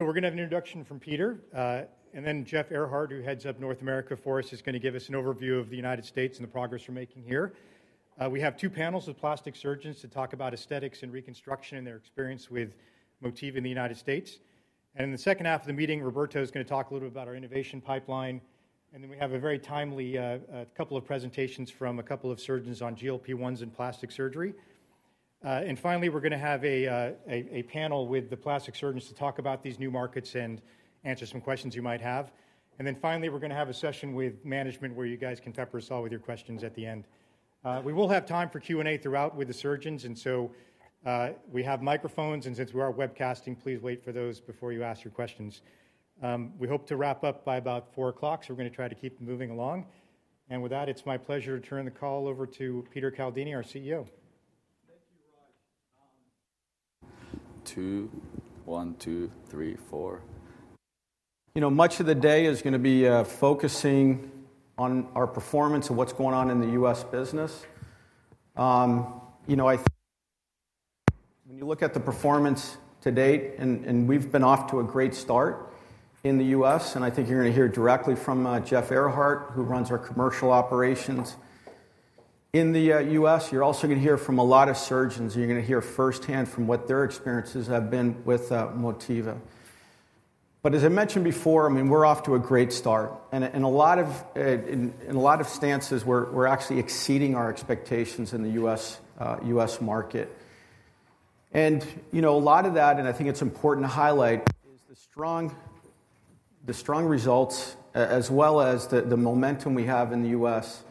We're going to have an introduction from Peter, and then Jeff Ehrhardt, who heads up North America for us, is going to give us an overview of the United States and the progress we're making here. We have two panels of plastic surgeons to talk about aesthetics and reconstruction and their experience with Motiva in the United States. In the second half of the meeting, Roberto is going to talk a little bit about our innovation pipeline. We have a very timely couple of presentations from a couple of surgeons on GLP-1s in plastic surgery. Finally, we're going to have a panel with the plastic surgeons to talk about these new markets and answer some questions you might have. Finally, we're going to have a session with management where you guys can pepper us all with your questions at the end. We will have time for Q&A throughout with the surgeons. We have microphones, and since we are webcasting, please wait for those before you ask your questions. We hope to wrap up by about 4:00, so we are going to try to keep moving along. With that, it is my pleasure to turn the call over to Peter Caldini, our CEO. Thank you, Raj. Two, one, two, three, four. You know, much of the day is going to be focusing on our performance and what's going on in the U.S. business. You know, I think when you look at the performance to date, and we've been off to a great start in the U.S., and I think you're going to hear directly from Jeff Ehrhardt, who runs our commercial operations in the U.S., you're also going to hear from a lot of surgeons. You're going to hear firsthand from what their experiences have been with Motiva. As I mentioned before, I mean, we're off to a great start. In a lot of stances, we're actually exceeding our expectations in the U.S. market. You know, a lot of that, and I think it's important to highlight, is the strong results, as well as the momentum we have in the U.S.,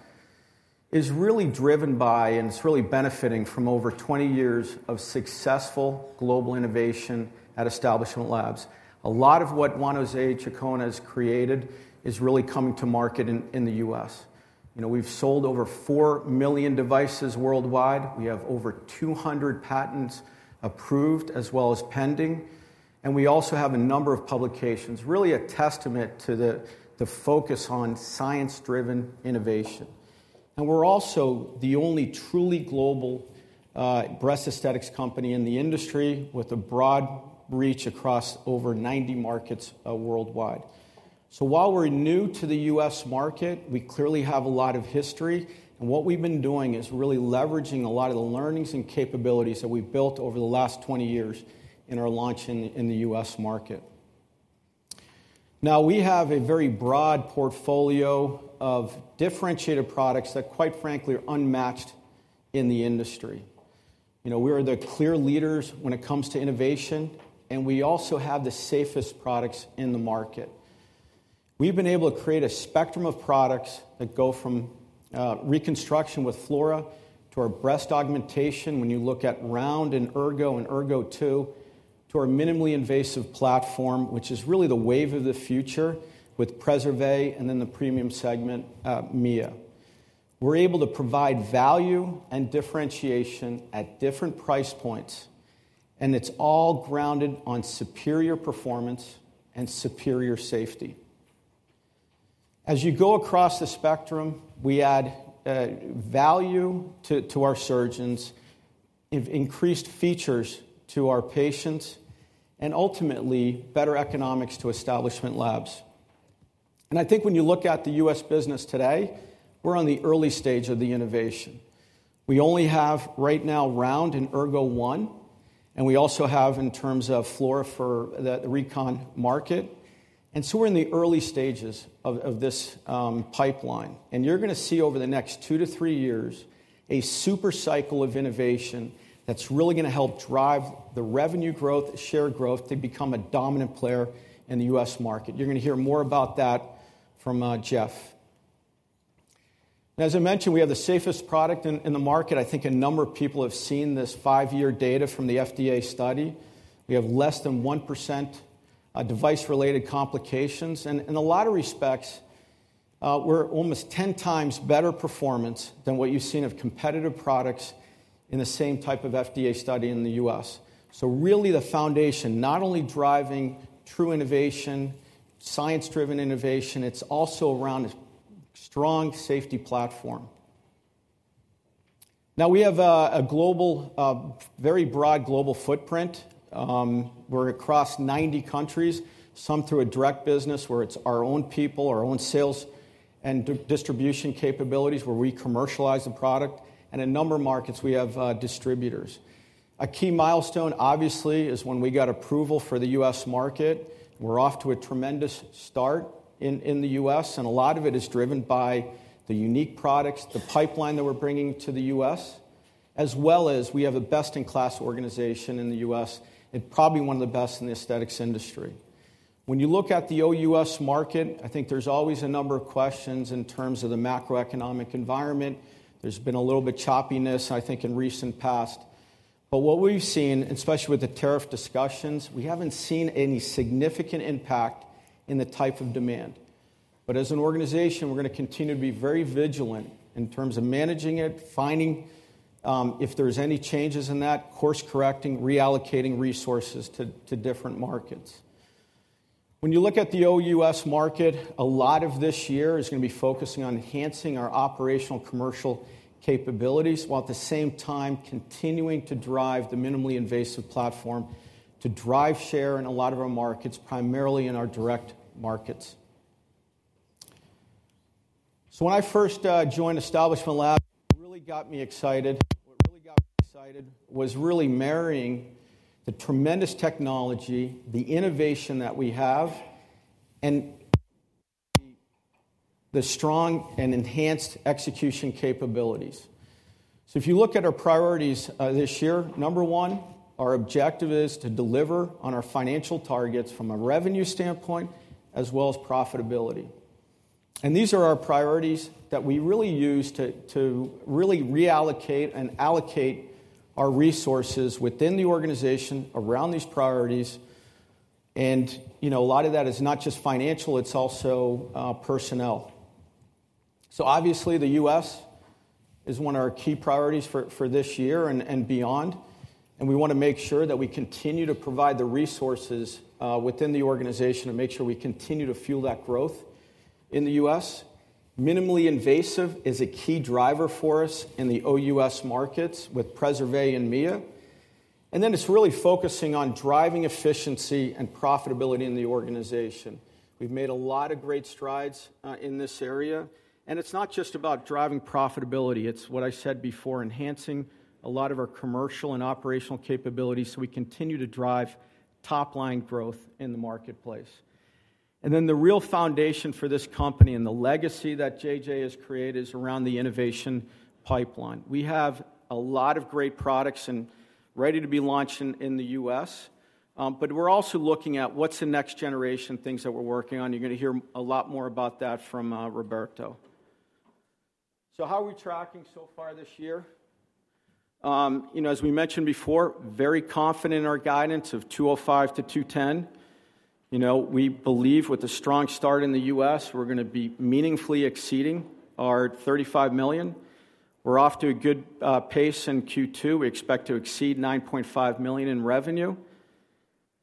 is really driven by and it's really benefiting from over 20 years of successful global innovation at Establishment Labs. A lot of what Juan José Chacón has created is really coming to market in the U.S. You know, we've sold over 4 million devices worldwide. We have over 200 patents approved, as well as pending. We also have a number of publications, really a testament to the focus on science-driven innovation. We're also the only truly global breast aesthetics company in the industry with a broad reach across over 90 markets worldwide. While we're new to the U.S. market, we clearly have a lot of history. What we've been doing is really leveraging a lot of the learnings and capabilities that we've built over the last 20 years in our launch in the U.S. market. Now, we have a very broad portfolio of differentiated products that, quite frankly, are unmatched in the industry. You know, we are the clear leaders when it comes to innovation, and we also have the safest products in the market. We've been able to create a spectrum of products that go from reconstruction with Flora to our breast augmentation, when you look at Round and Ergo and Ergo2, to our minimally invasive platform, which is really the wave of the future with Preservé and then the premium segment, Mia. We're able to provide value and differentiation at different price points, and it's all grounded on superior performance and superior safety. As you go across the spectrum, we add value to our surgeons, increased features to our patients, and ultimately better economics to Establishment Labs. I think when you look at the U.S. business today, we're on the early stage of the innovation. We only have right now Round and Ergo1, and we also have in terms of Flora for the recon market. We are in the early stages of this pipeline. You are going to see over the next two to three years a super cycle of innovation that's really going to help drive the revenue growth, share growth, to become a dominant player in the U.S. market. You are going to hear more about that from Jeff. As I mentioned, we have the safest product in the market. I think a number of people have seen this five-year data from the FDA study. We have less than 1% device-related complications. In a lot of respects, we're almost 10 times better performance than what you've seen of competitive products in the same type of FDA study in the U.S. Really the foundation, not only driving true innovation, science-driven innovation, it's also around a strong safety platform. We have a global, very broad global footprint. We're across 90 countries, some through a direct business where it's our own people, our own sales and distribution capabilities where we commercialize the product. In a number of markets, we have distributors. A key milestone, obviously, is when we got approval for the U.S. market. We're off to a tremendous start in the U.S., and a lot of it is driven by the unique products, the pipeline that we're bringing to the U.S., as well as we have the best-in-class organization in the U..S., and probably one of the best in the aesthetics industry. When you look at the O.U.S. market, I think there's always a number of questions in terms of the macroeconomic environment. There's been a little bit of choppiness, I think, in the recent past. What we've seen, especially with the tariff discussions, we haven't seen any significant impact in the type of demand. As an organization, we're going to continue to be very vigilant in terms of managing it, finding if there's any changes in that, course correcting, reallocating resources to different markets. When you look at the O.U.S. market, a lot of this year is going to be focusing on enhancing our operational commercial capabilities while at the same time continuing to drive the minimally invasive platform to drive share in a lot of our markets, primarily in our direct markets. When I first joined Establishment Labs, what really got me excited, what really got me excited was really marrying the tremendous technology, the innovation that we have, and the strong and enhanced execution capabilities. If you look at our priorities this year, number one, our objective is to deliver on our financial targets from a revenue standpoint, as well as profitability. These are our priorities that we really use to really reallocate and allocate our resources within the organization around these priorities. You know, a lot of that is not just financial, it's also personnel. Obviously, the U.S. is one of our key priorities for this year and beyond. We want to make sure that we continue to provide the resources within the organization and make sure we continue to fuel that growth in the U.S. Minimally invasive is a key driver for us in the O.U.S. markets with Preservé and Mia. It is really focusing on driving efficiency and profitability in the organization. We have made a lot of great strides in this area. It is not just about driving profitability. It is what I said before, enhancing a lot of our commercial and operational capabilities so we continue to drive top-line growth in the marketplace. The real foundation for this company and the legacy that JJ has created is around the innovation pipeline. We have a lot of great products and ready to be launched in the U.S. We're also looking at what's the next generation things that we're working on. You're going to hear a lot more about that from Roberto. How are we tracking so far this year? You know, as we mentioned before, very confident in our guidance of $205 million-$210 million. You know, we believe with a strong start in the U.S., we're going to be meaningfully exceeding our $35 million. We're off to a good pace in Q2. We expect to exceed $9.5 million in revenue.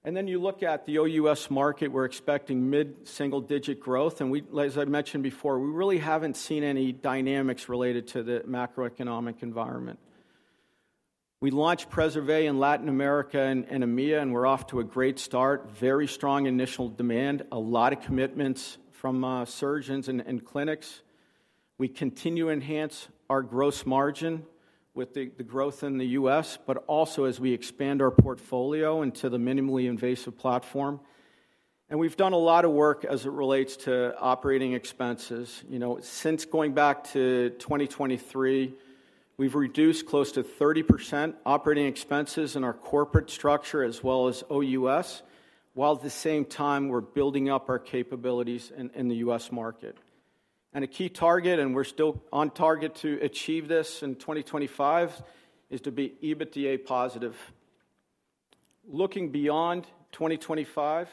You look at the O.U.S. market, we're expecting mid-single-digit growth. As I mentioned before, we really haven't seen any dynamics related to the macroeconomic environment. We launched Preservé in Latin America and Mia, and we're off to a great start, very strong initial demand, a lot of commitments from surgeons and clinics. We continue to enhance our gross margin with the growth in the U.S., but also as we expand our portfolio into the minimally invasive platform. And we've done a lot of work as it relates to operating expenses. You know, since going back to 2023, we've reduced close to 30% operating expenses in our corporate structure, as well as O.U.S., while at the same time we're building up our capabilities in the U.S. market. A key target, and we're still on target to achieve this in 2025, is to be EBITDA positive. Looking beyond 2025,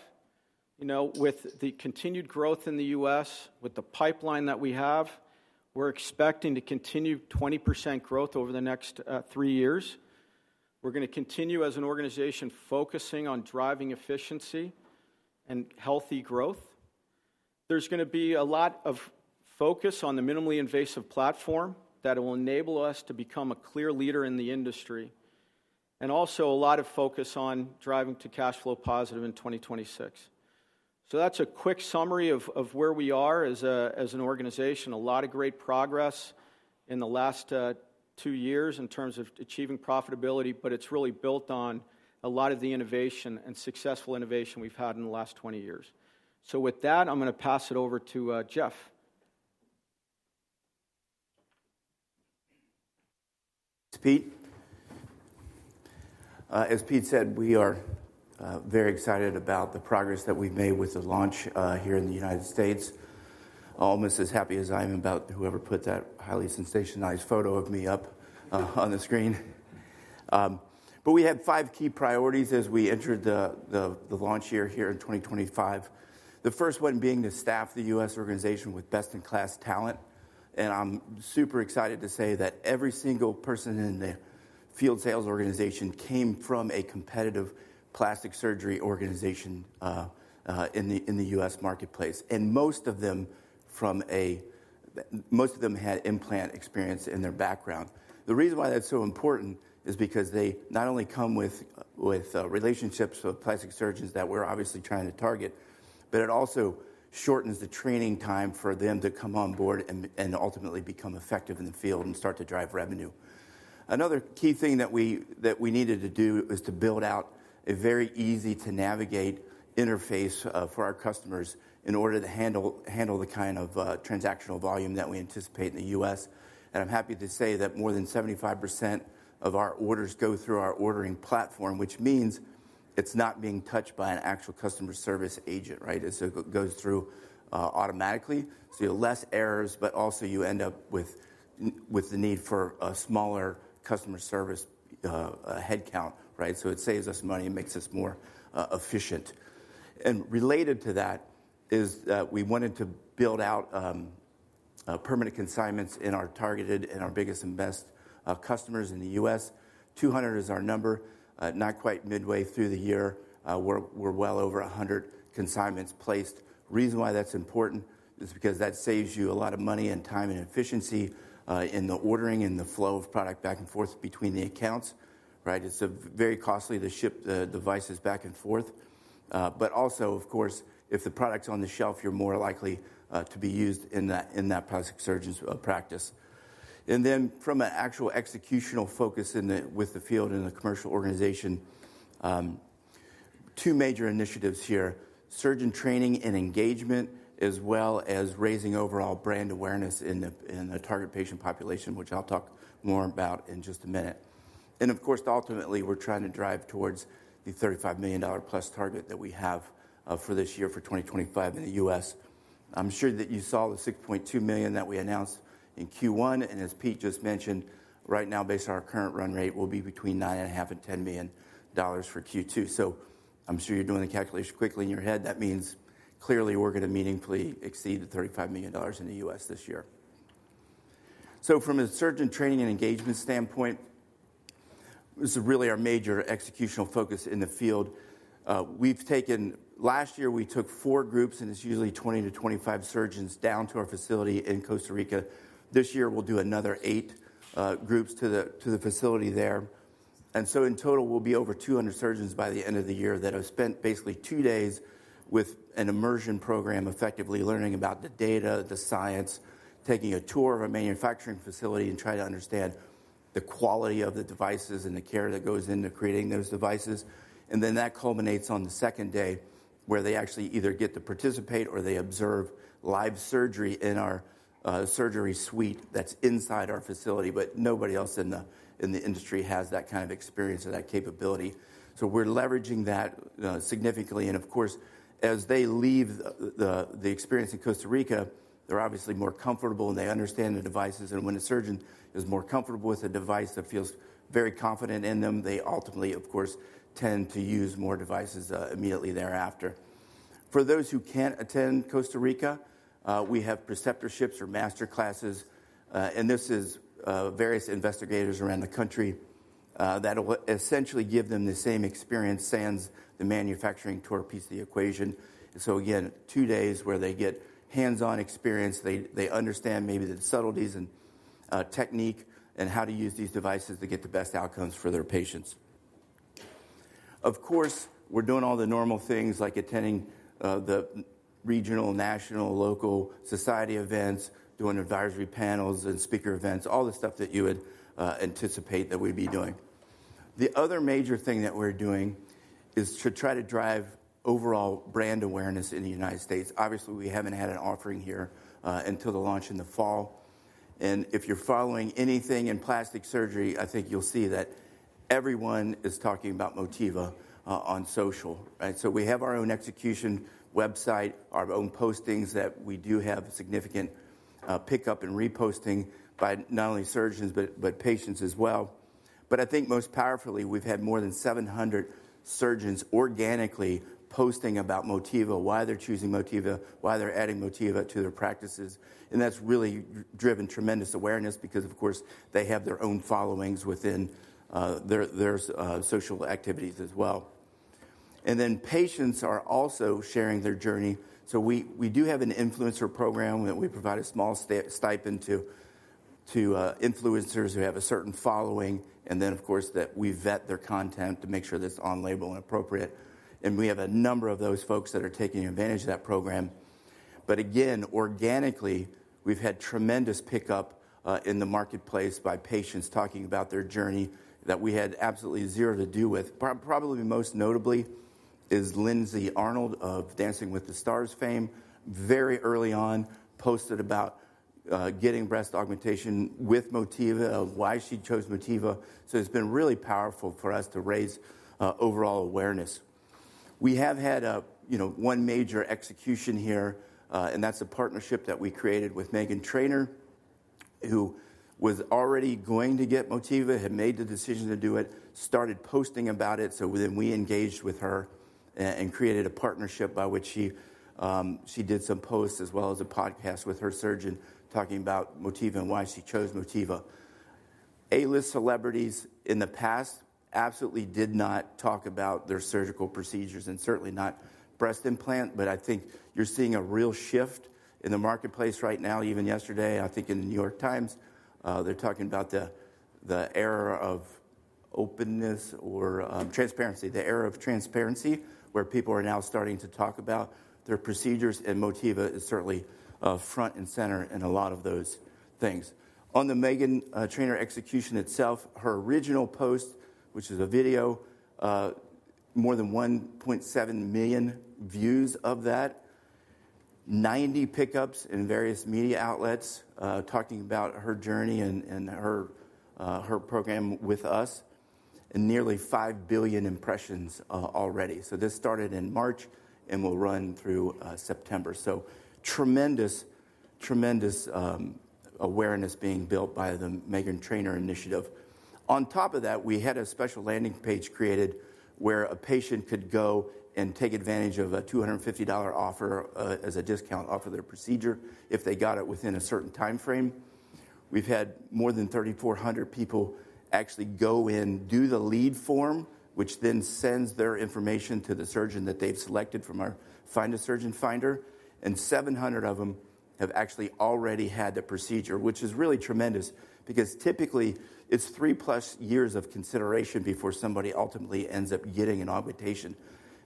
you know, with the continued growth in the U.S., with the pipeline that we have, we're expecting to continue 20% growth over the next three years. We're going to continue as an organization focusing on driving efficiency and healthy growth. is going to be a lot of focus on the minimally invasive platform that will enable us to become a clear leader in the industry, and also a lot of focus on driving to cash flow positive in 2026. That is a quick summary of where we are as an organization. A lot of great progress in the last two years in terms of achieving profitability, but it is really built on a lot of the innovation and successful innovation we have had in the last 20 years. With that, I am going to pass it over to Jeff. Thanks, Pete. As Pete said, we are very excited about the progress that we have made with the launch here in the United States. Almost as happy as I am about whoever put that highly sensationalized photo of me up on the screen. We had five key priorities as we entered the launch year here in 2025. The first one being to staff the U.S. organization with best-in-class talent. I'm super excited to say that every single person in the field sales organization came from a competitive plastic surgery organization in the U.S. marketplace. Most of them had implant experience in their background. The reason why that's so important is because they not only come with relationships with plastic surgeons that we're obviously trying to target, but it also shortens the training time for them to come on board and ultimately become effective in the field and start to drive revenue. Another key thing that we needed to do is to build out a very easy-to-navigate interface for our customers in order to handle the kind of transactional volume that we anticipate in the U.S. I'm happy to say that more than 75% of our orders go through our ordering platform, which means it's not being touched by an actual customer service agent, right? It goes through automatically. You have less errors, but also you end up with the need for a smaller customer service headcount, right? It saves us money and makes us more efficient. Related to that is that we wanted to build out permanent consignments in our targeted and our biggest and best customers in the U.S. 200 is our number, not quite midway through the year. We're well over 100 consignments placed. The reason why that's important is because that saves you a lot of money and time and efficiency in the ordering and the flow of product back and forth between the accounts, right? It's very costly to ship the devices back and forth. Of course, if the product's on the shelf, you're more likely to be used in that plastic surgeon's practice. From an actual executional focus with the field and the commercial organization, two major initiatives here: surgeon training and engagement, as well as raising overall brand awareness in the target patient population, which I'll talk more about in just a minute. Of course, ultimately, we're trying to drive towards the $35 million-plus target that we have for this year for 2025 in the U.S. I'm sure that you saw the $6.2 million that we announced in Q1. As Pete just mentioned, right now, based on our current run rate, we'll be between $9.5 million-$10 million for Q2. I'm sure you're doing the calculation quickly in your head. That means clearly we're going to meaningfully exceed the $35 million in the U.S. this year. From a surgeon training and engagement standpoint, this is really our major executional focus in the field. We took last year, we took four groups and it's usually 20-25 surgeons down to our facility in Costa Rica. This year, we'll do another eight groups to the facility there. In total, we'll be over 200 surgeons by the end of the year that have spent basically two days with an immersion program, effectively learning about the data, the science, taking a tour of a manufacturing facility and trying to understand the quality of the devices and the care that goes into creating those devices. That culminates on the second day where they actually either get to participate or they observe live surgery in our surgery suite that's inside our facility. Nobody else in the industry has that kind of experience or that capability. We're leveraging that significantly. Of course, as they leave the experience in Costa Rica, they're obviously more comfortable and they understand the devices. When a surgeon is more comfortable with a device that feels very confident in them, they ultimately, of course, tend to use more devices immediately thereafter. For those who can't attend Costa Rica, we have preceptorships or master classes. This is various investigators around the country that will essentially give them the same experience as the manufacturing tour piece of the equation. Again, two days where they get hands-on experience. They understand maybe the subtleties in technique and how to use these devices to get the best outcomes for their patients. Of course, we're doing all the normal things like attending the regional, national, local society events, doing advisory panels and speaker events, all the stuff that you would anticipate that we'd be doing. The other major thing that we're doing is to try to drive overall brand awareness in the United States. Obviously, we haven't had an offering here until the launch in the fall. If you're following anything in plastic surgery, I think you'll see that everyone is talking about Motiva on social, right? We have our own execution website, our own postings that we do have significant pickup and reposting by not only surgeons, but patients as well. I think most powerfully, we've had more than 700 surgeons organically posting about Motiva, why they're choosing Motiva, why they're adding Motiva to their practices. That has really driven tremendous awareness because, of course, they have their own followings within their social activities as well. Patients are also sharing their journey. We do have an influencer program that we provide a small stipend to influencers who have a certain following. Of course, we vet their content to make sure that it is on label and appropriate. We have a number of those folks that are taking advantage of that program. Again, organically, we have had tremendous pickup in the marketplace by patients talking about their journey that we had absolutely zero to do with. Probably most notably is Lindsay Arnold of Dancing with the Stars fame. Very early on, she posted about getting breast augmentation with Motiva, why she chose Motiva. It has been really powerful for us to raise overall awareness. We have had one major execution here, and that's a partnership that we created with Megan Trainor, who was already going to get Motiva, had made the decision to do it, started posting about it. We engaged with her and created a partnership by which she did some posts as well as a podcast with her surgeon talking about Motiva and why she chose Motiva. A-list celebrities in the past absolutely did not talk about their surgical procedures and certainly not breast implant. I think you're seeing a real shift in the marketplace right now. Even yesterday, I think in the New York Times, they're talking about the era of openness or transparency, the era of transparency where people are now starting to talk about their procedures. Motiva is certainly front and center in a lot of those things. On the Meghan Trainor execution itself, her original post, which is a video, more than 1.7 million views of that, 90 pickups in various media outlets talking about her journey and her program with us, and nearly 5 billion impressions already. This started in March and will run through September. Tremendous, tremendous awareness being built by the Meghan Trainor initiative. On top of that, we had a special landing page created where a patient could go and take advantage of a $250 offer as a discount off of their procedure if they got it within a certain time frame. We've had more than 3,400 people actually go in, do the lead form, which then sends their information to the surgeon that they've selected from our Find a Surgeon Finder. Seven hundred of them have actually already had the procedure, which is really tremendous because typically it is three-plus years of consideration before somebody ultimately ends up getting an augmentation.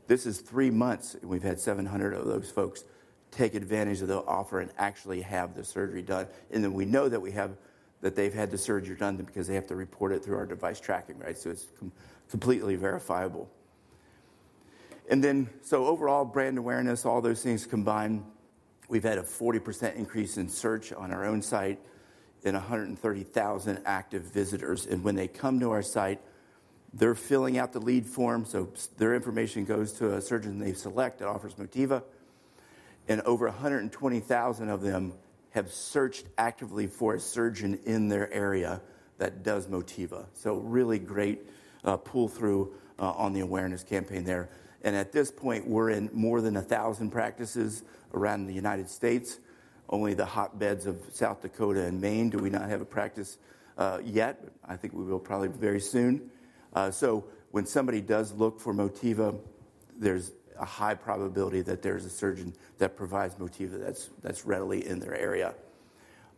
This is three months, and we have had 700 of those folks take advantage of the offer and actually have the surgery done. We know that they have had the surgery done because they have to report it through our device tracking, right? It is completely verifiable. Overall brand awareness, all those things combined, we have had a 40% increase in search on our own site and 130,000 active visitors. When they come to our site, they are filling out the lead form, so their information goes to a surgeon they select that offers Motiva. Over 120,000 of them have searched actively for a surgeon in their area that does Motiva. Really great pull-through on the awareness campaign there. At this point, we're in more than 1,000 practices around the United States. Only the hotbeds of South Dakota and Maine do we not have a practice yet. I think we will probably very soon. When somebody does look for Motiva, there's a high probability that there's a surgeon that provides Motiva that's readily in their area.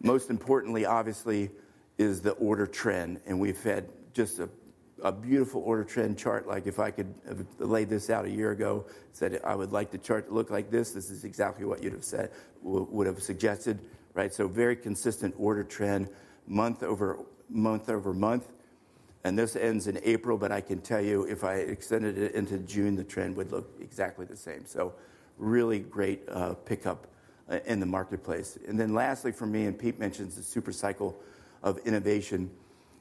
Most importantly, obviously, is the order trend. We've had just a beautiful order trend chart. Like if I could have laid this out a year ago, said, "I would like the chart to look like this." This is exactly what you'd have said, would have suggested, right? Very consistent order trend month over month over month. This ends in April, but I can tell you if I extended it into June, the trend would look exactly the same. Really great pickup in the marketplace. Lastly for me, and Pete mentioned the super cycle of innovation,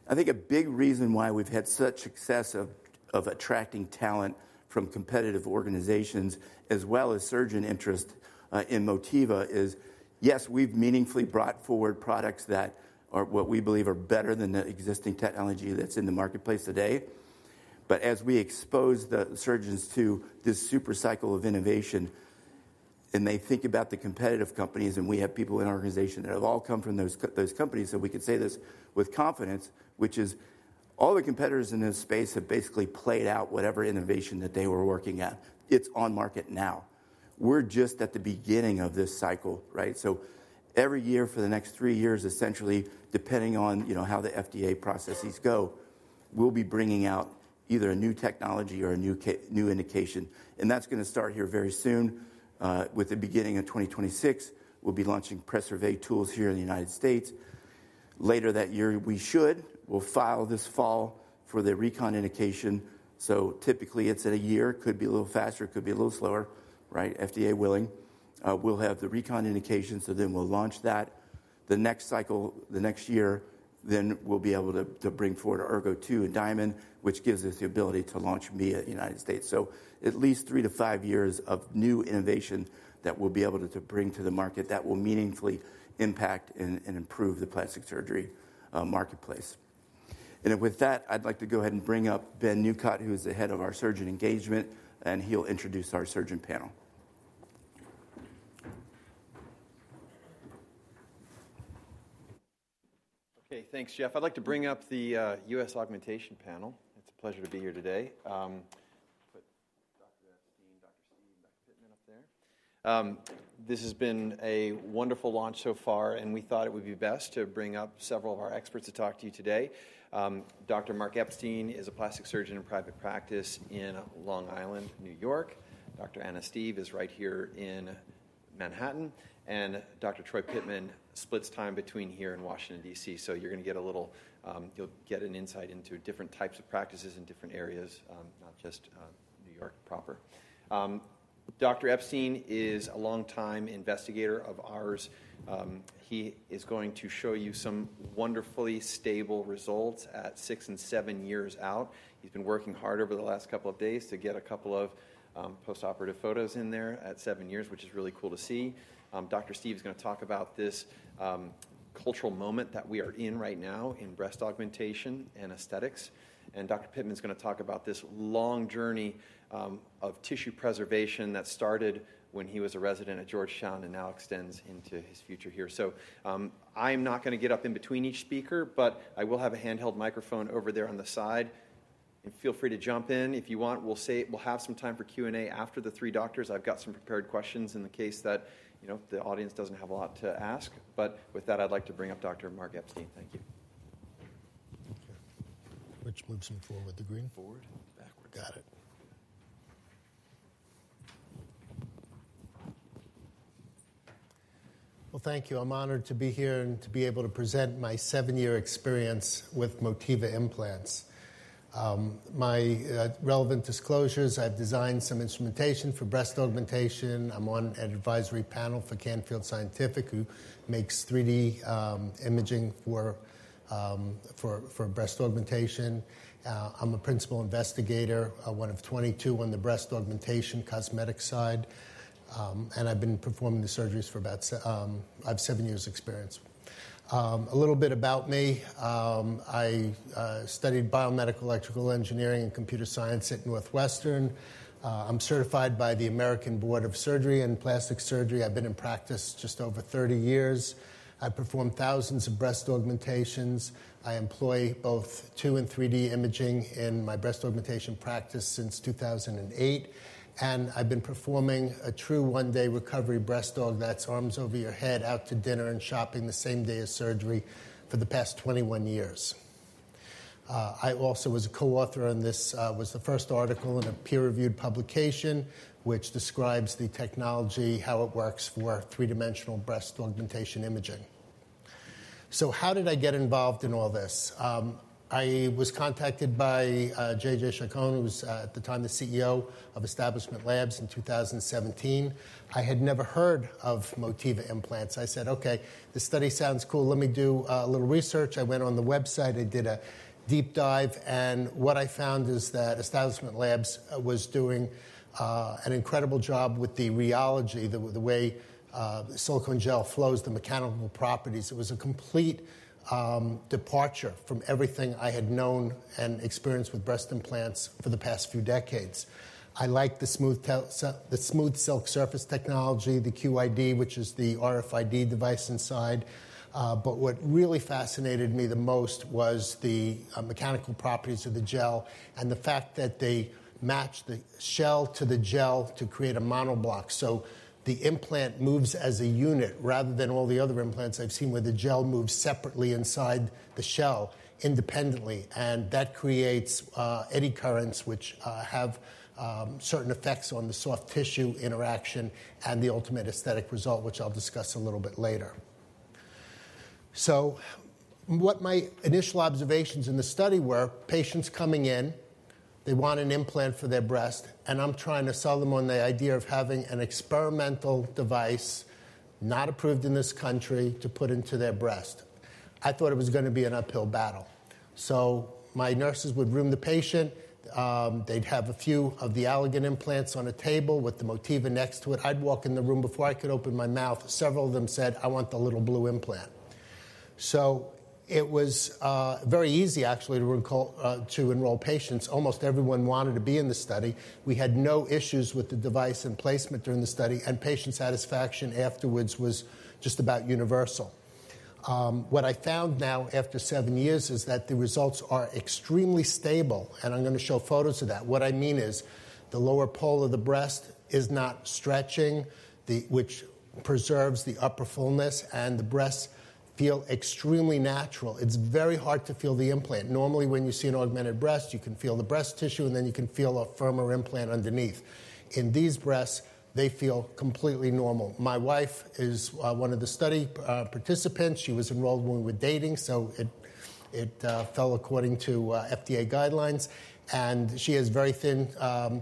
I think a big reason why we've had such success of attracting talent from competitive organizations as well as surgeon interest in Motiva is, yes, we've meaningfully brought forward products that are what we believe are better than the existing technology that's in the marketplace today. As we expose the surgeons to this super cycle of innovation and they think about the competitive companies and we have people in our organization that have all come from those companies, we can say this with confidence, which is all the competitors in this space have basically played out whatever innovation that they were working at. It's on market now. We're just at the beginning of this cycle, right? Every year for the next three years, essentially, depending on how the FDA processes go, we'll be bringing out either a new technology or a new indication. That is going to start here very soon. With the beginning of 2026, we'll be launching Preservé tools here in the United States. Later that year, we should, we'll file this fall for the recon indication. Typically, it is in a year. Could be a little faster, could be a little slower, right? FDA willing. We'll have the recon indication, so then we'll launch that the next cycle, the next year. We'll be able to bring forward Ergo2 and Diamond, which gives us the ability to launch Mia in the United States. At least three to five years of new innovation that we'll be able to bring to the market that will meaningfully impact and improve the plastic surgery marketplace. With that, I'd like to go ahead and bring up Ben Newcott, who is the Head of our Surgeon Engagement, and he'll introduce our surgeon panel. Okay, thanks, Jeff. I'd like to bring up the U.S. augmentation panel. It's a pleasure to be here today. Dr. Epstein, Dr. Steve, Dr. Pittman up there. This has been a wonderful launch so far, and we thought it would be best to bring up several of our experts to talk to you today. Dr. Mark Epstein is a plastic surgeon in private practice in Long Island, New York. Dr. Anna Steve is right here in Manhattan. Dr. Troy Pittman splits time between here and Washington, D.C. You're going to get a little, you'll get an insight into different types of practices in different areas, not just New York proper. Dr. Epstein is a longtime investigator of ours. He is going to show you some wonderfully stable results at six and seven years out. He's been working hard over the last couple of days to get a couple of postoperative photos in there at seven years, which is really cool to see. Dr. Steve is going to talk about this cultural moment that we are in right now in breast augmentation and aesthetics. Dr. Pittman is going to talk about this long journey of tissue preservation that started when he was a resident at Georgetown and now extends into his future here. I'm not going to get up in between each speaker, but I will have a handheld microphone over there on the side. Feel free to jump in if you want. We'll have some time for Q&A after the three doctors. I've got some prepared questions in the case that the audience doesn't have a lot to ask. With that, I'd like to bring up Dr. Mark Epstein. Thank you. Which moves him forward, the green? Forward. Backwards. Got it. Thank you. I'm honored to be here and to be able to present my seven-year experience with Motiva implants. My relevant disclosures, I've designed some instrumentation for breast augmentation. I'm on an advisory panel for Canfield Scientific, who makes 3D imaging for breast augmentation. I'm a principal investigator, one of 22 on the breast augmentation cosmetic side. I've been performing the surgeries for about, I have seven years experience. A little bit about me, I studied biomedical electrical engineering and computer science at Northwestern. I'm certified by the American Board of Surgery and Plastic Surgery. I've been in practice just over 30 years. I perform thousands of breast augmentations. I employ both 2D and 3D imaging in my breast augmentation practice since 2008. I have been performing a true one-day recovery breast aug that is arms over your head, out to dinner and shopping the same day as surgery for the past 21 years. I also was a co-author on this. It was the first article in a peer-reviewed publication, which describes the technology, how it works for three-dimensional breast augmentation imaging. How did I get involved in all this? I was contacted by JJ Chacón, who was at the time the CEO of Establishment Labs in 2017. I had never heard of Motiva implants. I said, "Okay, the study sounds cool. Let me do a little research." I went on the website, I did a deep dive. What I found is that Establishment Labs was doing an incredible job with the rheology, the way silicone gel flows, the mechanical properties. It was a complete departure from everything I had known and experienced with breast implants for the past few decades. I liked the smooth silk surface technology, the QID, which is the RFID device inside. What really fascinated me the most was the mechanical properties of the gel and the fact that they match the shell to the gel to create a monoblock. The implant moves as a unit rather than all the other implants I have seen where the gel moves separately inside the shell independently. That creates eddy currents, which have certain effects on the soft tissue interaction and the ultimate aesthetic result, which I will discuss a little bit later. What my initial observations in the study were, patients coming in, they want an implant for their breast, and I'm trying to sell them on the idea of having an experimental device, not approved in this country, to put into their breast. I thought it was going to be an uphill battle. My nurses would room the patient. They'd have a few of the Allergan implants on a table with the Motiva next to it. I'd walk in the room before I could open my mouth. Several of them said, "I want the little blue implant." It was very easy, actually, to enroll patients. Almost everyone wanted to be in the study. We had no issues with the device and placement during the study. Patient satisfaction afterwards was just about universal. What I found now after seven years is that the results are extremely stable. I'm going to show photos of that. What I mean is the lower pole of the breast is not stretching, which preserves the upper fullness, and the breasts feel extremely natural. It's very hard to feel the implant. Normally, when you see an augmented breast, you can feel the breast tissue, and then you can feel a firmer implant underneath. In these breasts, they feel completely normal. My wife is one of the study participants. She was enrolled when we were dating, so it fell according to FDA guidelines. She has very thin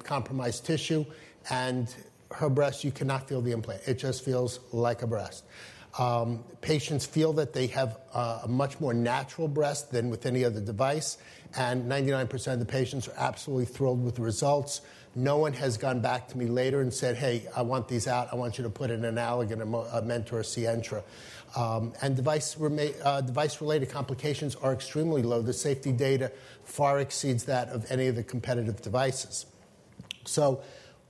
compromised tissue. Her breast, you cannot feel the implant. It just feels like a breast. Patients feel that they have a much more natural breast than with any other device. 99% of the patients are absolutely thrilled with the results. No one has gone back to me later and said, "Hey, I want these out. I want you to put in an Allergan, a Mentor, a Sientra." Device-related complications are extremely low. The safety data far exceeds that of any of the competitive devices.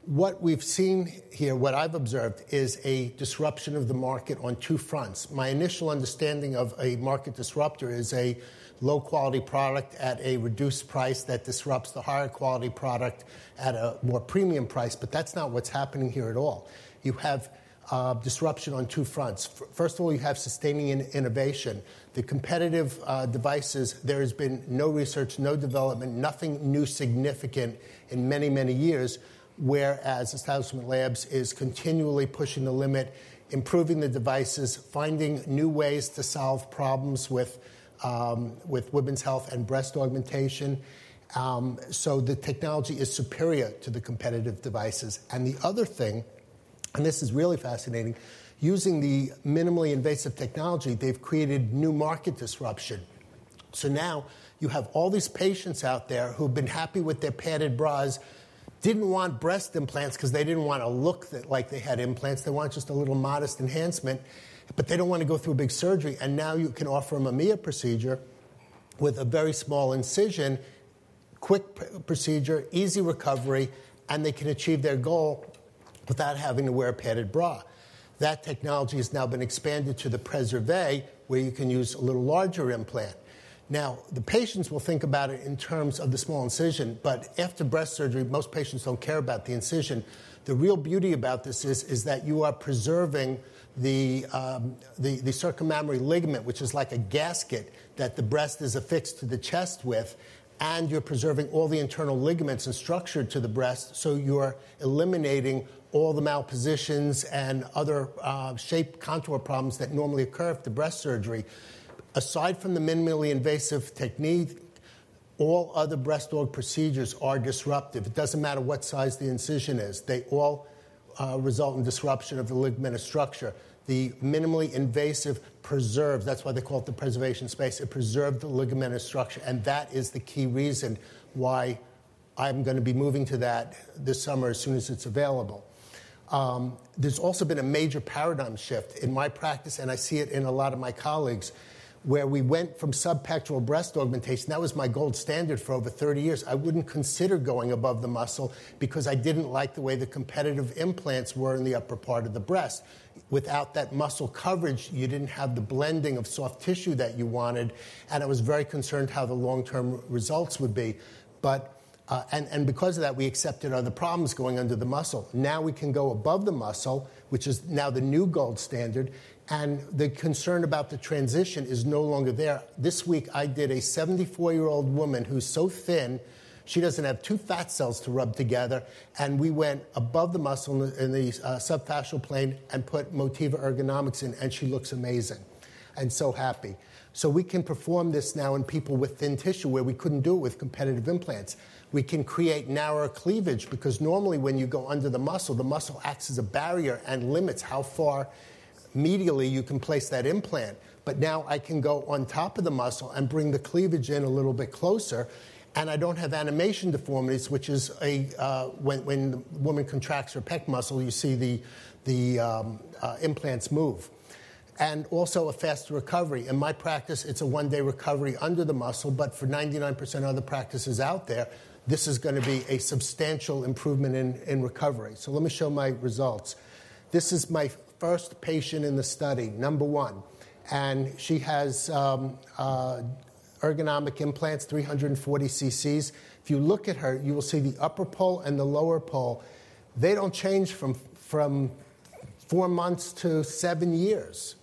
What we've seen here, what I've observed, is a disruption of the market on two fronts. My initial understanding of a market disruptor is a low-quality product at a reduced price that disrupts the higher-quality product at a more premium price. That's not what's happening here at all. You have disruption on two fronts. First of all, you have sustaining innovation. The competitive devices, there has been no research, no development, nothing new significant in many, many years, whereas Establishment Labs is continually pushing the limit, improving the devices, finding new ways to solve problems with women's health and breast augmentation. The technology is superior to the competitive devices. The other thing, and this is really fascinating, using the minimally invasive technology, they have created new market disruption. Now you have all these patients out there who have been happy with their padded bras, did not want breast implants because they did not want to look like they had implants. They want just a little modest enhancement, but they do not want to go through a big surgery. Now you can offer them a Mia procedure with a very small incision, quick procedure, easy recovery, and they can achieve their goal without having to wear a padded bra. That technology has now been expanded to the Preservé, where you can use a little larger implant. The patients will think about it in terms of the small incision. After breast surgery, most patients do not care about the incision. The real beauty about this is that you are preserving the circummammary ligament, which is like a gasket that the breast is affixed to the chest with. You are preserving all the internal ligaments and structure to the breast. You are eliminating all the malpositions and other shape contour problems that normally occur after breast surgery. Aside from the minimally invasive technique, all other breast organ procedures are disruptive. It does not matter what size the incision is. They all result in disruption of the ligamentous structure. The minimally invasive preserves, that is why they call it the preservation space, it preserves the ligamentous structure. That is the key reason why I am going to be moving to that this summer as soon as it is available. There's also been a major paradigm shift in my practice, and I see it in a lot of my colleagues, where we went from subpectoral breast augmentation. That was my gold standard for over 30 years. I wouldn't consider going above the muscle because I didn't like the way the competitive implants were in the upper part of the breast. Without that muscle coverage, you didn't have the blending of soft tissue that you wanted. I was very concerned how the long-term results would be. Because of that, we accepted other problems going under the muscle. Now we can go above the muscle, which is now the new gold standard. The concern about the transition is no longer there. This week, I did a 74-year-old woman who's so thin, she doesn't have two fat cells to rub together. We went above the muscle in the subfascial plane and put Motiva ergonomics in, and she looks amazing and so happy. We can perform this now in people with thin tissue where we could not do it with competitive implants. We can create narrower cleavage because normally when you go under the muscle, the muscle acts as a barrier and limits how far medially you can place that implant. Now I can go on top of the muscle and bring the cleavage in a little bit closer. I do not have animation deformities, which is when a woman contracts her pec muscle, you see the implants move. Also, a fast recovery. In my practice, it is a one-day recovery under the muscle, but for 99% of the practices out there, this is going to be a substantial improvement in recovery. Let me show my results. This is my first patient in the study, number one. She has ergonomic implants, 340 cc. If you look at her, you will see the upper pole and the lower pole. They do not change from four months to seven years.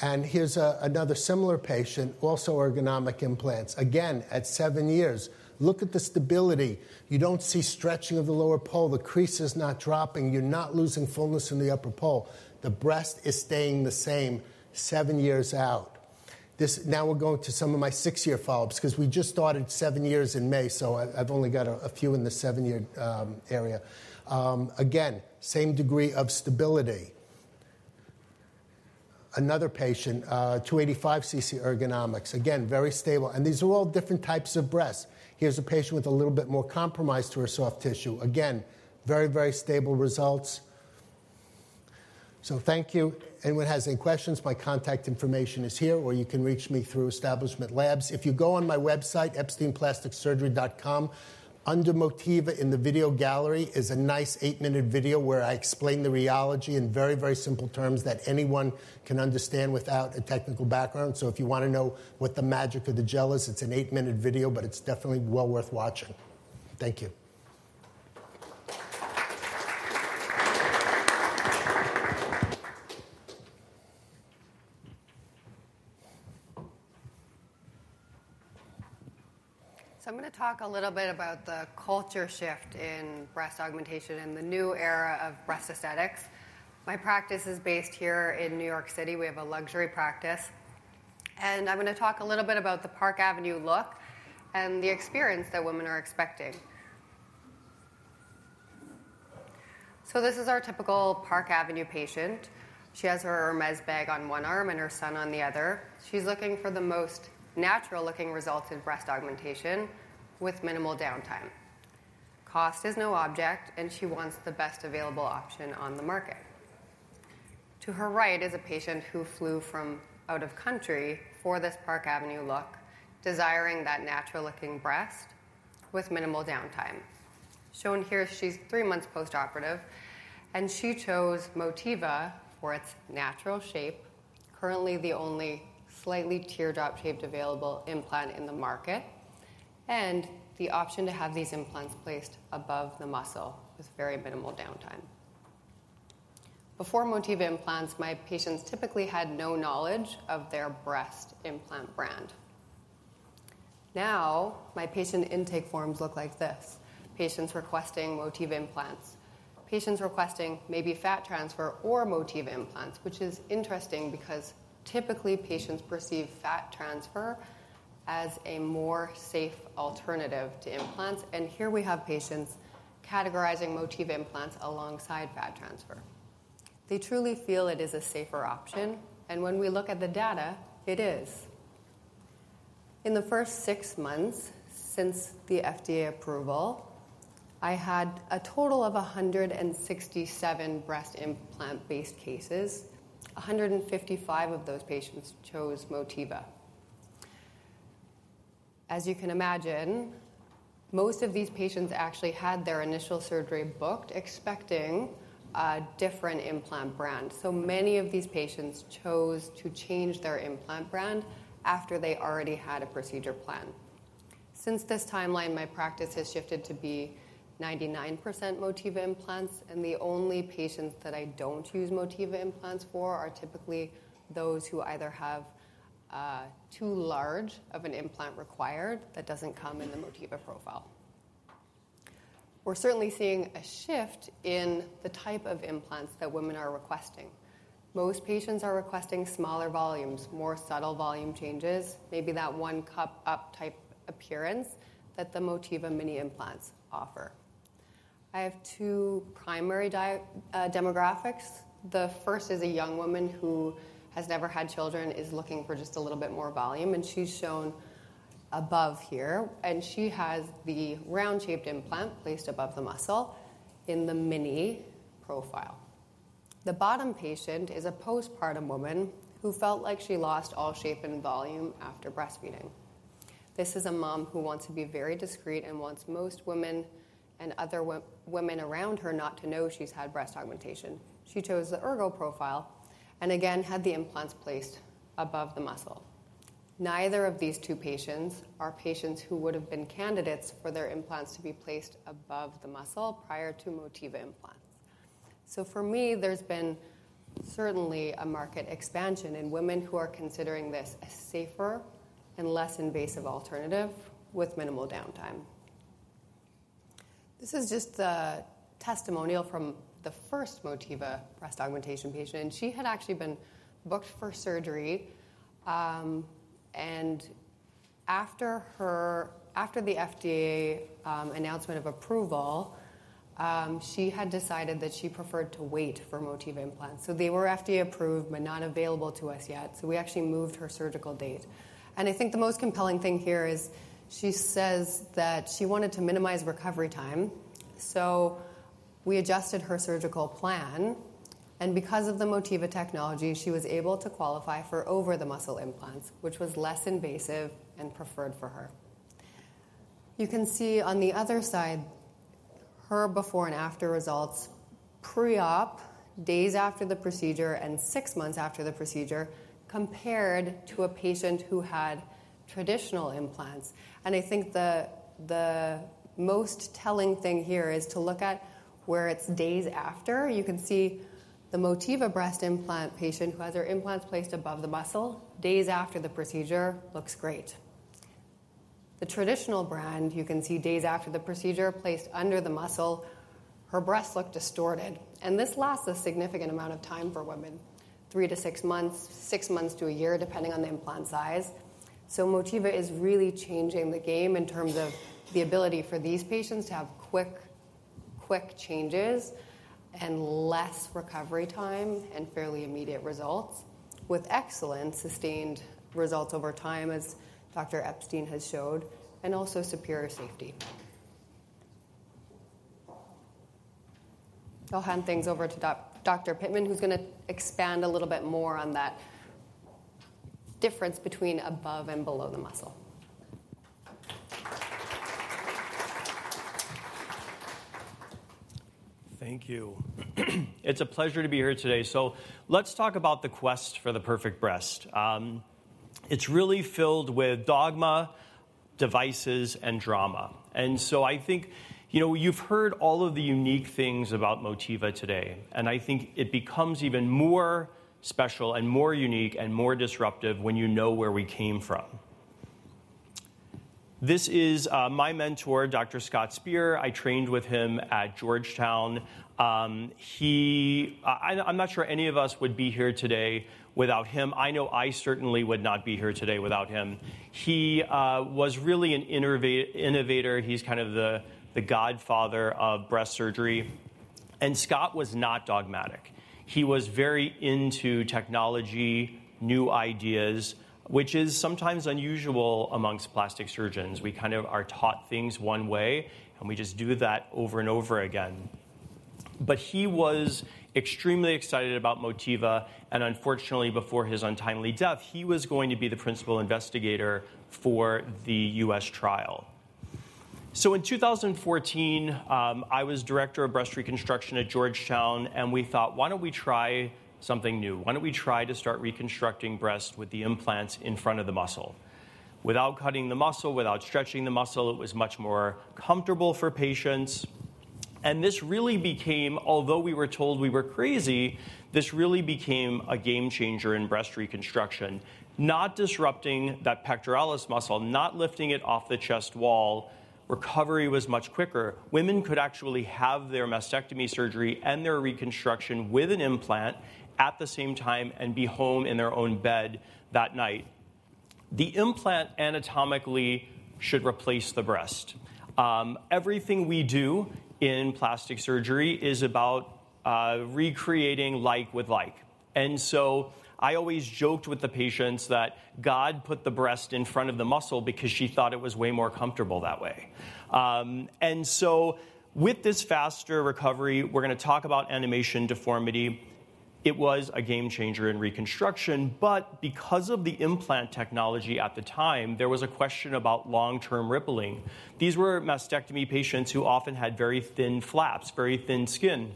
Here is another similar patient, also ergonomic implants, again at seven years. Look at the stability. You do not see stretching of the lower pole. The crease is not dropping. You are not losing fullness in the upper pole. The breast is staying the same seven years out. Now we are going to some of my six-year follow-ups because we just started seven years in May, so I have only got a few in the seven-year area. Again, same degree of stability. Another patient, 285 cc ergonomics. Again, very stable. These are all different types of breasts. Here is a patient with a little bit more compromise to her soft tissue. Again, very, very stable results. Thank you. Anyone has any questions, my contact information is here, or you can reach me through Establishment Labs. If you go on my website, epsteinplasticsurgery.com, under Motiva in the video gallery is a nice eight-minute video where I explain the rheology in very, very simple terms that anyone can understand without a technical background. If you want to know what the magic of the gel is, it is an eight-minute video, but it is definitely well worth watching. Thank you. I'm going to talk a little bit about the culture shift in breast augmentation and the new era of breast aesthetics. My practice is based here in New York City. We have a luxury practice. I'm going to talk a little bit about the Park Avenue look and the experience that women are expecting. This is our typical Park Avenue patient. She has her Hermès bag on one arm and her son on the other. She's looking for the most natural-looking result in breast augmentation with minimal downtime. Cost is no object, and she wants the best available option on the market. To her right is a patient who flew from out of country for this Park Avenue look, desiring that natural-looking breast with minimal downtime. Shown here, she's three months postoperative. She chose Motiva for its natural shape, currently the only slightly teardrop-shaped available implant in the market, and the option to have these implants placed above the muscle with very minimal downtime. Before Motiva implants, my patients typically had no knowledge of their breast implant brand. Now my patient intake forms look like this. Patients requesting Motiva implants. Patients requesting maybe fat transfer or Motiva implants, which is interesting because typically patients perceive fat transfer as a more safe alternative to implants. Here we have patients categorizing Motiva implants alongside fat transfer. They truly feel it is a safer option. When we look at the data, it is. In the first six months since the FDA approval, I had a total of 167 breast implant-based cases. 155 of those patients chose Motiva. As you can imagine, most of these patients actually had their initial surgery booked, expecting a different implant brand. Many of these patients chose to change their implant brand after they already had a procedure planned. Since this timeline, my practice has shifted to be 99% Motiva implants. The only patients that I do not use Motiva implants for are typically those who either have too large of an implant required that does not come in the Motiva profile. We are certainly seeing a shift in the type of implants that women are requesting. Most patients are requesting smaller volumes, more subtle volume changes, maybe that one cup up type appearance that the Motiva mini implants offer. I have two primary demographics. The first is a young woman who has never had children, is looking for just a little bit more volume. She is shown above here. She has the round-shaped implant placed above the muscle in the mini profile. The bottom patient is a postpartum woman who felt like she lost all shape and volume after breastfeeding. This is a mom who wants to be very discreet and wants most women and other women around her not to know she's had breast augmentation. She chose the Ergo profile and again had the implants placed above the muscle. Neither of these two patients are patients who would have been candidates for their implants to be placed above the muscle prior to Motiva implants. For me, there's been certainly a market expansion in women who are considering this a safer and less invasive alternative with minimal downtime. This is just a testimonial from the first Motiva breast augmentation patient. She had actually been booked for surgery. After the FDA announcement of approval, she had decided that she preferred to wait for Motiva implants. They were FDA approved, but not available to us yet. We actually moved her surgical date. I think the most compelling thing here is she says that she wanted to minimize recovery time. We adjusted her surgical plan. Because of the Motiva technology, she was able to qualify for over-the-muscle implants, which was less invasive and preferred for her. You can see on the other side her before and after results, pre-op, days after the procedure, and six months after the procedure compared to a patient who had traditional implants. I think the most telling thing here is to look at where it's days after. You can see the Motiva breast implant patient who has her implants placed above the muscle, days after the procedure looks great. The traditional brand, you can see days after the procedure placed under the muscle, her breasts look distorted. This lasts a significant amount of time for women, three to six months, six months to a year, depending on the implant size. Motiva is really changing the game in terms of the ability for these patients to have quick, quick changes and less recovery time and fairly immediate results with excellent sustained results over time, as Dr. Epstein has showed, and also superior safety. I'll hand things over to Dr. Pittman, who's going to expand a little bit more on that difference between above and below the muscle. Thank you. It's a pleasure to be here today. Let's talk about the quest for the perfect breast. It's really filled with dogma, devices, and drama. I think you've heard all of the unique things about Motiva today. I think it becomes even more special and more unique and more disruptive when you know where we came from. This is my mentor, Dr. Scott Spear. I trained with him at Georgetown. I'm not sure any of us would be here today without him. I know I certainly would not be here today without him. He was really an innovator. He's kind of the godfather of breast surgery. Scott was not dogmatic. He was very into technology, new ideas, which is sometimes unusual amongst plastic surgeons. We kind of are taught things one way, and we just do that over and over again. He was extremely excited about Motiva. Unfortunately, before his untimely death, he was going to be the principal investigator for the U.S. trial. In 2014, I was Director of Breast Reconstruction at Georgetown. We thought, why don't we try something new? Why don't we try to start reconstructing breasts with the implants in front of the muscle? Without cutting the muscle, without stretching the muscle, it was much more comfortable for patients. This really became, although we were told we were crazy, a game changer in breast reconstruction, not disrupting that pectoralis muscle, not lifting it off the chest wall. Recovery was much quicker. Women could actually have their mastectomy surgery and their reconstruction with an implant at the same time and be home in their own bed that night. The implant anatomically should replace the breast. Everything we do in plastic surgery is about recreating like with like. I always joked with the patients that God put the breast in front of the muscle because she thought it was way more comfortable that way. With this faster recovery, we're going to talk about animation deformity. It was a game changer in reconstruction. Because of the implant technology at the time, there was a question about long-term rippling. These were mastectomy patients who often had very thin flaps, very thin skin.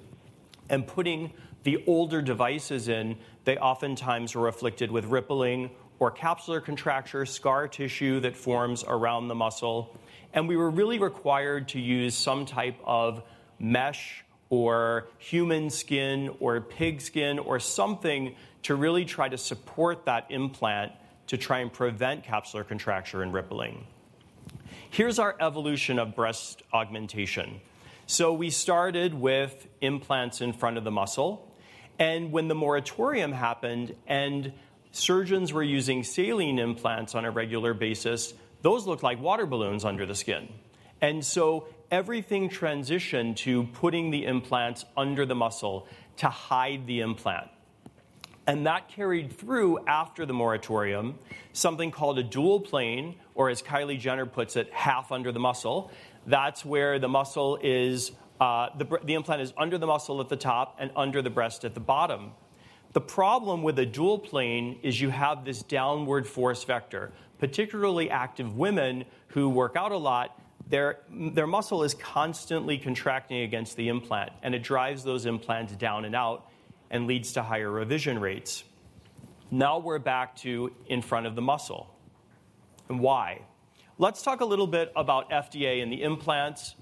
Putting the older devices in, they oftentimes were afflicted with rippling or capsular contracture, scar tissue that forms around the muscle. We were really required to use some type of mesh or human skin or pig skin or something to really try to support that implant to try and prevent capsular contracture and rippling. Here's our evolution of breast augmentation. We started with implants in front of the muscle. When the moratorium happened and surgeons were using saline implants on a regular basis, those looked like water balloons under the skin. Everything transitioned to putting the implants under the muscle to hide the implant. That carried through after the moratorium, something called a dual plane, or as Kylie Jenner puts it, half under the muscle. That's where the implant is under the muscle at the top and under the breast at the bottom. The problem with a dual plane is you have this downward force vector. Particularly active women who work out a lot, their muscle is constantly contracting against the implant. It drives those implants down and out and leads to higher revision rates. Now we're back to in front of the muscle. Why? Let's talk a little bit about FDA and the implants.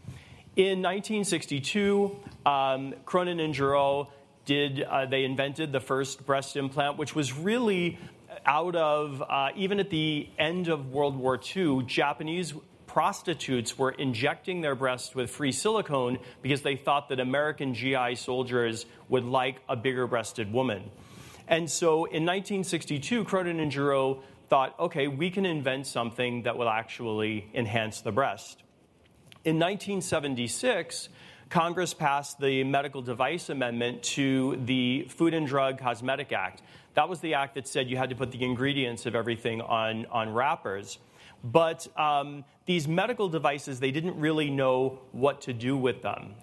In 1962, Cronin and Gerow did, they invented the first breast implant, which was really out of, even at the end of World War II, Japanese prostitutes were injecting their breasts with free silicone because they thought that American GI soldiers would like a bigger-breasted woman. In 1962, Cronin and Gerow thought, OK, we can invent something that will actually enhance the breast. In 1976, Congress passed the Medical Device Amendment to the Food and Drug Cosmetic Act. That was the act that said you had to put the ingredients of everything on wrappers. These medical devices, they did not really know what to do with them.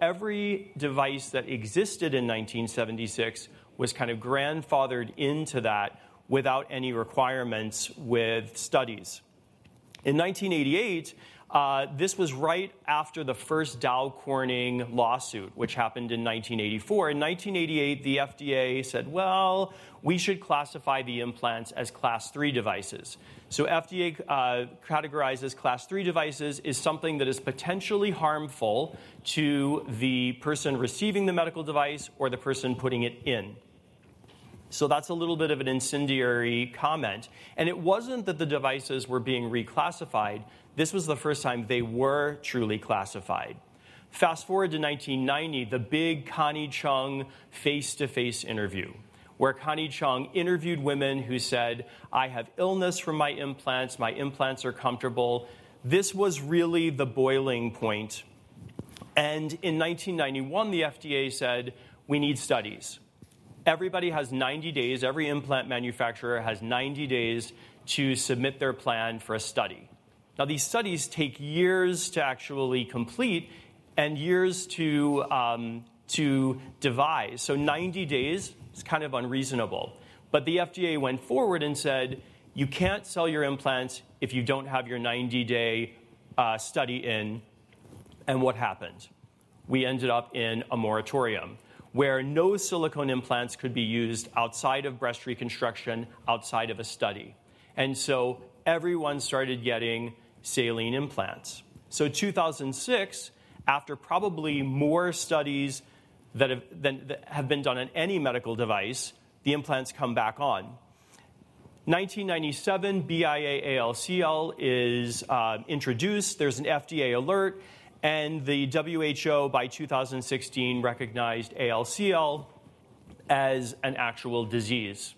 Every device that existed in 1976 was kind of grandfathered into that without any requirements with studies. In 1988, this was right after the first Dow Corning lawsuit, which happened in 1984. In 1988, the FDA said, we should classify the implants as class three devices. FDA categorizes class three devices as something that is potentially harmful to the person receiving the medical device or the person putting it in. That is a little bit of an incendiary comment. It was not that the devices were being reclassified. This was the first time they were truly classified. Fast forward to 1990, the big Connie Chung face-to-face interview, where Connie Chung interviewed women who said, I have illness from my implants. My implants are comfortable. This was really the boiling point. In 1991, the FDA said, we need studies. Everybody has 90 days. Every implant manufacturer has 90 days to submit their plan for a study. Now, these studies take years to actually complete and years to devise. Ninety days is kind of unreasonable. The FDA went forward and said, you can't sell your implants if you don't have your 90-day study in. What happened? We ended up in a moratorium where no silicone implants could be used outside of breast reconstruction, outside of a study. Everyone started getting saline implants. In 2006, after probably more studies than have been done on any medical device, the implants come back on. In 1997, BIA-ALCL is introduced. There's an FDA alert. The WHO by 2016 recognized ALCL as an actual disease.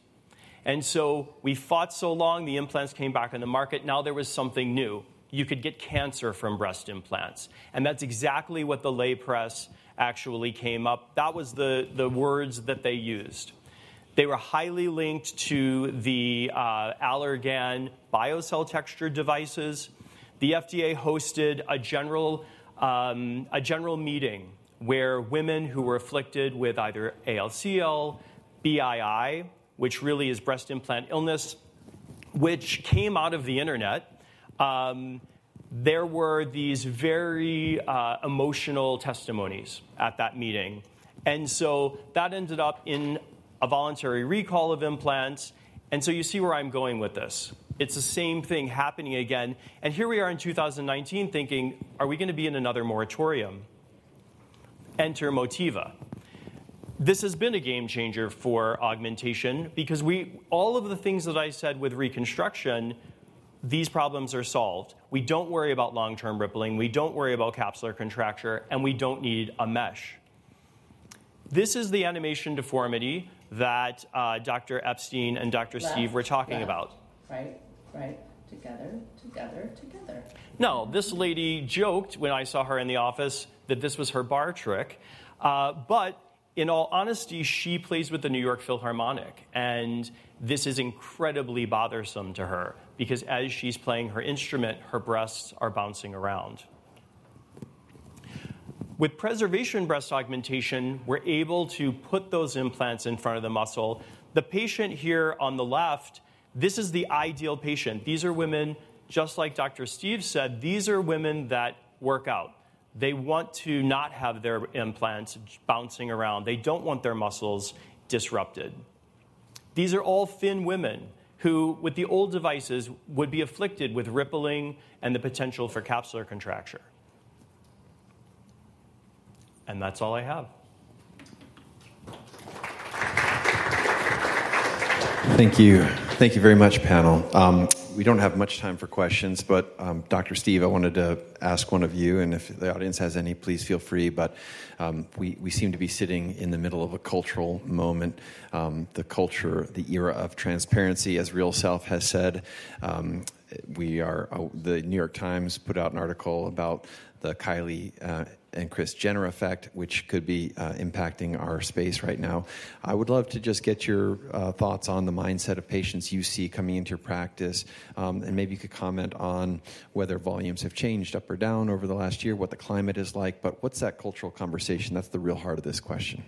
We fought so long. The implants came back on the market. Now there was something new. You could get cancer from breast implants. That's exactly what the lay press actually came up. That was the words that they used. They were highly linked to the Allergan BIOCELL Texture devices. The FDA hosted a general meeting where women who were afflicted with either ALCL, BII, which really is breast implant illness, which came out of the internet, there were these very emotional testimonies at that meeting. That ended up in a voluntary recall of implants. You see where I'm going with this. It's the same thing happening again. Here we are in 2019 thinking, are we going to be in another moratorium? Enter Motiva. This has been a game changer for augmentation because all of the things that I said with reconstruction, these problems are solved. We don't worry about long-term rippling. We don't worry about capsular contracture. We don't need a mesh. This is the animation deformity that Dr. Epstein and Dr. Steve were talking about. Right, together. No, this lady joked when I saw her in the office that this was her bar trick. In all honesty, she plays with the New York Philharmonic. This is incredibly bothersome to her because as she's playing her instrument, her breasts are bouncing around. With preservation breast augmentation, we're able to put those implants in front of the muscle. The patient here on the left, this is the ideal patient. These are women, just like Dr. Steve said, these are women that work out. They want to not have their implants bouncing around. They don't want their muscles disrupted. These are all thin women who, with the old devices, would be afflicted with rippling and the potential for capsular contracture. That's all I have. Thank you. Thank you very much, panel. We do not have much time for questions. Dr. Steve, I wanted to ask one of you. If the audience has any, please feel free. We seem to be sitting in the middle of a cultural moment, the culture, the era of transparency, as RealSelf has said. The New York Times put out an article about the Kylie and Kris Jenner effect, which could be impacting our space right now. I would love to just get your thoughts on the mindset of patients you see coming into your practice. Maybe you could comment on whether volumes have changed up or down over the last year, what the climate is like. What is that cultural conversation? That is the real heart of this question.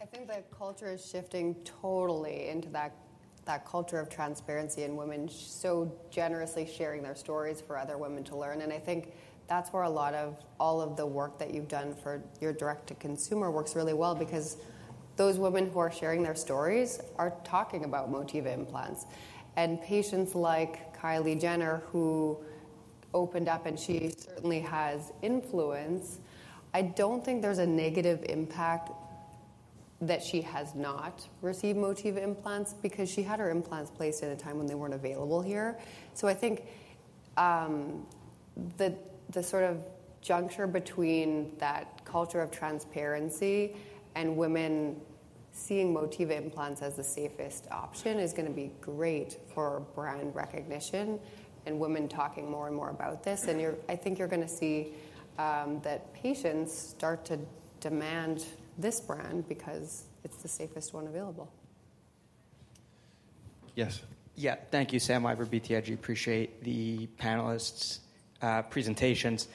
I think the culture is shifting totally into that culture of transparency and women so generously sharing their stories for other women to learn. I think that's where a lot of all of the work that you've done for your direct-to-consumer works really well because those women who are sharing their stories are talking about Motiva implants. Patients like Kylie Jenner, who opened up, and she certainly has influence, I don't think there's a negative impact that she has not received Motiva implants because she had her implants placed at a time when they were not available here. I think the sort of juncture between that culture of transparency and women seeing Motiva implants as the safest option is going to be great for brand recognition and women talking more and more about this. I think you're going to see that patients start to demand this brand because it's the safest one available. Yes. Yeah, thank you, Sam Eiber, BTIG. Appreciate the panelists' presentations.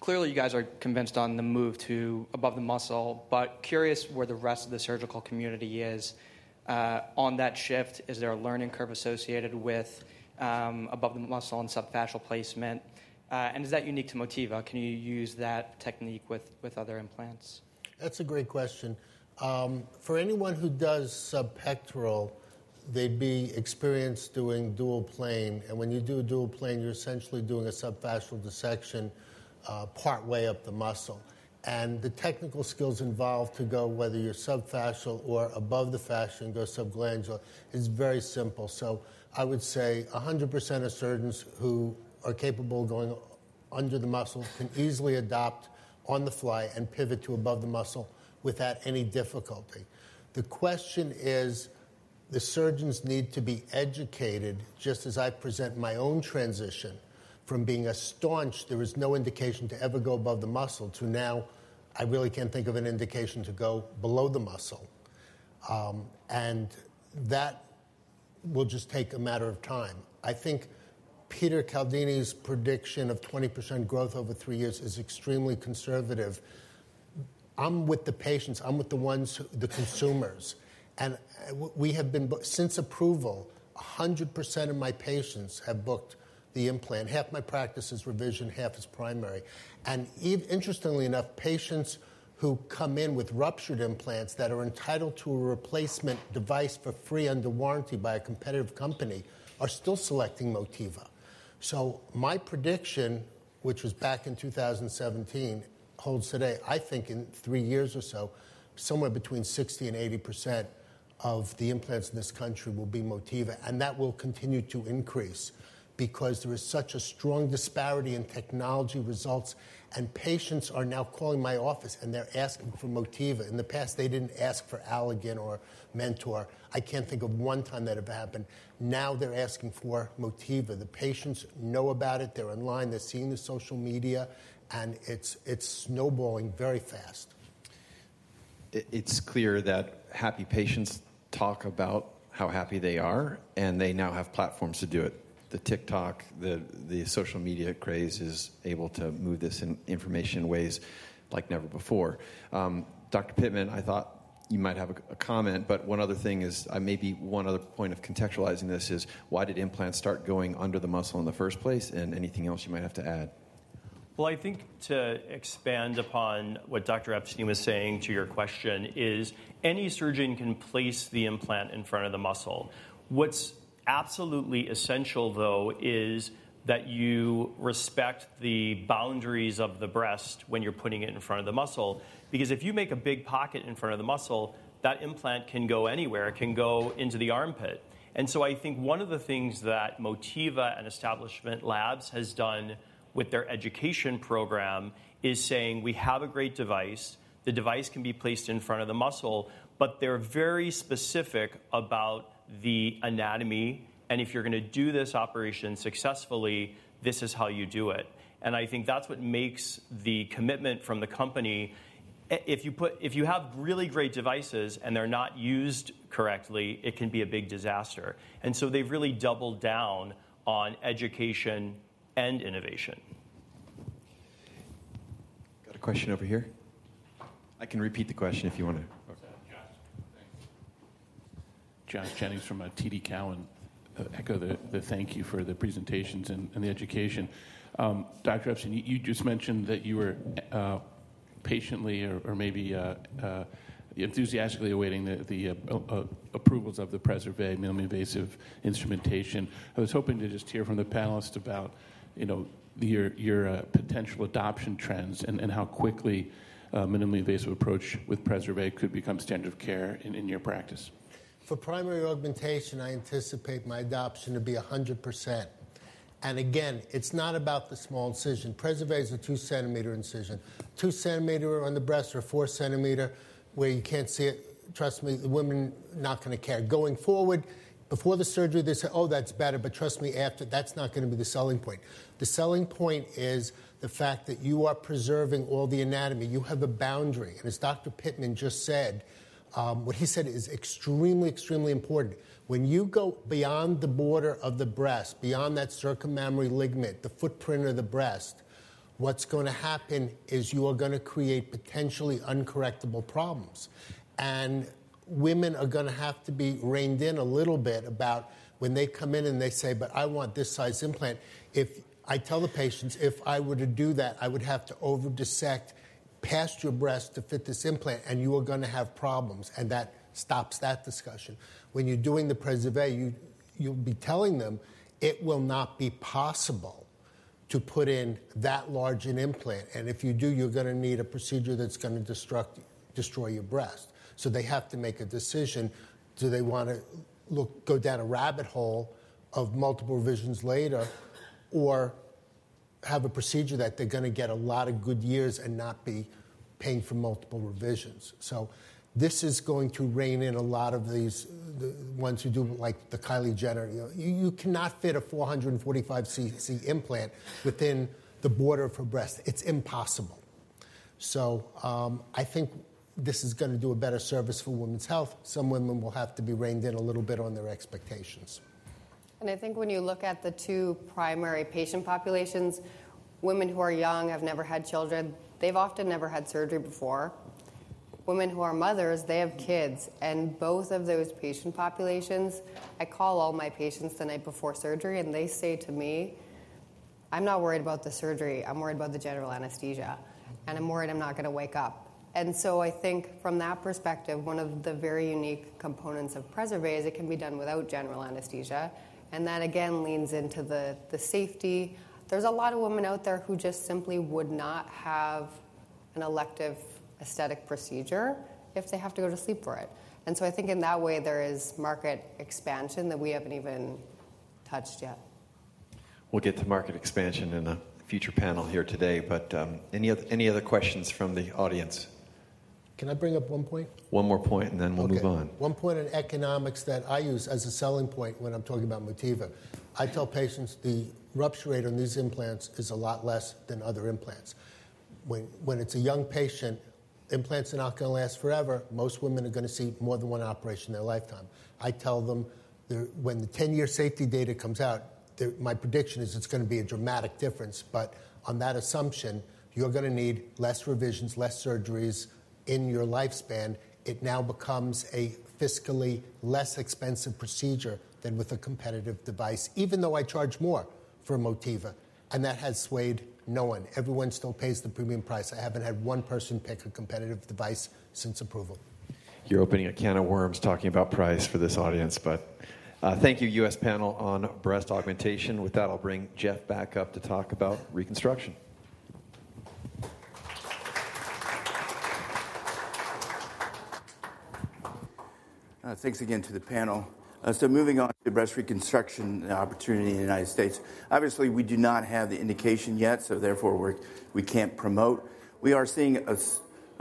Clearly, you guys are convinced on the move to above the muscle. Curious where the rest of the surgical community is. On that shift, is there a learning curve associated with above the muscle and subfascial placement? Is that unique to Motiva? Can you use that technique with other implants? That's a great question. For anyone who does subpectoral, they'd be experienced doing dual plane. When you do a dual plane, you're essentially doing a subfascial dissection partway up the muscle. The technical skills involved to go, whether you're subfascial or above the fascia and go subglandular, is very simple. I would say 100% of surgeons who are capable of going under the muscle can easily adopt on the fly and pivot to above the muscle without any difficulty. The question is, the surgeons need to be educated, just as I present my own transition from being astonished there is no indication to ever go above the muscle to now I really can't think of an indication to go below the muscle. That will just take a matter of time. I think Peter Caldini's prediction of 20% growth over three years is extremely conservative. I'm with the patients. I'm with the ones, the consumers. We have been, since approval, 100% of my patients have booked the implant. Half my practice is revision, half is primary. Interestingly enough, patients who come in with ruptured implants that are entitled to a replacement device for free under warranty by a competitive company are still selecting Motiva. My prediction, which was back in 2017, holds today. I think in three years or so, somewhere between 60%-80% of the implants in this country will be Motiva. That will continue to increase because there is such a strong disparity in technology results. Patients are now calling my office, and they're asking for Motiva. In the past, they didn't ask for Allergan or Mentor. I can't think of one time that it happened. Now they're asking for Motiva. The patients know about it. They're online. They're seeing the social media. It is snowballing very fast. It's clear that happy patients talk about how happy they are. They now have platforms to do it. The TikTok, the social media craze, is able to move this information in ways like never before. Dr. Pittman, I thought you might have a comment. One other thing is, maybe one other point of contextualizing this is, why did implants start going under the muscle in the first place? Anything else you might have to add? I think to expand upon what Dr. Epstein was saying to your question is, any surgeon can place the implant in front of the muscle. What's absolutely essential, though, is that you respect the boundaries of the breast when you're putting it in front of the muscle. Because if you make a big pocket in front of the muscle, that implant can go anywhere. It can go into the armpit. I think one of the things that Motiva and Establishment Labs has done with their education program is saying, we have a great device. The device can be placed in front of the muscle. They're very specific about the anatomy. If you're going to do this operation successfully, this is how you do it. I think that's what makes the commitment from the company. If you have really great devices and they're not used correctly, it can be a big disaster. They have really doubled down on education and innovation. Got a question over here. I can repeat the question if you want to. Josh, thanks. Josh Jennings from TD Cowen. Echo the thank you for the presentations and the education. Dr. Epstein, you just mentioned that you were patiently or maybe enthusiastically awaiting the approvals of the Preservé minimally invasive instrumentation. I was hoping to just hear from the panelists about your potential adoption trends and how quickly a minimally invasive approach with Preservé could become standard of care in your practice. For primary augmentation, I anticipate my adoption to be 100%. Again, it's not about the small incision. Preservé is a 2 cm incision. Two centimeter on the breast or 4 cm where you can't see it, trust me, the women are not going to care. Going forward, before the surgery, they say, oh, that's better. Trust me, after, that's not going to be the selling point. The selling point is the fact that you are preserving all the anatomy. You have a boundary. As Dr. Pittman just said, what he said is extremely, extremely important. When you go beyond the border of the breast, beyond that circummammary ligament, the footprint of the breast, what's going to happen is you are going to create potentially uncorrectable problems. Women are going to have to be reined in a little bit about when they come in and they say, but I want this size implant. I tell the patients, if I were to do that, I would have to over dissect past your breast to fit this implant. You are going to have problems. That stops that discussion. When you're doing the Preservé, you'll be telling them it will not be possible to put in that large an implant. If you do, you're going to need a procedure that's going to destroy your breast. They have to make a decision. Do they want to go down a rabbit hole of multiple revisions later or have a procedure that they're going to get a lot of good years and not be paying for multiple revisions? This is going to rein in a lot of these ones who do like the Kylie Jenner. You cannot fit a 445 cc implant within the border of her breast. It's impossible. I think this is going to do a better service for women's health. Some women will have to be reined in a little bit on their expectations. I think when you look at the two primary patient populations, women who are young, have never had children, they've often never had surgery before. Women who are mothers, they have kids. Both of those patient populations, I call all my patients the night before surgery. They say to me, I'm not worried about the surgery. I'm worried about the general anesthesia. I'm worried I'm not going to wake up. I think from that perspective, one of the very unique components of Preservé is it can be done without general anesthesia. That again leans into the safety. There are a lot of women out there who just simply would not have an elective aesthetic procedure if they have to go to sleep for it. I think in that way, there is market expansion that we haven't even touched yet. We'll get to market expansion in a future panel here today. Any other questions from the audience? Can I bring up one point? One more point, and then we'll move on. One point in economics that I use as a selling point when I'm talking about Motiva. I tell patients the rupture rate on these implants is a lot less than other implants. When it's a young patient, implants are not going to last forever. Most women are going to see more than one operation in their lifetime. I tell them when the 10-year safety data comes out, my prediction is it's going to be a dramatic difference. On that assumption, you're going to need less revisions, less surgeries in your lifespan. It now becomes a fiscally less expensive procedure than with a competitive device, even though I charge more for Motiva. That has swayed no one. Everyone still pays the premium price. I haven't had one person pick a competitive device since approval. You're opening a can of worms talking about price for this audience. Thank you, U.S. panel on breast augmentation. With that, I'll bring Jeff back up to talk about reconstruction. Thanks again to the panel. Moving on to breast reconstruction opportunity in the United States. Obviously, we do not have the indication yet. Therefore, we can't promote. We are seeing a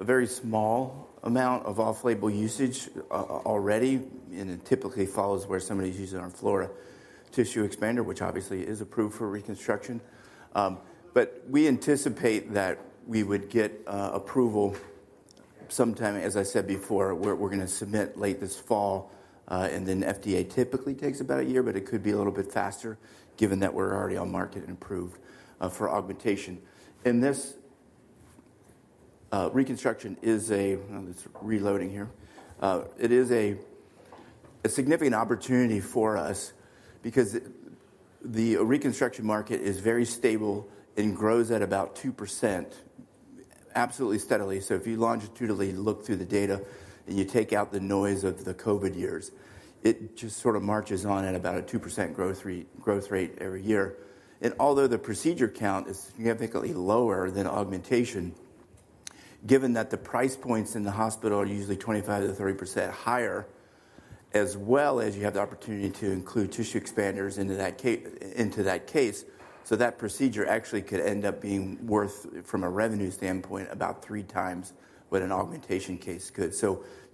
very small amount of off-label usage already. It typically follows where somebody's using our Flora tissue expander, which obviously is approved for reconstruction. We anticipate that we would get approval sometime, as I said before, we're going to submit late this fall. FDA typically takes about a year. It could be a little bit faster given that we're already on market and approved for augmentation. This reconstruction is a reloading here. It is a significant opportunity for us because the reconstruction market is very stable and grows at about 2%, absolutely steadily. If you longitudinally look through the data and you take out the noise of the COVID years, it just sort of marches on at about a 2% growth rate every year. Although the procedure count is significantly lower than augmentation, given that the price points in the hospital are usually 25%-30% higher, as well as you have the opportunity to include tissue expanders into that case, that procedure actually could end up being worth, from a revenue standpoint, about three times what an augmentation case could.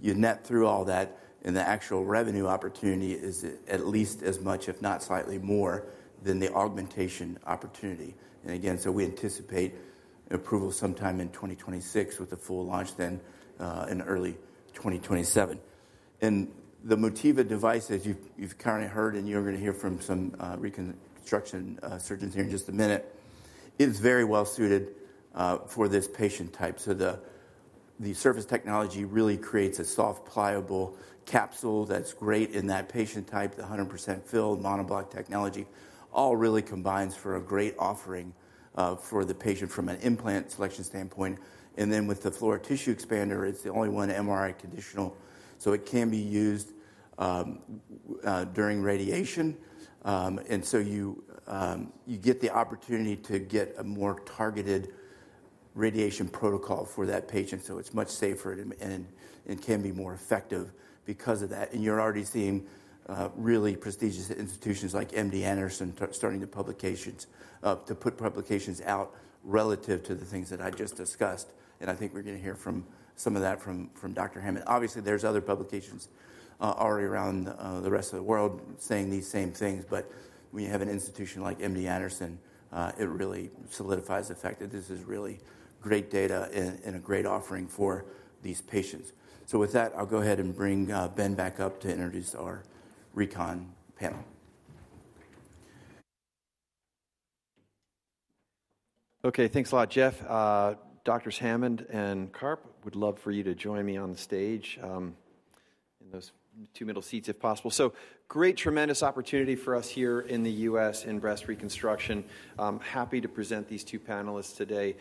You net through all that. The actual revenue opportunity is at least as much, if not slightly more, than the augmentation opportunity. Again, we anticipate approval sometime in 2026 with a full launch then in early 2027. The Motiva device, as you've currently heard, and you're going to hear from some reconstruction surgeons here in just a minute, is very well suited for this patient type. The surface technology really creates a soft, pliable capsule that's great in that patient type, the 100% fill monoblock technology. All really combines for a great offering for the patient from an implant selection standpoint. With the Flora tissue expander, it's the only one MRI conditional, so it can be used during radiation. You get the opportunity to get a more targeted radiation protocol for that patient. It's much safer and can be more effective because of that. You're already seeing really prestigious institutions like MD Anderson starting the publications to put publications out relative to the things that I just discussed. I think we're going to hear from some of that from Dr. Hammond. Obviously, there are other publications already around the rest of the world saying these same things. When you have an institution like MD Anderson, it really solidifies the fact that this is really great data and a great offering for these patients. With that, I'll go ahead and bring Ben back up to introduce our recon panel. OK, thanks a lot, Jeff. Doctors Hammond and Karp, would love for you to join me on the stage in those two middle seats if possible. Great, tremendous opportunity for us here in the U.S. in breast reconstruction. Happy to present these two panelists today.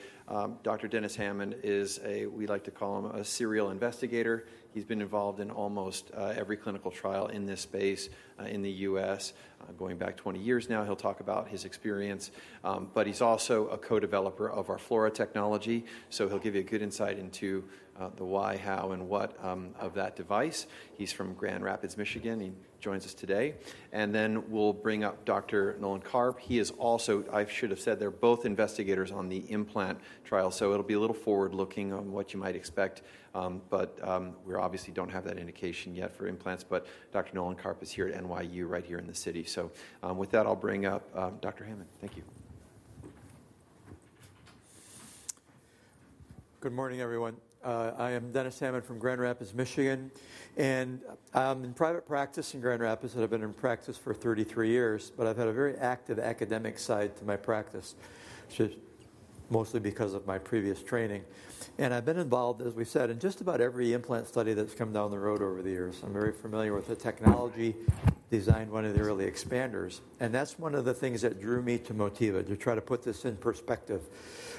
Dr. Dennis Hammond is a, we like to call him, a serial investigator. He's been involved in almost every clinical trial in this space in the U.S. going back 20 years now. He'll talk about his experience. He's also a co-developer of our Flora technology. He'll give you a good insight into the why, how, and what of that device. He's from Grand Rapids, Michigan. He joins us today. Then we'll bring up Dr. Nolan Karp. He is also, I should have said, they're both investigators on the implant trial. It'll be a little forward-looking on what you might expect. We obviously do not have that indication yet for implants. Dr. Nolan Karp is here at NYU right here in the city. With that, I will bring up Dr. Hammond. Thank you. Good morning, everyone. I am Dennis Hammond from Grand Rapids, Michigan. I am in private practice in Grand Rapids. I have been in practice for 33 years. I have had a very active academic side to my practice, mostly because of my previous training. I have been involved, as we said, in just about every implant study that has come down the road over the years. I am very familiar with the technology, designed one of the early expanders. That is one of the things that drew me to Motiva, to try to put this in perspective.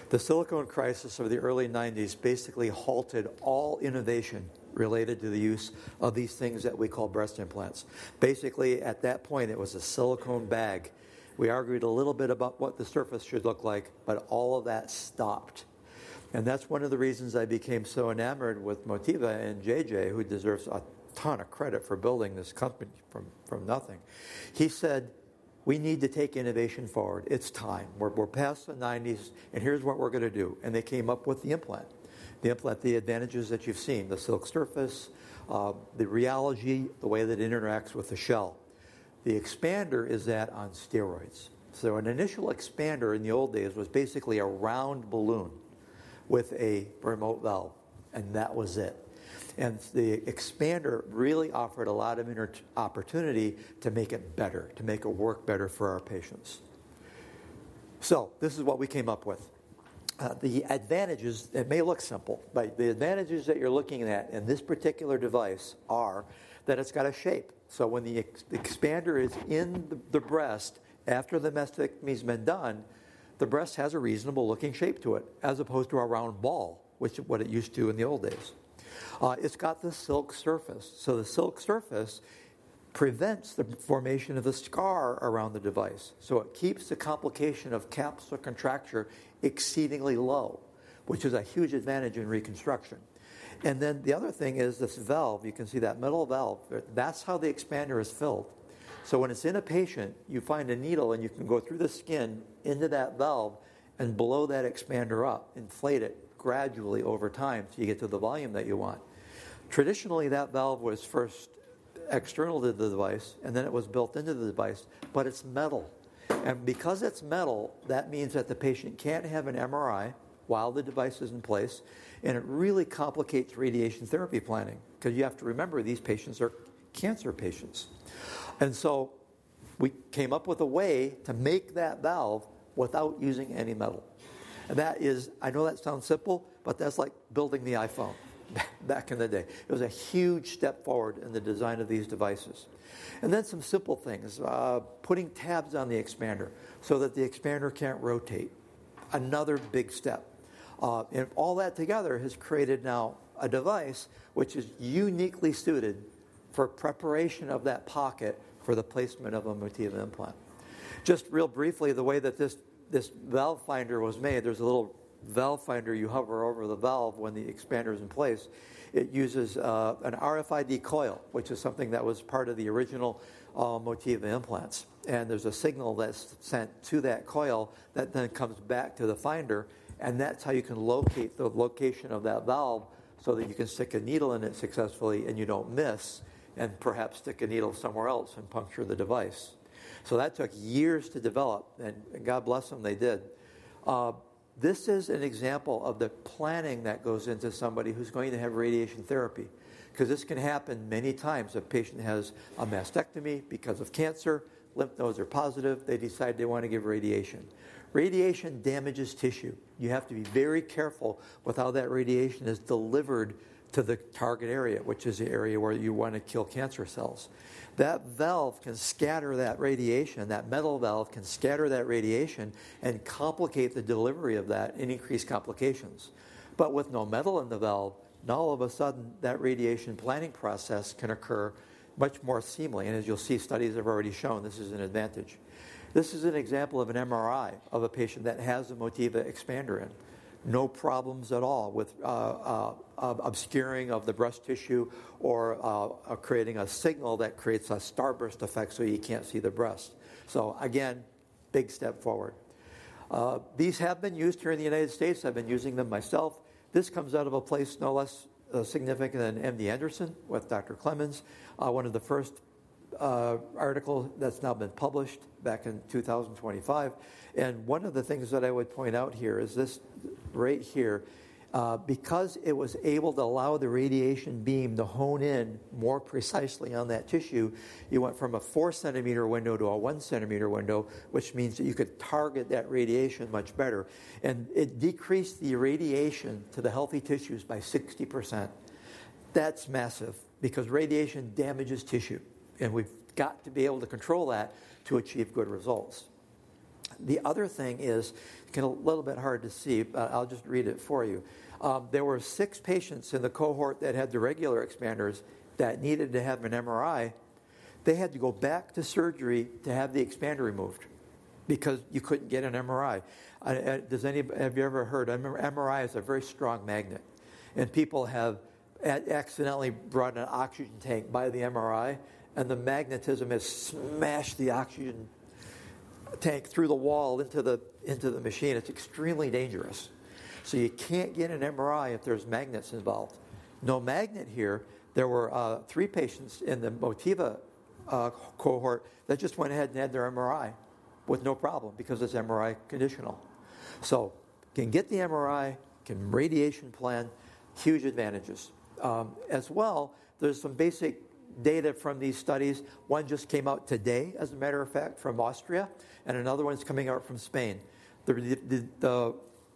The silicone crisis of the early 1990s basically halted all innovation related to the use of these things that we call breast implants. At that point, it was basically a silicone bag. We argued a little bit about what the surface should look like. All of that stopped. That is one of the reasons I became so enamored with Motiva and JJ, who deserves a ton of credit for building this company from nothing. He said, we need to take innovation forward. It is time. We are past the 1990s. Here is what we are going to do. They came up with the implant. The implant, the advantages that you have seen, the silk surface, the reality, the way that it interacts with the shell. The expander is that on steroids. An initial expander in the old days was basically a round balloon with a remote valve. That was it. The expander really offered a lot of opportunity to make it better, to make it work better for our patients. This is what we came up with. The advantages, it may look simple. The advantages that you're looking at in this particular device are that it's got a shape. When the expander is in the breast after the mastectomy's been done, the breast has a reasonable-looking shape to it, as opposed to a round ball, which is what it used to in the old days. It's got the silk surface. The silk surface prevents the formation of the scar around the device. It keeps the complication of capsular contracture exceedingly low, which is a huge advantage in reconstruction. The other thing is this valve. You can see that metal valve. That's how the expander is filled. When it's in a patient, you find a needle, and you can go through the skin into that valve and blow that expander up, inflate it gradually over time until you get to the volume that you want. Traditionally, that valve was first external to the device. Then it was built into the device. It is metal. Because it is metal, that means that the patient cannot have an MRI while the device is in place. It really complicates radiation therapy planning because you have to remember these patients are cancer patients. We came up with a way to make that valve without using any metal. I know that sounds simple, but that is like building the iPhone back in the day. It was a huge step forward in the design of these devices. Some simple things, putting tabs on the expander so that the expander cannot rotate, another big step. All that together has created now a device which is uniquely suited for preparation of that pocket for the placement of a Motiva implant. Just real briefly, the way that this valve finder was made, there's a little valve finder. You hover over the valve when the expander's in place. It uses an RFID coil, which is something that was part of the original Motiva implants. There's a signal that's sent to that coil that then comes back to the finder. That's how you can locate the location of that valve so that you can stick a needle in it successfully and you don't miss and perhaps stick a needle somewhere else and puncture the device. That took years to develop. God bless them, they did. This is an example of the planning that goes into somebody who's going to have radiation therapy because this can happen many times. A patient has a mastectomy because of cancer. Lymph nodes are positive. They decide they want to give radiation. Radiation damages tissue. You have to be very careful with how that radiation is delivered to the target area, which is the area where you want to kill cancer cells. That valve can scatter that radiation. That metal valve can scatter that radiation and complicate the delivery of that and increase complications. With no metal in the valve, now all of a sudden, that radiation planning process can occur much more seemingly. As you'll see, studies have already shown this is an advantage. This is an example of an MRI of a patient that has a Motiva expander in. No problems at all with obscuring of the breast tissue or creating a signal that creates a starburst effect so you can't see the breast. Again, big step forward. These have been used here in the United States. I've been using them myself. This comes out of a place no less significant than MD Anderson with Dr. Clemens, one of the first articles that's now been published back in 2025. One of the things that I would point out here is this right here. Because it was able to allow the radiation beam to hone in more precisely on that tissue, you went from a 4-cm window to a 1-cm window, which means that you could target that radiation much better. It decreased the irradiation to the healthy tissues by 60%. That's massive because radiation damages tissue. We've got to be able to control that to achieve good results. The other thing is, it's a little bit hard to see. I'll just read it for you. There were six patients in the cohort that had the regular expanders that needed to have an MRI. They had to go back to surgery to have the expander removed because you could not get an MRI. Have you ever heard? I remember MRI is a very strong magnet. People have accidentally brought an oxygen tank by the MRI, and the magnetism has smashed the oxygen tank through the wall into the machine. It is extremely dangerous. You cannot get an MRI if there are magnets involved. No magnet here. There were three patients in the Motiva cohort that just went ahead and had their MRI with no problem because it is MRI conditional. You can get the MRI, can radiation plan, huge advantages. As well, there is some basic data from these studies. One just came out today, as a matter of fact, from Austria. Another one is coming out from Spain. The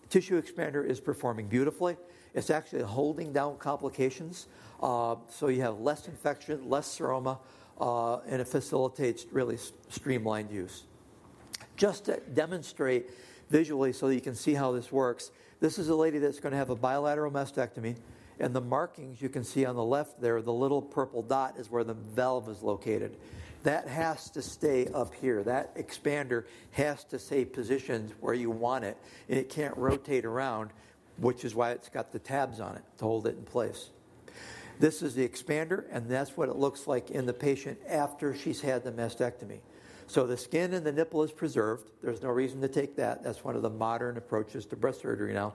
tissue expander is performing beautifully. It is actually holding down complications. You have less infection, less seroma. It facilitates really streamlined use. Just to demonstrate visually so that you can see how this works, this is a lady that's going to have a bilateral mastectomy. The markings you can see on the left there, the little purple dot is where the valve is located. That has to stay up here. That expander has to stay positioned where you want it. It can't rotate around, which is why it's got the tabs on it to hold it in place. This is the expander. That's what it looks like in the patient after she's had the mastectomy. The skin and the nipple is preserved. There's no reason to take that. That's one of the modern approaches to breast surgery now.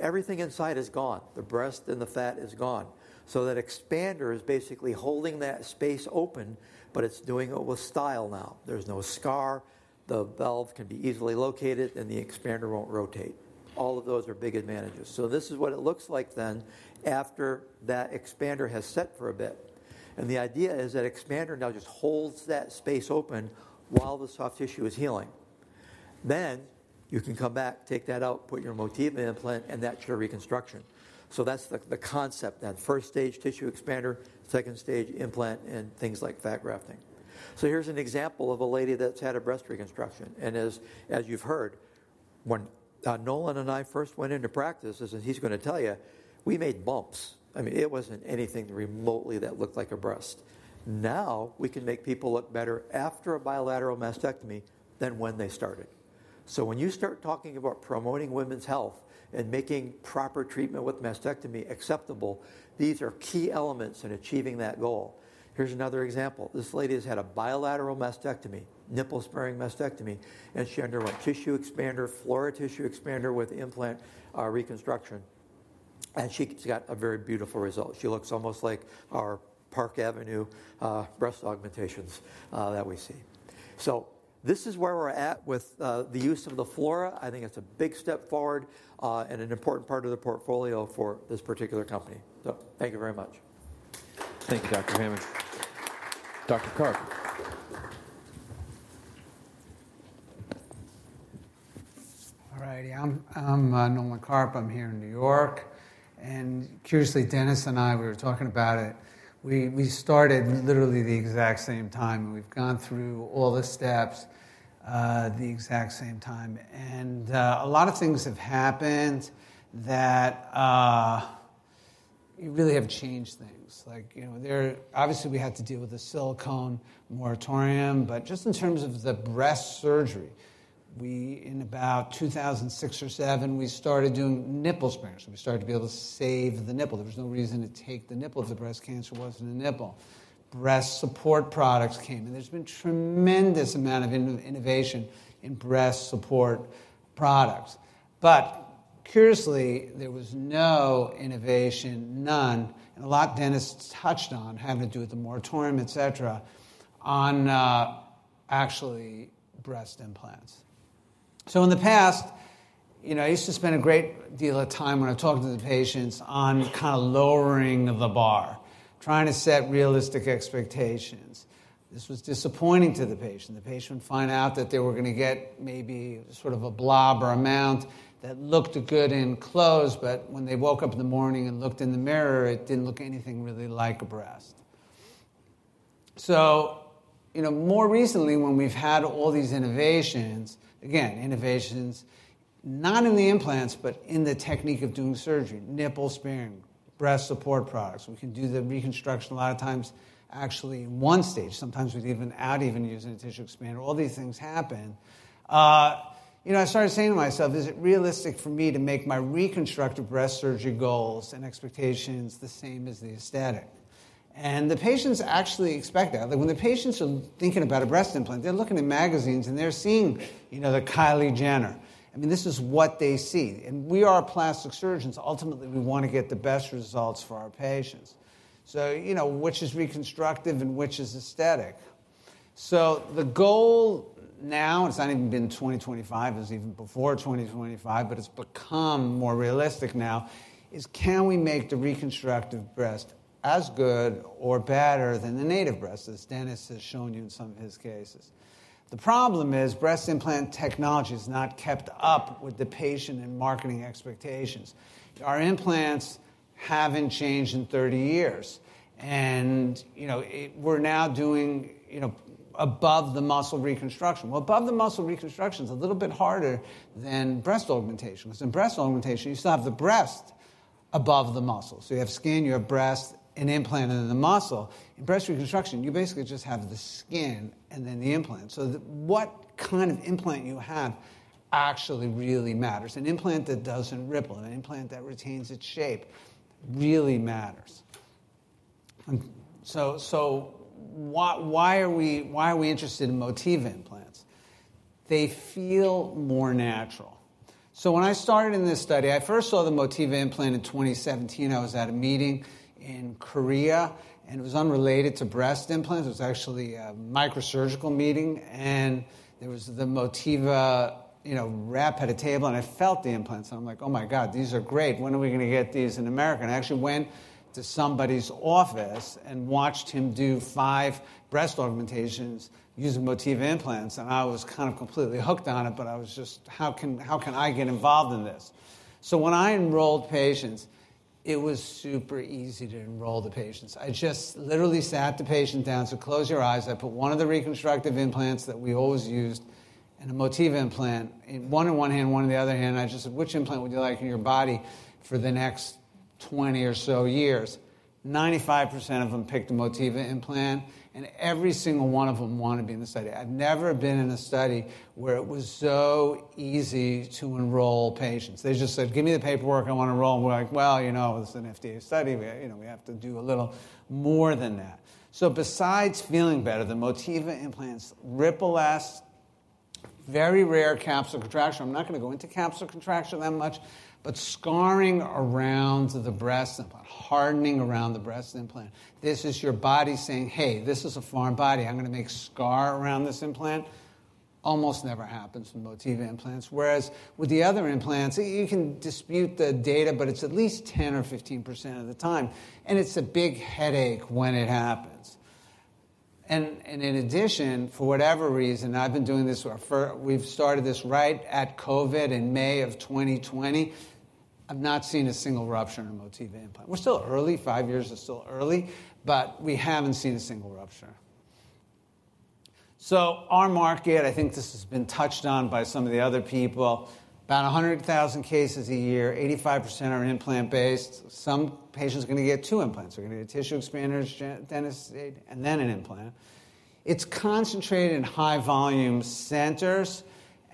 Everything inside is gone. The breast and the fat is gone. That expander is basically holding that space open. It's doing it with style now. There's no scar. The valve can be easily located. The expander won't rotate. All of those are big advantages. This is what it looks like after that expander has set for a bit. The idea is that expander now just holds that space open while the soft tissue is healing. You can come back, take that out, put your Motiva implant, and that's your reconstruction. That's the concept, that first-stage tissue expander, second-stage implant, and things like fat grafting. Here's an example of a lady that's had a breast reconstruction. As you've heard, when Nolan and I first went into practice, as he's going to tell you, we made bumps. I mean, it wasn't anything remotely that looked like a breast. Now we can make people look better after a bilateral mastectomy than when they started. When you start talking about promoting women's health and making proper treatment with mastectomy acceptable, these are key elements in achieving that goal. Here's another example. This lady has had a bilateral mastectomy, nipple-sparing mastectomy. She underwent tissue expander, Flora tissue expander with implant reconstruction. She's got a very beautiful result. She looks almost like our Park Avenue breast augmentations that we see. This is where we're at with the use of the Flora. I think it's a big step forward and an important part of the portfolio for this particular company. Thank you very much. Thank you, Dr. Hammond. Dr. Karp. All righty. I'm Nolan Karp. I'm here in New York. Curiously, Dennis and I, we were talking about it. We started literally the exact same time. We've gone through all the steps the exact same time. A lot of things have happened that really have changed things. Obviously, we had to deal with the silicone moratorium. Just in terms of the breast surgery, in about 2006 or 2007, we started doing nipple sparings. We started to be able to save the nipple. There was no reason to take the nipple if the breast cancer was not in the nipple. Breast support products came. There's been a tremendous amount of innovation in breast support products. Curiously, there was no innovation, none, and a lot Dennis touched on, having to do with the moratorium, et cetera, on actually breast implants. In the past, I used to spend a great deal of time when I was talking to the patients on kind of lowering the bar, trying to set realistic expectations. This was disappointing to the patient. The patient would find out that they were going to get maybe sort of a blob or amount that looked good in clothes. When they woke up in the morning and looked in the mirror, it did not look anything really like a breast. More recently, when we have had all these innovations, again, innovations not in the implants, but in the technique of doing surgery, nipple sparing, breast support products, we can do the reconstruction a lot of times actually in one stage. Sometimes we would even out even using a tissue expander. All these things happen. I started saying to myself, is it realistic for me to make my reconstructive breast surgery goals and expectations the same as the aesthetic? The patients actually expect that. When the patients are thinking about a breast implant, they're looking at magazines. They're seeing the Kylie Jenner. I mean, this is what they see. We are plastic surgeons. Ultimately, we want to get the best results for our patients, which is reconstructive and which is aesthetic. The goal now, it's not even been 2025. It was even before 2025. It has become more realistic now, is can we make the reconstructive breast as good or better than the native breast, as Dennis has shown you in some of his cases? The problem is breast implant technology has not kept up with the patient and marketing expectations. Our implants have not changed in 30 years. We are now doing above-the-muscle reconstruction. Above-the-muscle reconstruction is a little bit harder than breast augmentation because in breast augmentation, you still have the breast above the muscle. You have skin, you have breast, an implant, and the muscle. In breast reconstruction, you basically just have the skin and then the implant. What kind of implant you have actually really matters. An implant that does not ripple, an implant that retains its shape really matters. Why are we interested in Motiva implants? They feel more natural. When I started in this study, I first saw the Motiva implant in 2017. I was at a meeting in Korea. It was unrelated to breast implants. It was actually a microsurgical meeting. There was the Motiva rep at a table. I felt the implants, and I am like, oh my god, these are great. When are we going to get these in America? I actually went to somebody's office and watched him do five breast augmentations using Motiva implants. I was kind of completely hooked on it. I was just, how can I get involved in this? When I enrolled patients, it was super easy to enroll the patients. I just literally sat the patient down. I said, close your eyes. I put one of the reconstructive implants that we always used and a Motiva implant, one in one hand, one in the other hand. I just said, which implant would you like in your body for the next 20 or so years? 95% of them picked a Motiva implant. Every single one of them wanted to be in the study. I've never been in a study where it was so easy to enroll patients. They just said, give me the paperwork. I want to enroll. We're like, well, you know it's an FDA study. We have to do a little more than that. So besides feeling better, the Motiva implants ripple less, very rare capsular contracture. I'm not going to go into capsular contracture that much. Scarring around the breast implant, hardening around the breast implant, this is your body saying, hey, this is a foreign body. I'm going to make scar around this implant. Almost never happens with Motiva implants. Whereas with the other implants, you can dispute the data. It's at least 10% or 15% of the time. It's a big headache when it happens. In addition, for whatever reason, I've been doing this for, we've started this right at COVID in May of 2020. I've not seen a single rupture in a Motiva implant. We're still early. Five years is still early. But we haven't seen a single rupture. Our market, I think this has been touched on by some of the other people, about 100,000 cases a year. 85% are implant-based. Some patients are going to get two implants. They're going to get tissue expanders, Dennis said, and then an implant. It's concentrated in high-volume centers.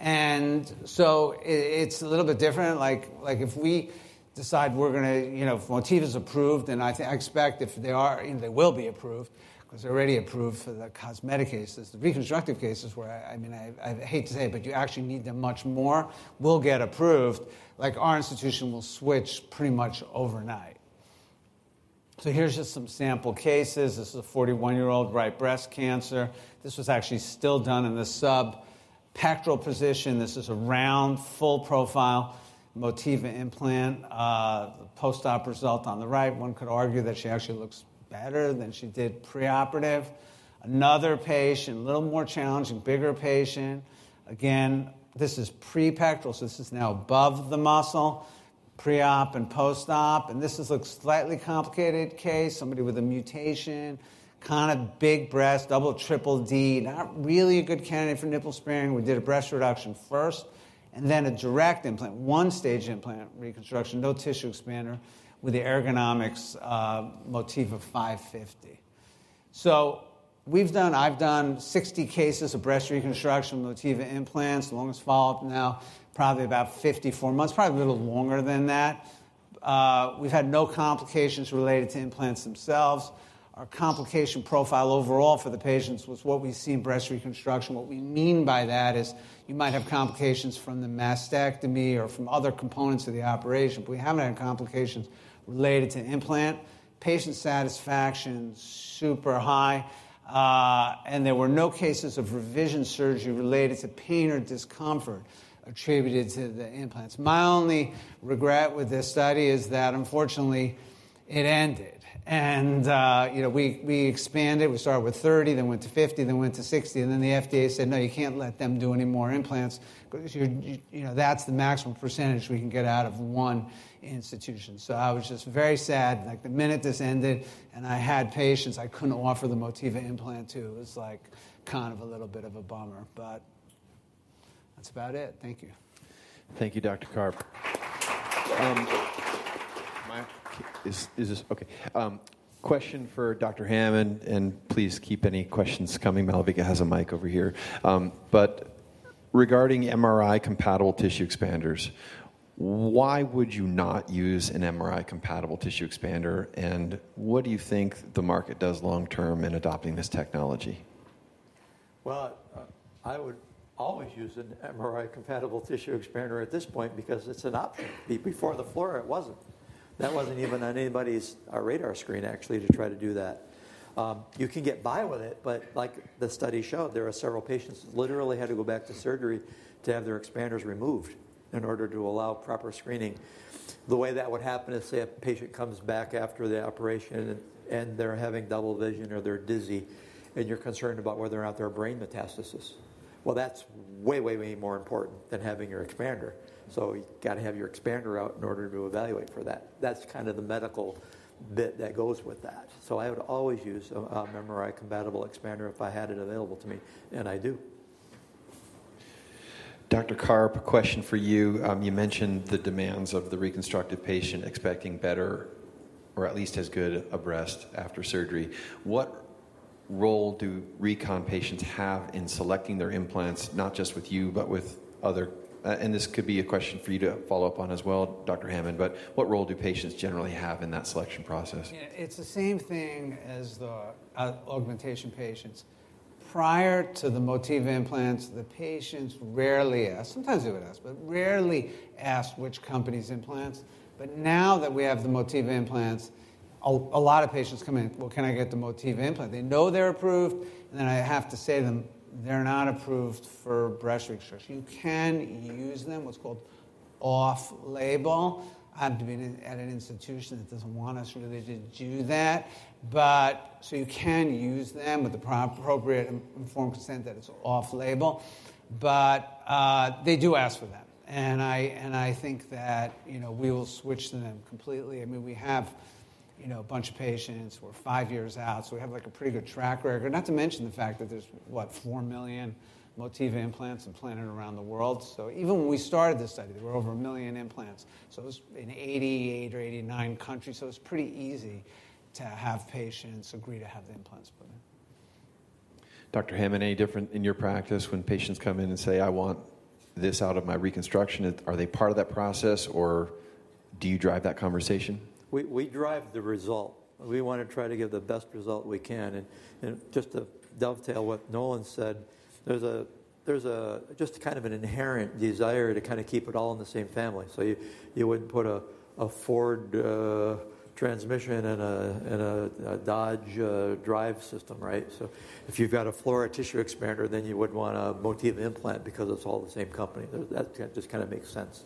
It's a little bit different. If we decide we're going to, if Motiva is approved, then I expect if they are, they will be approved because they're already approved for the cosmetic cases, the reconstructive cases where I hate to say it, but you actually need them much more, will get approved. Our institution will switch pretty much overnight. Here's just some sample cases. This is a 41-year-old right breast cancer. This was actually still done in the subpectoral position. This is a round, full-profile Motiva implant, post-op result on the right. One could argue that she actually looks better than she did preoperative. Another patient, a little more challenging, bigger patient. Again, this is prepectoral. This is now above the muscle, preop and post-op. This is a slightly complicated case, somebody with a mutation, kind of big breast, double triple D, not really a good candidate for nipple sparing. We did a breast reduction first and then a direct implant, one-stage implant reconstruction, no tissue expander with the ergonomic Motiva 550. I've done 60 cases of breast reconstruction, Motiva implants, longest follow-up now, probably about 54 months, probably a little longer than that. We've had no complications related to implants themselves. Our complication profile overall for the patients was what we see in breast reconstruction. What we mean by that is you might have complications from the mastectomy or from other components of the operation. We have not had complications related to implant. Patient satisfaction is super high. There were no cases of revision surgery related to pain or discomfort attributed to the implants. My only regret with this study is that, unfortunately, it ended. We expanded. We started with 30, then went to 50, then went to 60. The FDA said, no, you cannot let them do any more implants. That is the maximum % we can get out of one institution. I was just very sad. The minute this ended, and I had patients I could not offer the Motiva implant to, it was kind of a little bit of a bummer. That is about it. Thank you. Thank you, Dr. Karp. OK. Question for Dr. Hammond. And please keep any questions coming. Malavika has a mic over here. But regarding MRI-compatible tissue expanders, why would you not use an MRI-compatible tissue expander? And what do you think the market does long-term in adopting this technology? I would always use an MRI-compatible tissue expander at this point because it's an option. Before the Flora, it wasn't. That wasn't even on anybody's radar screen, actually, to try to do that. You can get by with it. Like the study showed, there are several patients who literally had to go back to surgery to have their expanders removed in order to allow proper screening. The way that would happen is, say, a patient comes back after the operation and they're having double vision or they're dizzy. You're concerned about whether or not they're a brain metastasis. That's way, way, way more important than having your expander. You've got to have your expander out in order to evaluate for that. That's kind of the medical bit that goes with that. I would always use an MRI conditional expander if I had it available to me. And I do. Dr. Karp, a question for you. You mentioned the demands of the reconstructive patient expecting better or at least as good a breast after surgery. What role do recon patients have in selecting their implants, not just with you, but with others? This could be a question for you to follow up on as well, Dr. Hammond. What role do patients generally have in that selection process? It's the same thing as the augmentation patients. Prior to the Motiva implants, the patients rarely asked, sometimes they would ask, but rarely asked which company's implants. Now that we have the Motiva implants, a lot of patients come in, well, can I get the Motiva implant? They know they're approved. I have to say to them, they're not approved for breast reconstruction. You can use them, what's called off-label. I happen to be at an institution that doesn't want us really to do that. You can use them with the appropriate informed consent that it's off-label. They do ask for them. I think that we will switch to them completely. I mean, we have a bunch of patients. We're five years out. We have a pretty good track record, not to mention the fact that there's, what, 4 million Motiva implants implanted around the world. Even when we started this study, there were over a million implants. It was in 88 or 89 countries. It was pretty easy to have patients agree to have the implants put in. Dr. Hammond, any different in your practice when patients come in and say, I want this out of my reconstruction? Are they part of that process? Or do you drive that conversation? We drive the result. We want to try to give the best result we can. Just to dovetail what Nolan said, there's just kind of an inherent desire to kind of keep it all in the same family. You wouldn't put a Ford transmission in a Dodge drive system, right? If you've got a Flora tissue expander, then you would want a Motiva implant because it's all the same company. That just kind of makes sense.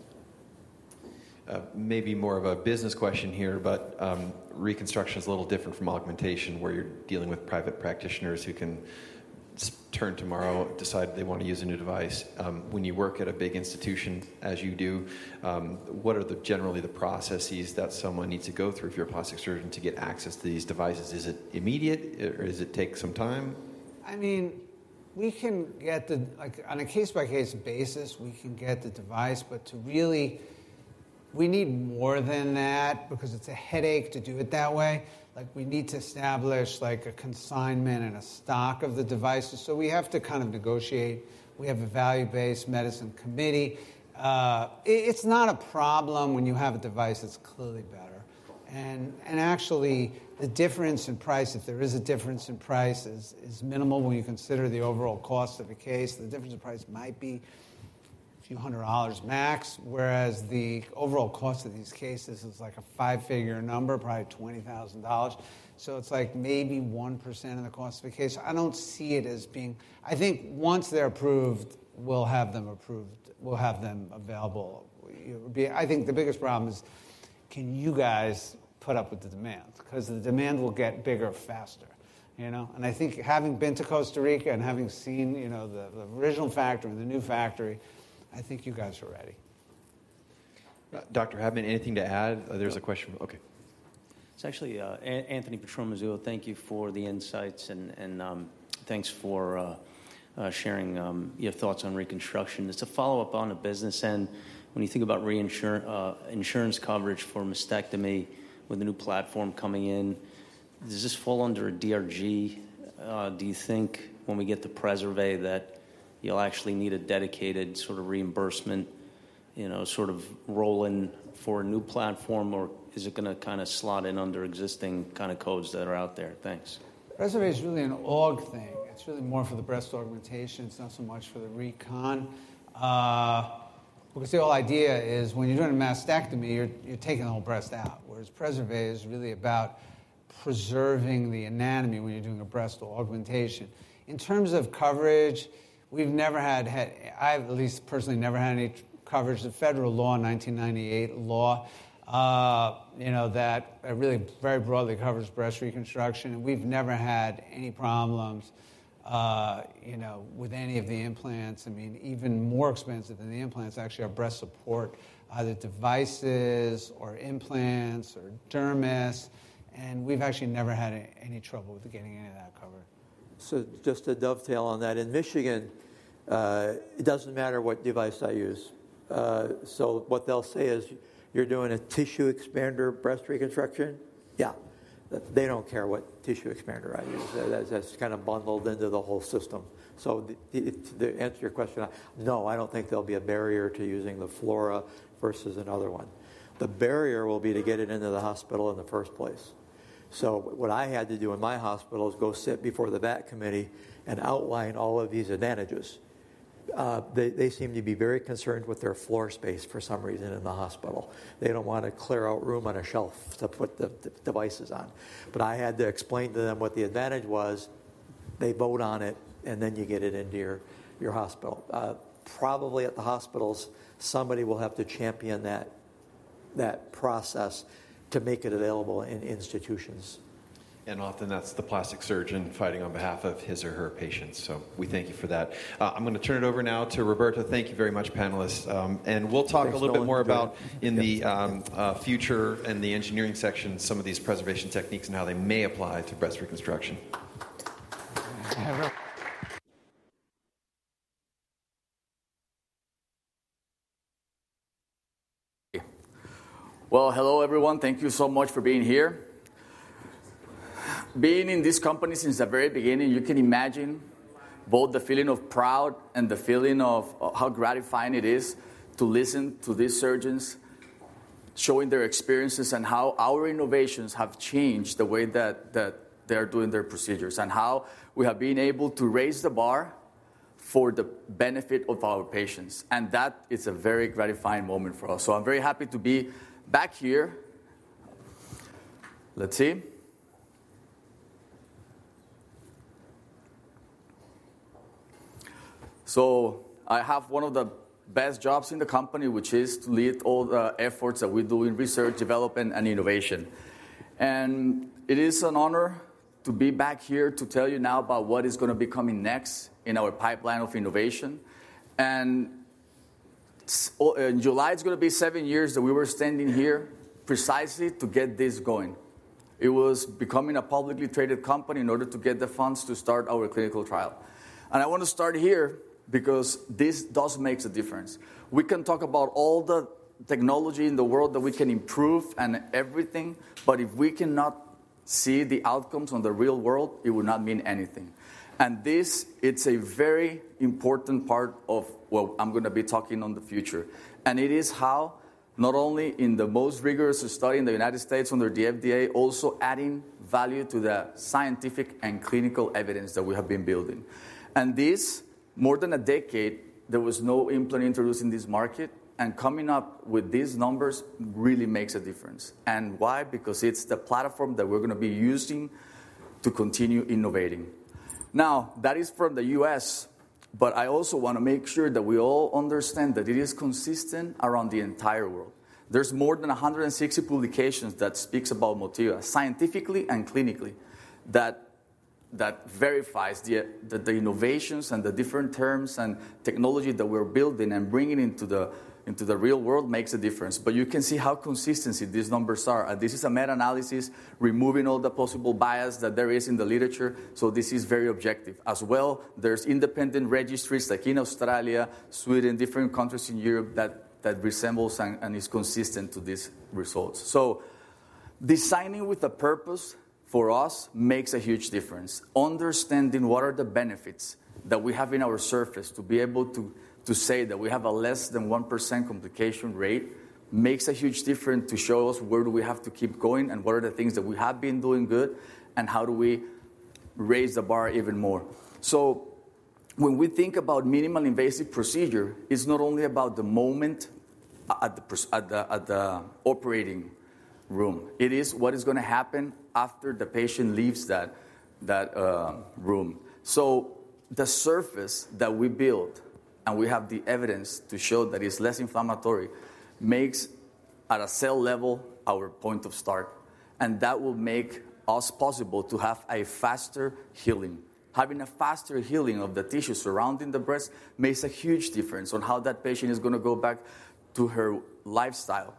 Maybe more of a business question here. Reconstruction is a little different from augmentation, where you're dealing with private practitioners who can tomorrow decide they want to use a new device. When you work at a big institution, as you do, what are generally the processes that someone needs to go through if you're a plastic surgeon to get access to these devices? Is it immediate? Or does it take some time? I mean, we can get the, on a case-by-case basis, we can get the device. But we need more than that because it's a headache to do it that way. We need to establish a consignment and a stock of the devices. So we have to kind of negotiate. We have a value-based medicine committee. It's not a problem when you have a device that's clearly better. And actually, the difference in price, if there is a difference in price, is minimal when you consider the overall cost of a case. The difference in price might be a few hundred dollars max. Whereas the overall cost of these cases is like a five-figure number, probably $20,000. So it's like maybe 1% of the cost of a case. I don't see it as being, I think once they're approved, we'll have them approved. We'll have them available. I think the biggest problem is, can you guys put up with the demand? Because the demand will get bigger faster. I think having been to Costa Rica and having seen the original factory and the new factory, I think you guys are ready. Dr. Hammond, anything to add? There's a question. OK. It's actually Anthony Petrone, Mizuho. Thank you for the insights. And thanks for sharing your thoughts on reconstruction. It's a follow-up on a business end. When you think about insurance coverage for mastectomy with a new platform coming in, does this fall under a DRG? Do you think when we get the Preservé that you'll actually need a dedicated sort of reimbursement sort of role in for a new platform? Or is it going to kind of slot in under existing kind of codes that are out there? Thanks. Preservé is really an org thing. It's really more for the breast augmentation. It's not so much for the recon. We can say the whole idea is when you're doing a mastectomy, you're taking the whole breast out. Whereas Preservé is really about preserving the anatomy when you're doing a breast augmentation. In terms of coverage, we've never had, I at least personally never had any coverage. The federal law, 1998 law, that really very broadly covers breast reconstruction. We've never had any problems with any of the implants. I mean, even more expensive than the implants actually are breast support, either devices or implants or dermis. We've actually never had any trouble with getting any of that covered. Just to dovetail on that, in Michigan, it does not matter what device I use. What they will say is, you are doing a tissue expander breast reconstruction? Yeah. They do not care what tissue expander I use. That is kind of bundled into the whole system. To answer your question, no, I do not think there will be a barrier to using the Flora versus another one. The barrier will be to get it into the hospital in the first place. What I had to do in my hospital is go sit before the VAT committee and outline all of these advantages. They seem to be very concerned with their floor space for some reason in the hospital. They do not want to clear out room on a shelf to put the devices on. I had to explain to them what the advantage was. They vote on it. You get it into your hospital. Probably at the hospitals, somebody will have to champion that process to make it available in institutions. That is often the plastic surgeon fighting on behalf of his or her patients. We thank you for that. I am going to turn it over now to Roberta. Thank you very much, panelists. We will talk a little bit more about, in the future and in the engineering section, some of these preservation techniques and how they may apply to breast reconstruction. Hello, everyone. Thank you so much for being here. Being in this company since the very beginning, you can imagine both the feeling of proud and the feeling of how gratifying it is to listen to these surgeons showing their experiences and how our innovations have changed the way that they are doing their procedures and how we have been able to raise the bar for the benefit of our patients. That is a very gratifying moment for us. I am very happy to be back here. Let's see. I have one of the best jobs in the company, which is to lead all the efforts that we do in research, development, and innovation. It is an honor to be back here to tell you now about what is going to be coming next in our pipeline of innovation. In July, it's going to be seven years that we were standing here precisely to get this going. It was becoming a publicly traded company in order to get the funds to start our clinical trial. I want to start here because this does make a difference. We can talk about all the technology in the world that we can improve and everything. If we cannot see the outcomes in the real world, it would not mean anything. This is a very important part of what I'm going to be talking about in the future. It is how, not only in the most rigorous study in the United States under the FDA, also adding value to the scientific and clinical evidence that we have been building. For more than a decade, there was no implant introduced in this market. Coming up with these numbers really makes a difference. Why? Because it's the platform that we're going to be using to continue innovating. Now, that is from the U.S. I also want to make sure that we all understand that it is consistent around the entire world. There are more than 160 publications that speak about Motiva scientifically and clinically that verify that the innovations and the different terms and technology that we're building and bringing into the real world make a difference. You can see how consistent these numbers are. This is a meta-analysis removing all the possible bias that there is in the literature. This is very objective. As well, there are independent registries like in Australia, Sweden, different countries in Europe that resemble and are consistent to these results. Designing with a purpose for us makes a huge difference. Understanding what are the benefits that we have in our surface to be able to say that we have a less than 1% complication rate makes a huge difference to show us where do we have to keep going and what are the things that we have been doing good and how do we raise the bar even more. When we think about minimal invasive procedure, it's not only about the moment at the operating room. It is what is going to happen after the patient leaves that room. The surface that we build and we have the evidence to show that it's less inflammatory makes, at a cell level, our point of start. That will make us possible to have a faster healing. Having a faster healing of the tissue surrounding the breast makes a huge difference on how that patient is going to go back to her lifestyle.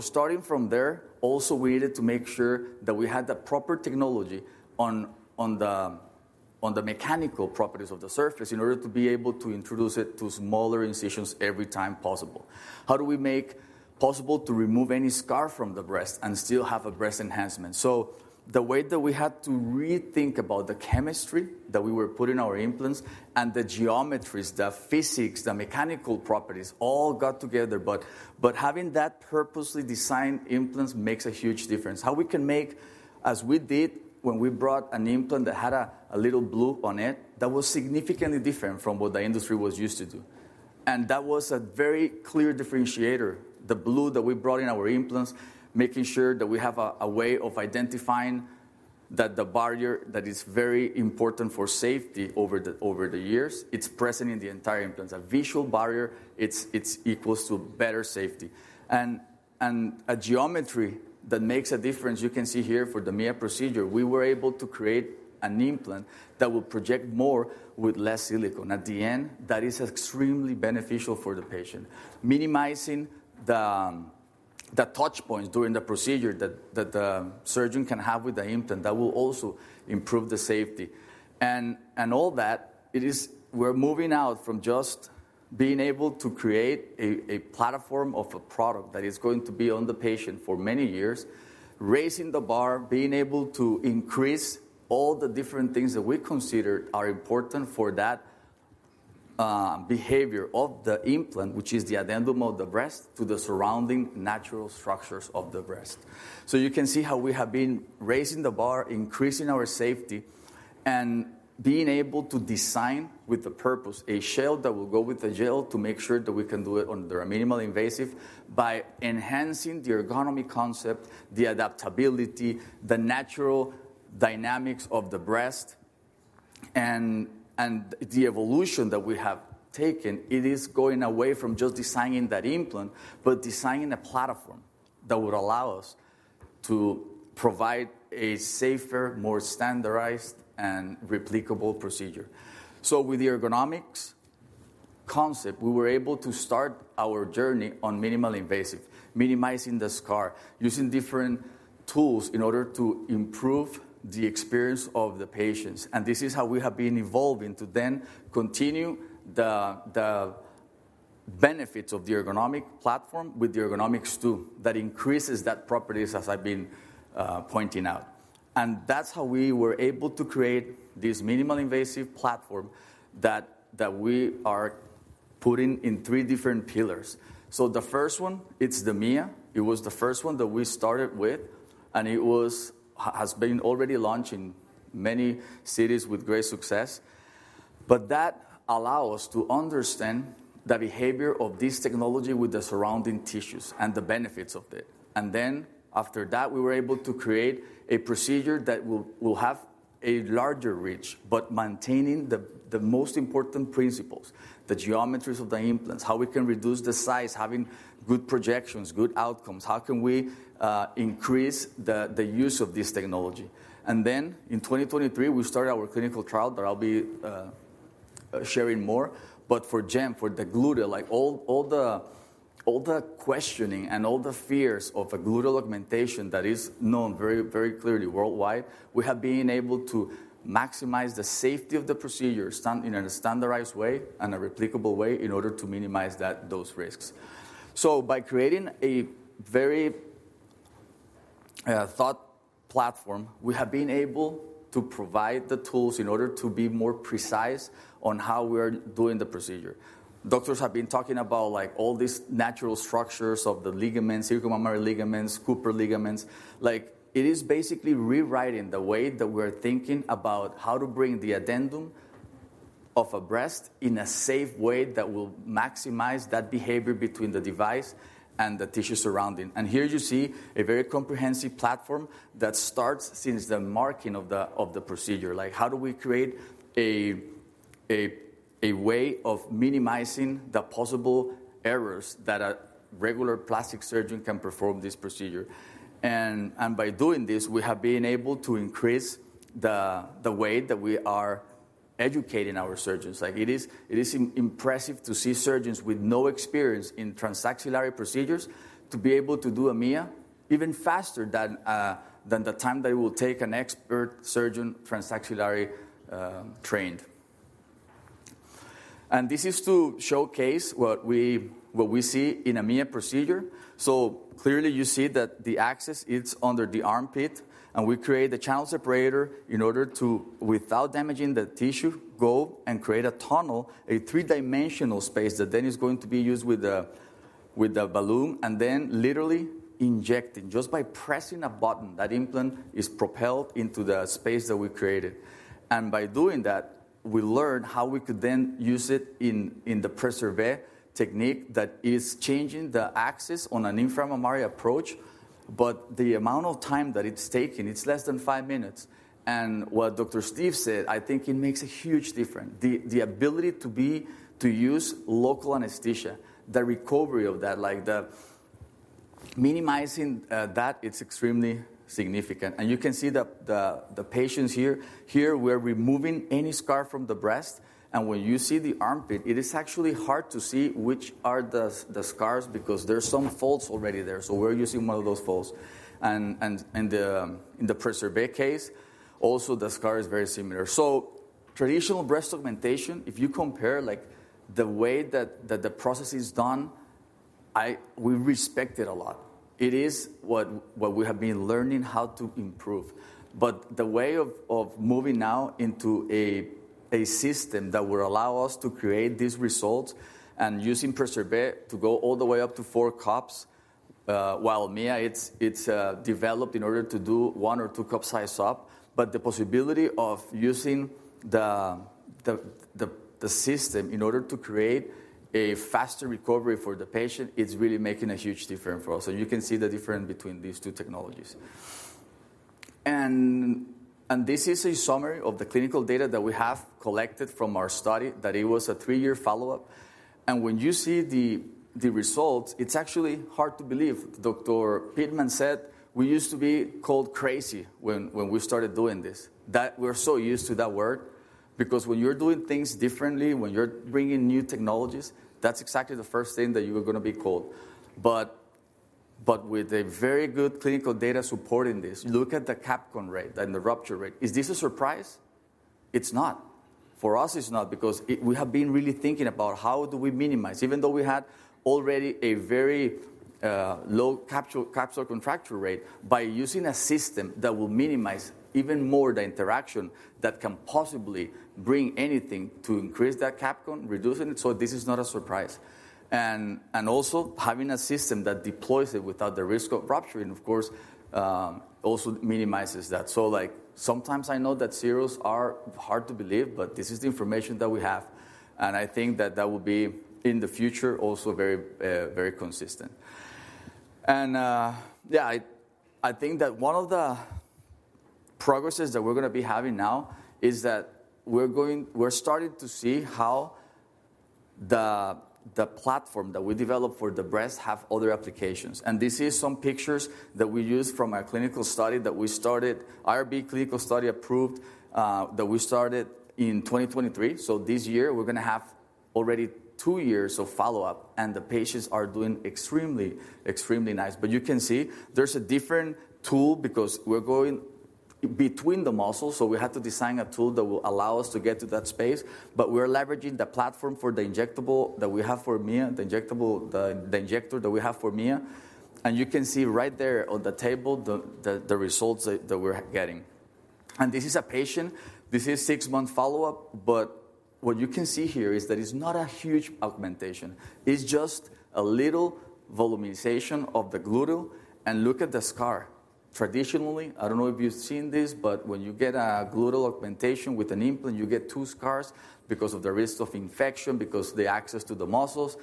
Starting from there, also we needed to make sure that we had the proper technology on the mechanical properties of the surface in order to be able to introduce it to smaller incisions every time possible. How do we make it possible to remove any scar from the breast and still have a breast enhancement? The way that we had to rethink about the chemistry that we were putting our implants and the geometries, the physics, the mechanical properties all got together. Having that purposely designed implants makes a huge difference. How we can make, as we did when we brought an implant that had a little blue on it, that was significantly different from what the industry was used to do. That was a very clear differentiator, the blue that we brought in our implants, making sure that we have a way of identifying that the barrier that is very important for safety over the years, it's present in the entire implants. A visual barrier, it's equal to better safety. A geometry that makes a difference, you can see here for the Mia procedure, we were able to create an implant that will project more with less silicone at the end. That is extremely beneficial for the patient, minimizing the touch points during the procedure that the surgeon can have with the implant. That will also improve the safety. All that, we're moving out from just being able to create a platform of a product that is going to be on the patient for many years, raising the bar, being able to increase all the different things that we consider are important for that behavior of the implant, which is the addendum of the breast to the surrounding natural structures of the breast. You can see how we have been raising the bar, increasing our safety, and being able to design with the purpose, a shell that will go with the gel to make sure that we can do it under a minimal invasive by enhancing the ergonomic concept, the adaptability, the natural dynamics of the breast, and the evolution that we have taken. It is going away from just designing that implant, but designing a platform that would allow us to provide a safer, more standardized, and replicable procedure. With the ergonomics concept, we were able to start our journey on minimal invasive, minimizing the scar, using different tools in order to improve the experience of the patients. This is how we have been evolving to then continue the benefits of the ergonomic platform with the ergonomics too that increases that properties, as I've been pointing out. That is how we were able to create this minimal invasive platform that we are putting in three different pillars. The first one is the Mia. It was the first one that we started with. It has been already launched in many cities with great success. That allows us to understand the behavior of this technology with the surrounding tissues and the benefits of it. After that, we were able to create a procedure that will have a larger reach, but maintaining the most important principles, the geometries of the implants, how we can reduce the size, having good projections, good outcomes. How can we increase the use of this technology? In 2023, we started our clinical trial that I'll be sharing more. For GEM, for the glute, all the questioning and all the fears of a gluteal augmentation that is known very, very clearly worldwide, we have been able to maximize the safety of the procedure in a standardized way and a replicable way in order to minimize those risks. By creating a very thought platform, we have been able to provide the tools in order to be more precise on how we are doing the procedure. Doctors have been talking about all these natural structures of the ligaments, circummammary ligaments, Cooper ligaments. It is basically rewriting the way that we're thinking about how to bring the addendum of a breast in a safe way that will maximize that behavior between the device and the tissue surrounding. Here you see a very comprehensive platform that starts since the marking of the procedure. How do we create a way of minimizing the possible errors that a regular plastic surgeon can perform this procedure? By doing this, we have been able to increase the way that we are educating our surgeons. It is impressive to see surgeons with no experience in transaxillary procedures to be able to do a Mia even faster than the time that it will take an expert surgeon transaxillary trained. This is to showcase what we see in a Mia procedure. Clearly you see that the access is under the armpit. We create the channel separator in order to, without damaging the tissue, go and create a tunnel, a three-dimensional space that then is going to be used with the balloon. Literally injecting just by pressing a button, that implant is propelled into the space that we created. By doing that, we learn how we could then use it in the pressure bay technique that is changing the axis on an inframammary approach. The amount of time that it's taking, it's less than five minutes. What Dr. Steve said, I think it makes a huge difference. The ability to use local anesthesia, the recovery of that, minimizing that, it's extremely significant. You can see the patients here. Here we're removing any scar from the breast. When you see the armpit, it is actually hard to see which are the scars because there are some folds already there. We're using one of those folds. In the Preservé case, also the scar is very similar. Traditional breast augmentation, if you compare the way that the process is done, we respect it a lot. It is what we have been learning how to improve. The way of moving now into a system that will allow us to create these results and using pressure bay to go all the way up to four cups, while Mia, it's developed in order to do one or two cup size up. The possibility of using the system in order to create a faster recovery for the patient, it's really making a huge difference for us. You can see the difference between these two technologies. This is a summary of the clinical data that we have collected from our study that it was a three-year follow-up. When you see the results, it's actually hard to believe. Dr. Pittman said we used to be called crazy when we started doing this. We're so used to that word because when you're doing things differently, when you're bringing new technologies, that's exactly the first thing that you're going to be called. With very good clinical data supporting this, look at the capcon rate and the rupture rate. Is this a surprise? It's not. For us, it's not because we have been really thinking about how do we minimize, even though we had already a very low capsular contracture rate, by using a system that will minimize even more the interaction that can possibly bring anything to increase that capcon, reducing it. This is not a surprise. Also, having a system that deploys it without the risk of rupturing, of course, also minimizes that. Sometimes I know that serials are hard to believe, but this is the information that we have. I think that that will be in the future also very consistent. Yeah, I think that one of the progresses that we're going to be having now is that we're starting to see how the platform that we develop for the breast has other applications. This is some pictures that we used from our clinical study that we started, IRB clinical study approved, that we started in 2023. This year, we're going to have already two years of follow-up. The patients are doing extremely, extremely nice. You can see there's a different tool because we're going between the muscles. We have to design a tool that will allow us to get to that space. We're leveraging the platform for the injectable that we have for Mia, the injector that we have for Mia. You can see right there on the table the results that we're getting. This is a patient. This is six-month follow-up. What you can see here is that it's not a huge augmentation. It's just a little volumization of the glute. Look at the scar. Traditionally, I don't know if you've seen this, but when you get a gluteal augmentation with an implant, you get two scars because of the risk of infection, because of the access to the muscles.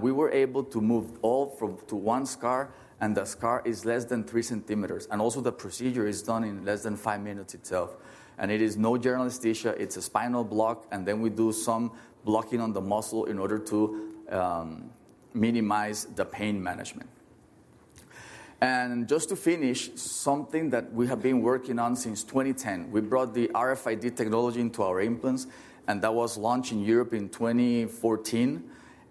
We were able to move all to one scar. The scar is less than 3 cm. Also, the procedure is done in less than five minutes itself. It is no general anesthesia. It's a spinal block. Then we do some blocking on the muscle in order to minimize the pain management. Just to finish, something that we have been working on since 2010, we brought the RFID technology into our implants. That was launched in Europe in 2014.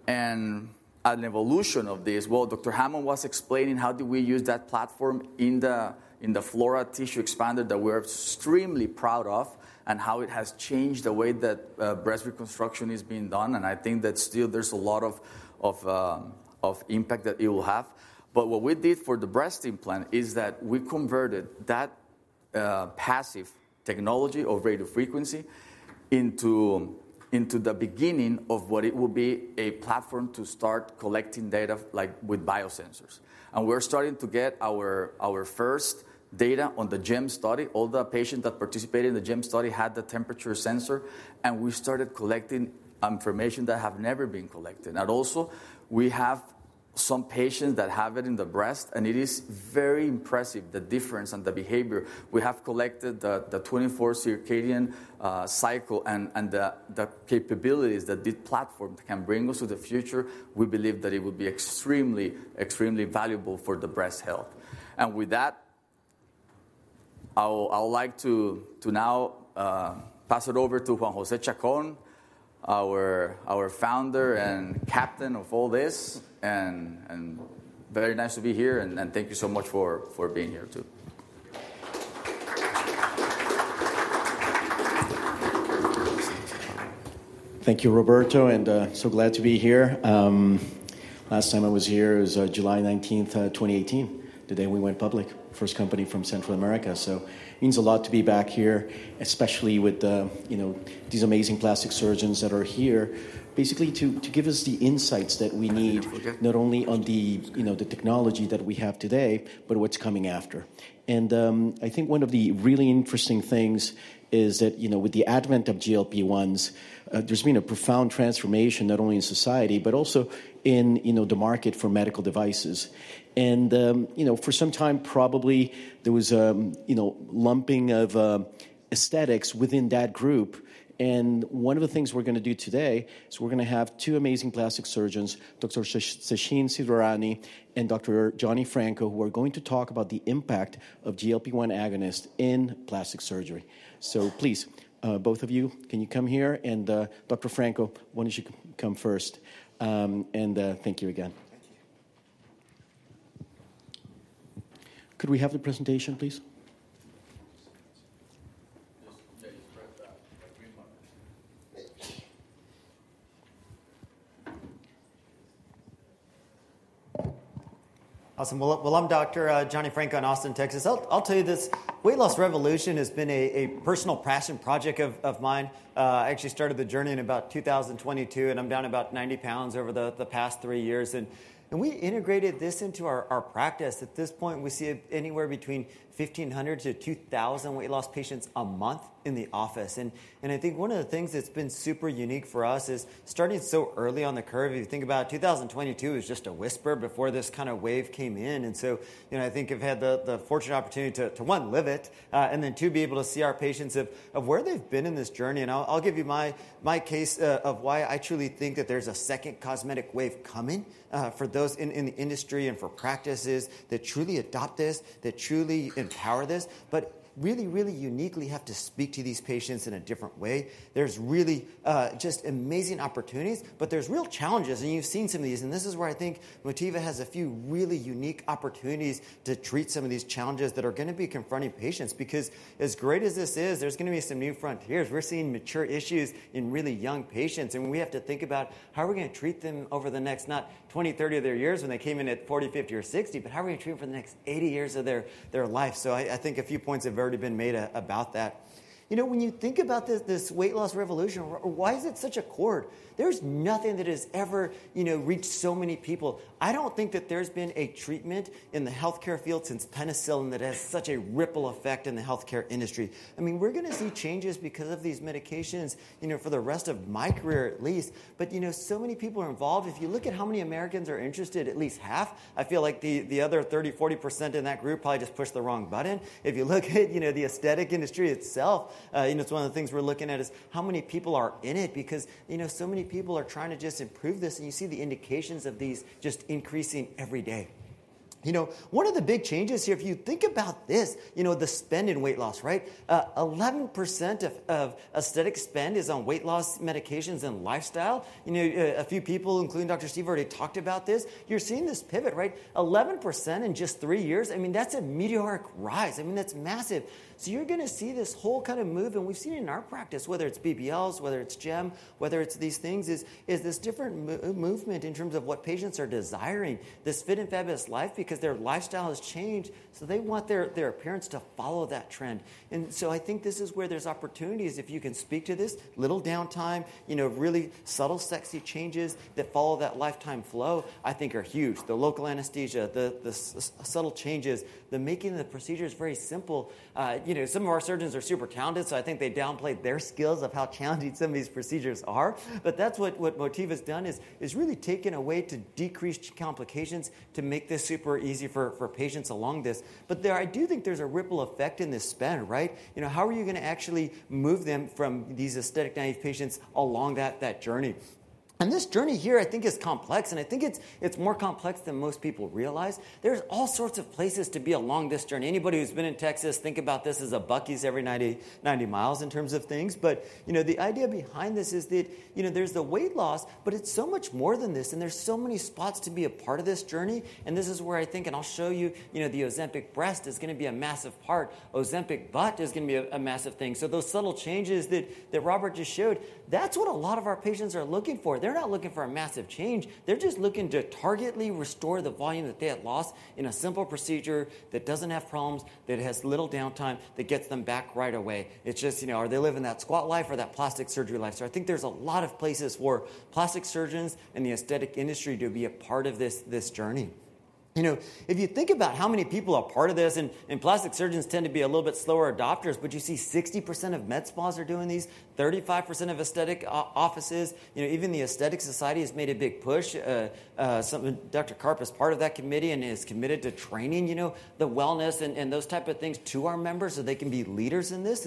An evolution of this, Dr. Hammond was explaining how we used that platform in the Flora tissue expander that we are extremely proud of and how it has changed the way that breast reconstruction is being done. I think that still there's a lot of impact that it will have. What we did for the breast implant is that we converted that passive technology of radio frequency into the beginning of what it will be, a platform to start collecting data with biosensors. We're starting to get our first data on the GEM study. All the patients that participated in the GEM study had the temperature sensor. We started collecting information that has never been collected. We also have some patients that have it in the breast. It is very impressive, the difference and the behavior. We have collected the 24 circadian cycle and the capabilities that this platform can bring us to the future. We believe that it will be extremely, extremely valuable for breast health. With that, I would like to now pass it over to Juan José Chacón, our founder and captain of all this. Very nice to be here. Thank you so much for being here too. Thank you, Roberto. And so glad to be here. Last time I was here was July 19th, 2018. The day we went public, first company from Central America. So it means a lot to be back here, especially with these amazing plastic surgeons that are here, basically to give us the insights that we need, not only on the technology that we have today, but what's coming after. I think one of the really interesting things is that with the advent of GLP-1s, there's been a profound transformation, not only in society, but also in the market for medical devices. For some time, probably there was a lumping of aesthetics within that group. One of the things we're going to do today is we're going to have two amazing plastic surgeons, Dr. Sachin Shridharani and Dr. Johnny Franco, who are going to talk about the impact of GLP-1 agonists in plastic surgery. Please, both of you, can you come here? Dr. Franco, why don't you come first? Thank you again. Could we have the presentation, please? Awesome. I'm Dr. Johnny Franco in Austin, Texas. I'll tell you this. Weight loss revolution has been a personal passion project of mine. I actually started the journey in about 2022. I'm down about 90 lbs over the past three years. We integrated this into our practice. At this point, we see anywhere between 1,500-2,000 weight loss patients a month in the office. I think one of the things that's been super unique for us is starting so early on the curve. If you think about 2022, it was just a whisper before this kind of wave came in. I think I've had the fortunate opportunity to, one, live it, and then two, be able to see our patients of where they've been in this journey. I'll give you my case of why I truly think that there's a second cosmetic wave coming for those in the industry and for practices that truly adopt this, that truly empower this. Really, really uniquely have to speak to these patients in a different way. There are just amazing opportunities. There are real challenges. You've seen some of these. This is where I think Motiva has a few really unique opportunities to treat some of these challenges that are going to be confronting patients. As great as this is, there are going to be some new frontiers. We're seeing mature issues in really young patients. We have to think about how are we going to treat them over the next not 20, 30 of their years when they came in at 40, 50, or 60, but how are we going to treat them for the next 80 years of their life? I think a few points have already been made about that. When you think about this weight loss revolution, why is it such a chord? There's nothing that has ever reached so many people. I don't think that there's been a treatment in the healthcare field since penicillin that has such a ripple effect in the healthcare industry. I mean, we're going to see changes because of these medications for the rest of my career, at least. So many people are involved. If you look at how many Americans are interested, at least half. I feel like the other 30%-40% in that group probably just pushed the wrong button. If you look at the aesthetic industry itself, one of the things we're looking at is how many people are in it. Because so many people are trying to just improve this. And you see the indications of these just increasing every day. One of the big changes here, if you think about this, the spend in weight loss, right? 11% of aesthetic spend is on weight loss medications and lifestyle. A few people, including Dr. Steve, already talked about this. You're seeing this pivot, right? 11% in just three years. I mean, that's a meteoric rise. I mean, that's massive. You are going to see this whole kind of move. We've seen in our practice, whether it's BBLs, whether it's gym, whether it's these things, is this different movement in terms of what patients are desiring, this fit and fabulous life because their lifestyle has changed. They want their appearance to follow that trend. I think this is where there's opportunities. If you can speak to this, little downtime, really subtle, sexy changes that follow that lifetime flow, I think are huge. The local anesthesia, the subtle changes, the making of the procedure is very simple. Some of our surgeons are super talented. I think they downplayed their skills of how challenging some of these procedures are. That's what Motiva has done, is really taken a way to decrease complications to make this super easy for patients along this. I do think there's a ripple effect in this spend, right? How are you going to actually move them from these aesthetic patients along that journey? This journey here, I think, is complex. I think it's more complex than most people realize. There are all sorts of places to be along this journey. Anybody who's been in Texas thinks about this as a Bucky's every 90 mi in terms of things. The idea behind this is that there's the weight loss, but it's so much more than this. There are so many spots to be a part of this journey. This is where I think, and I'll show you, the Ozempic breast is going to be a massive part. Ozempic butt is going to be a massive thing. Those subtle changes that Robert just showed, that's what a lot of our patients are looking for. They're not looking for a massive change. They're just looking to targetly restore the volume that they had lost in a simple procedure that does not have problems, that has little downtime, that gets them back right away. It's just, are they living that squat life or that plastic surgery life? I think there's a lot of places for plastic surgeons and the aesthetic industry to be a part of this journey. If you think about how many people are part of this, and plastic surgeons tend to be a little bit slower adopters, but you see 60% of med spas are doing these, 35% of aesthetic offices. Even the Aesthetic Society has made a big push. Dr. Karp is part of that committee and is committed to training the wellness and those type of things to our members so they can be leaders in this.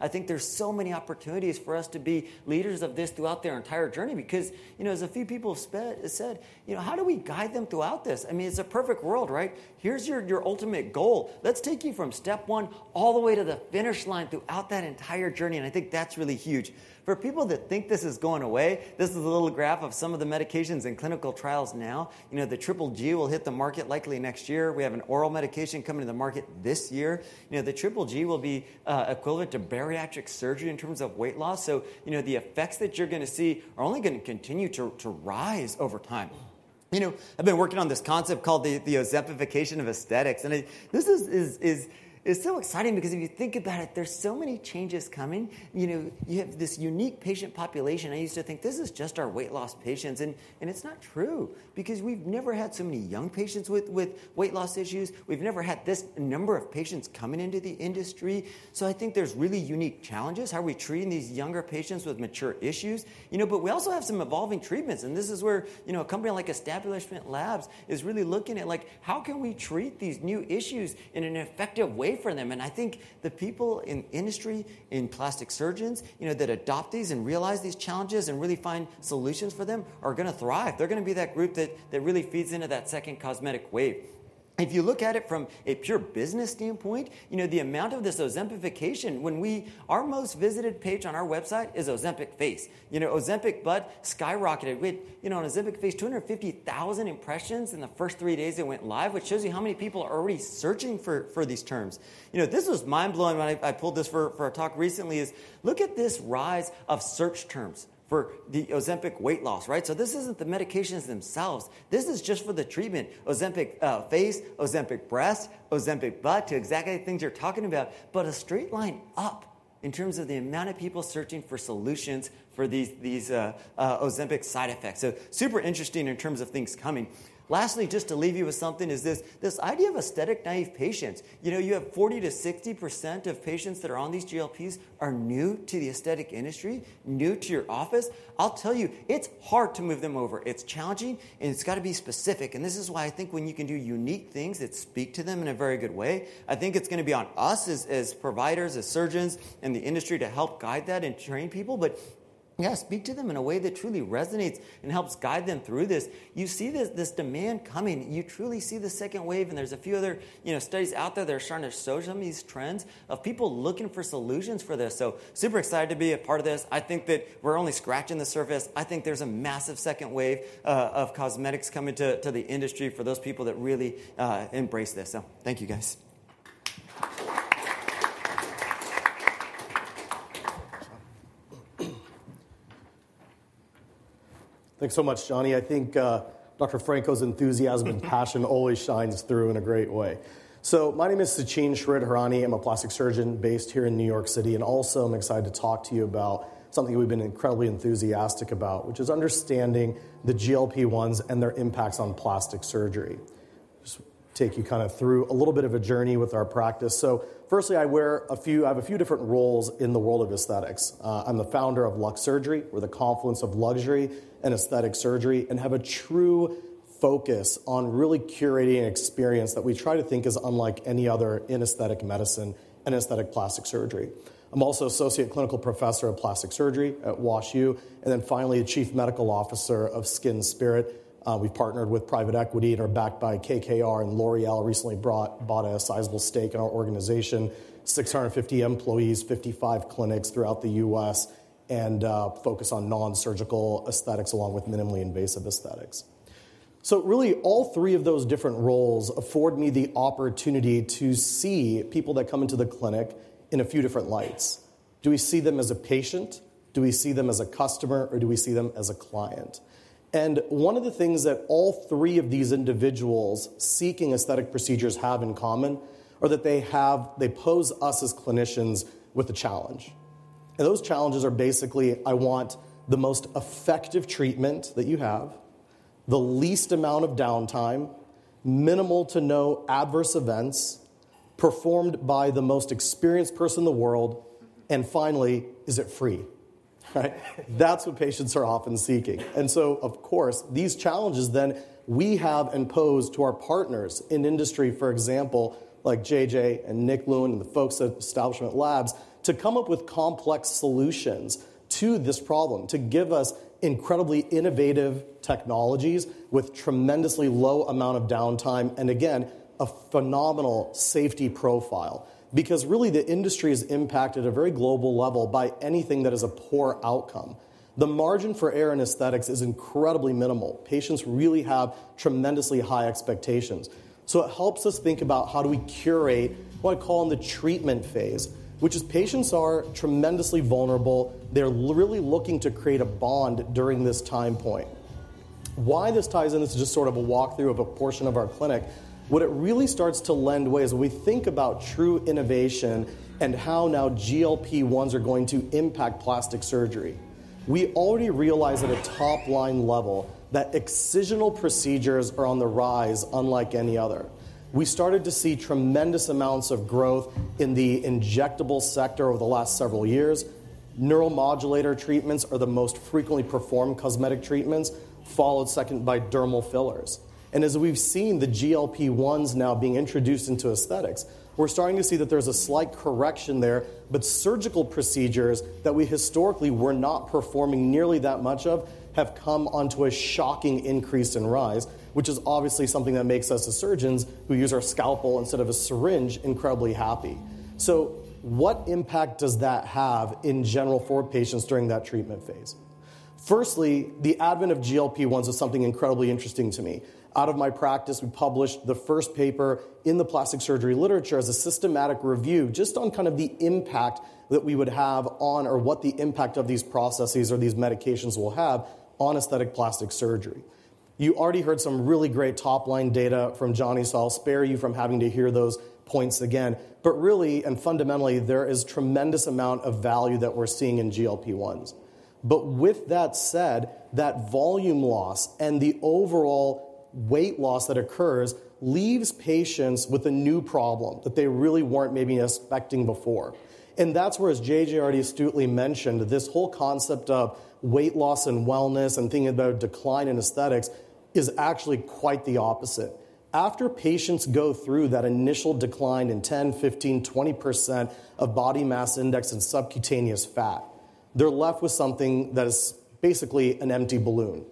I think there are so many opportunities for us to be leaders of this throughout their entire journey. Because as a few people have said, how do we guide them throughout this? I mean, it is a perfect world, right? Here is your ultimate goal. Let us take you from step one all the way to the finish line throughout that entire journey. I think that is really huge. For people that think this is going away, this is a little graph of some of the medications and clinical trials now. The Triple G will hit the market likely next year. We have an oral medication coming to the market this year. The Triple G will be equivalent to bariatric surgery in terms of weight loss. The effects that you are going to see are only going to continue to rise over time. I've been working on this concept called the Ozempification of Aesthetics. This is so exciting because if you think about it, there's so many changes coming. You have this unique patient population. I used to think this is just our weight loss patients. It's not true because we've never had so many young patients with weight loss issues. We've never had this number of patients coming into the industry. I think there's really unique challenges. How are we treating these younger patients with mature issues? We also have some evolving treatments. This is where a company like Establishment Labs is really looking at how can we treat these new issues in an effective way for them. I think the people in industry, in plastic surgeons, that adopt these and realize these challenges and really find solutions for them are going to thrive. They're going to be that group that really feeds into that second cosmetic wave. If you look at it from a pure business standpoint, the amount of this Ozempification, when our most visited page on our website is Ozempic face, Ozempic butt skyrocketed. With Ozempic face, 250,000 impressions in the first three days it went live, which shows you how many people are already searching for these terms. This was mind-blowing when I pulled this for a talk recently. Look at this rise of search terms for the Ozempic weight loss, right? This isn't the medications themselves. This is just for the treatment, Ozempic face, Ozempic breast, Ozempic butt, to exactly the things you're talking about, but a straight line up in terms of the amount of people searching for solutions for these Ozempic side effects. Super interesting in terms of things coming. Lastly, just to leave you with something is this idea of aesthetic naive patients. You have 40%-60% of patients that are on these GLPs are new to the aesthetic industry, new to your office. I'll tell you, it's hard to move them over. It's challenging. It's got to be specific. This is why I think when you can do unique things that speak to them in a very good way, I think it's going to be on us as providers, as surgeons, and the industry to help guide that and train people. Yeah, speak to them in a way that truly resonates and helps guide them through this. You see this demand coming. You truly see the second wave. There are a few other studies out there that are starting to show some of these trends of people looking for solutions for this. Super excited to be a part of this. I think that we're only scratching the surface. I think there's a massive second wave of cosmetics coming to the industry for those people that really embrace this. Thank you, guys. Thanks so much, Johnny. I think Dr. Franco's enthusiasm and passion always shines through in a great way. My name is Sachin Shridharani. I'm a plastic surgeon based here in New York City. Also, I'm excited to talk to you about something we've been incredibly enthusiastic about, which is understanding the GLP-1s and their impacts on plastic surgery. Just take you kind of through a little bit of a journey with our practice. Firstly, I have a few different roles in the world of aesthetics. I'm the founder of LUXURGERY. We're the confluence of luxury and aesthetic surgery and have a true focus on really curating an experience that we try to think is unlike any other in aesthetic medicine and aesthetic plastic surgery. I'm also Associate Clinical Professor of Plastic Surgery at WashU. Finally, Chief Medical Officer of Skin Spirit. We've partnered with private equity and are backed by KKR and L'Oréal, recently bought a sizable stake in our organization, 650 employees, 55 clinics throughout the U.S., and focus on non-surgical aesthetics along with minimally invasive aesthetics. Really, all three of those different roles afford me the opportunity to see people that come into the clinic in a few different lights. Do we see them as a patient? Do we see them as a customer? Do we see them as a client? One of the things that all three of these individuals seeking aesthetic procedures have in common is that they pose us as clinicians with a challenge. Those challenges are basically, I want the most effective treatment that you have, the least amount of downtime, minimal to no adverse events performed by the most experienced person in the world. Finally, is it free? That's what patients are often seeking. Of course, these challenges then we have imposed to our partners in industry, for example, like JJ and Nick Lewin and the folks at Establishment Labs, to come up with complex solutions to this problem, to give us incredibly innovative technologies with tremendously low amount of downtime and, again, a phenomenal safety profile. Because really, the industry is impacted at a very global level by anything that is a poor outcome. The margin for error in aesthetics is incredibly minimal. Patients really have tremendously high expectations. It helps us think about how do we curate what I call in the treatment phase, which is patients are tremendously vulnerable. They're really looking to create a bond during this time point. Why this ties in is just sort of a walkthrough of a portion of our clinic. What it really starts to lend way is when we think about true innovation and how now GLP-1s are going to impact plastic surgery. We already realize at a top-line level that excisional procedures are on the rise unlike any other. We started to see tremendous amounts of growth in the injectable sector over the last several years. Neuromodulator treatments are the most frequently performed cosmetic treatments, followed second by dermal fillers. As we've seen the GLP-1s now being introduced into aesthetics, we're starting to see that there's a slight correction there. Surgical procedures that we historically were not performing nearly that much of have come onto a shocking increase in rise, which is obviously something that makes us as surgeons who use our scalpel instead of a syringe incredibly happy. What impact does that have in general for patients during that treatment phase? Firstly, the advent of GLP-1s is something incredibly interesting to me. Out of my practice, we published the first paper in the plastic surgery literature as a systematic review just on kind of the impact that we would have on or what the impact of these processes or these medications will have on aesthetic plastic surgery. You already heard some really great top-line data from Johnny so I'll spare you from having to hear those points again. Really, and fundamentally, there is a tremendous amount of value that we're seeing in GLP-1s. With that said, that volume loss and the overall weight loss that occurs leaves patients with a new problem that they really were not maybe expecting before. That is where, as JJ already astutely mentioned, this whole concept of weight loss and wellness and thinking about decline in aesthetics is actually quite the opposite. After patients go through that initial decline in 10%-15%-20% of body mass index and subcutaneous fat, they're left with something that is basically an empty balloon.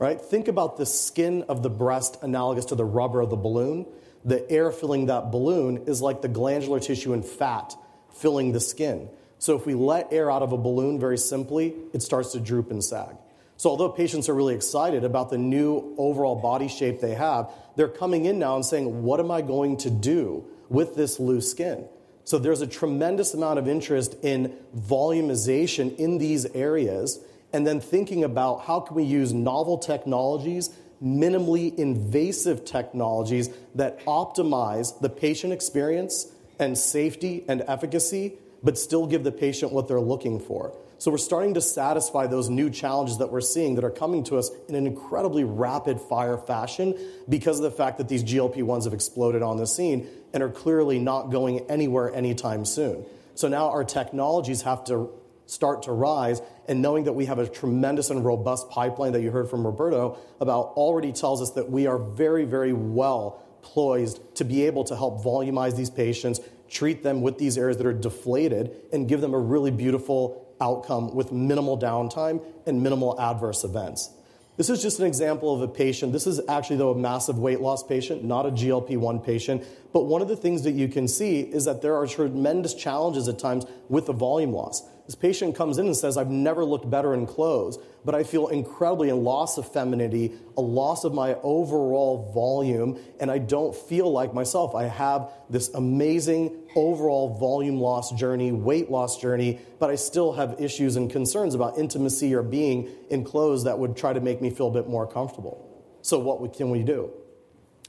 Think about the skin of the breast analogous to the rubber of the balloon. The air filling that balloon is like the glandular tissue and fat filling the skin. If we let air out of a balloon very simply, it starts to droop and sag. Although patients are really excited about the new overall body shape they have, they're coming in now and saying, "What am I going to do with this loose skin?" There is a tremendous amount of interest in volumization in these areas and then thinking about how can we use novel technologies, minimally invasive technologies that optimize the patient experience and safety and efficacy, but still give the patient what they're looking for. We're starting to satisfy those new challenges that we're seeing that are coming to us in an incredibly rapid-fire fashion because of the fact that these GLP-1s have exploded on the scene and are clearly not going anywhere anytime soon. Now our technologies have to start to rise. Knowing that we have a tremendous and robust pipeline that you heard from Roberto about already tells us that we are very, very well poised to be able to help volumize these patients, treat them with these areas that are deflated, and give them a really beautiful outcome with minimal downtime and minimal adverse events. This is just an example of a patient. This is actually, though, a massive weight loss patient, not a GLP-1 patient. One of the things that you can see is that there are tremendous challenges at times with the volume loss. This patient comes in and says, "I've never looked better in clothes, but I feel incredibly a loss of femininity, a loss of my overall volume, and I don't feel like myself. I have this amazing overall volume loss journey, weight loss journey, but I still have issues and concerns about intimacy or being in clothes that would try to make me feel a bit more comfortable." What can we do?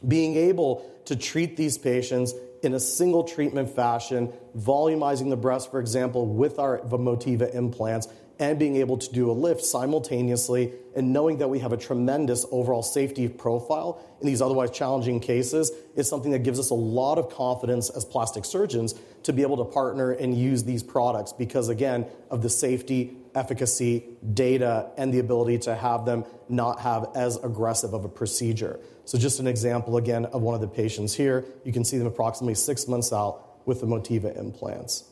Being able to treat these patients in a single treatment fashion, volumizing the breast, for example, with our Motiva implants and being able to do a lift simultaneously and knowing that we have a tremendous overall safety profile in these otherwise challenging cases is something that gives us a lot of confidence as plastic surgeons to be able to partner and use these products because, again, of the safety, efficacy, data, and the ability to have them not have as aggressive of a procedure. Just an example, again, of one of the patients here. You can see them approximately six months out with the Motiva implants.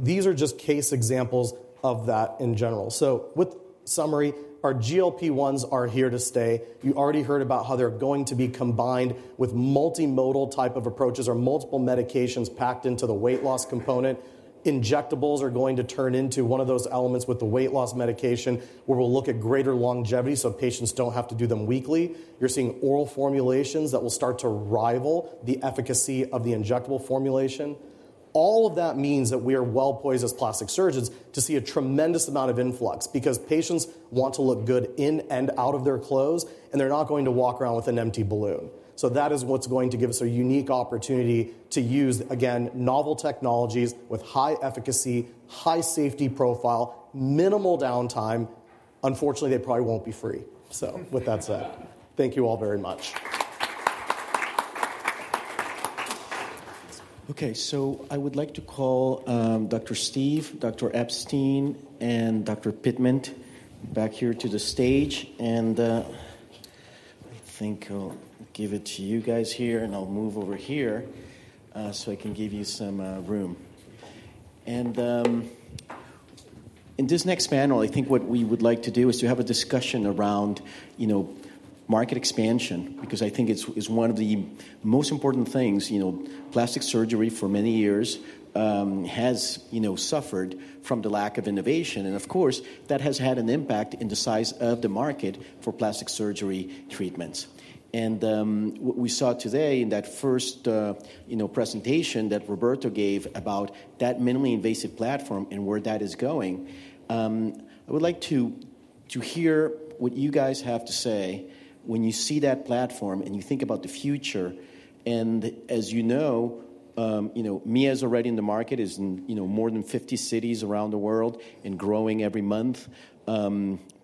These are just case examples of that in general. In summary, our GLP-1s are here to stay. You already heard about how they're going to be combined with multimodal type of approaches or multiple medications packed into the weight loss component. Injectables are going to turn into one of those elements with the weight loss medication where we'll look at greater longevity so patients don't have to do them weekly. You're seeing oral formulations that will start to rival the efficacy of the injectable formulation. All of that means that we are well poised as plastic surgeons to see a tremendous amount of influx because patients want to look good in and out of their clothes, and they're not going to walk around with an empty balloon. That is what's going to give us a unique opportunity to use, again, novel technologies with high efficacy, high safety profile, minimal downtime. Unfortunately, they probably won't be free. With that said, thank you all very much. Okay. I would like to call Dr. Steve, Dr. Epstein, and Dr. Pittman back here to the stage. I think I'll give it to you guys here, and I'll move over here so I can give you some room. In this next panel, I think what we would like to do is to have a discussion around market expansion because I think it's one of the most important things. Plastic surgery for many years has suffered from the lack of innovation. Of course, that has had an impact in the size of the market for plastic surgery treatments. What we saw today in that first presentation that Roberto gave about that minimally invasive platform and where that is going, I would like to hear what you guys have to say when you see that platform and you think about the future. As you know, Mia is already in the market, is in more than 50 cities around the world and growing every month.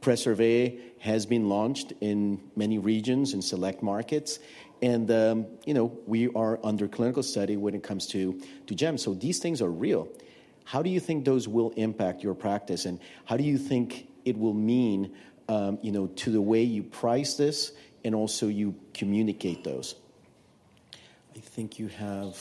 Preservé has been launched in many regions and select markets. We are under clinical study when it comes to GEM. These things are real. How do you think those will impact your practice? How do you think it will mean to the way you price this and also you communicate those? I think you have.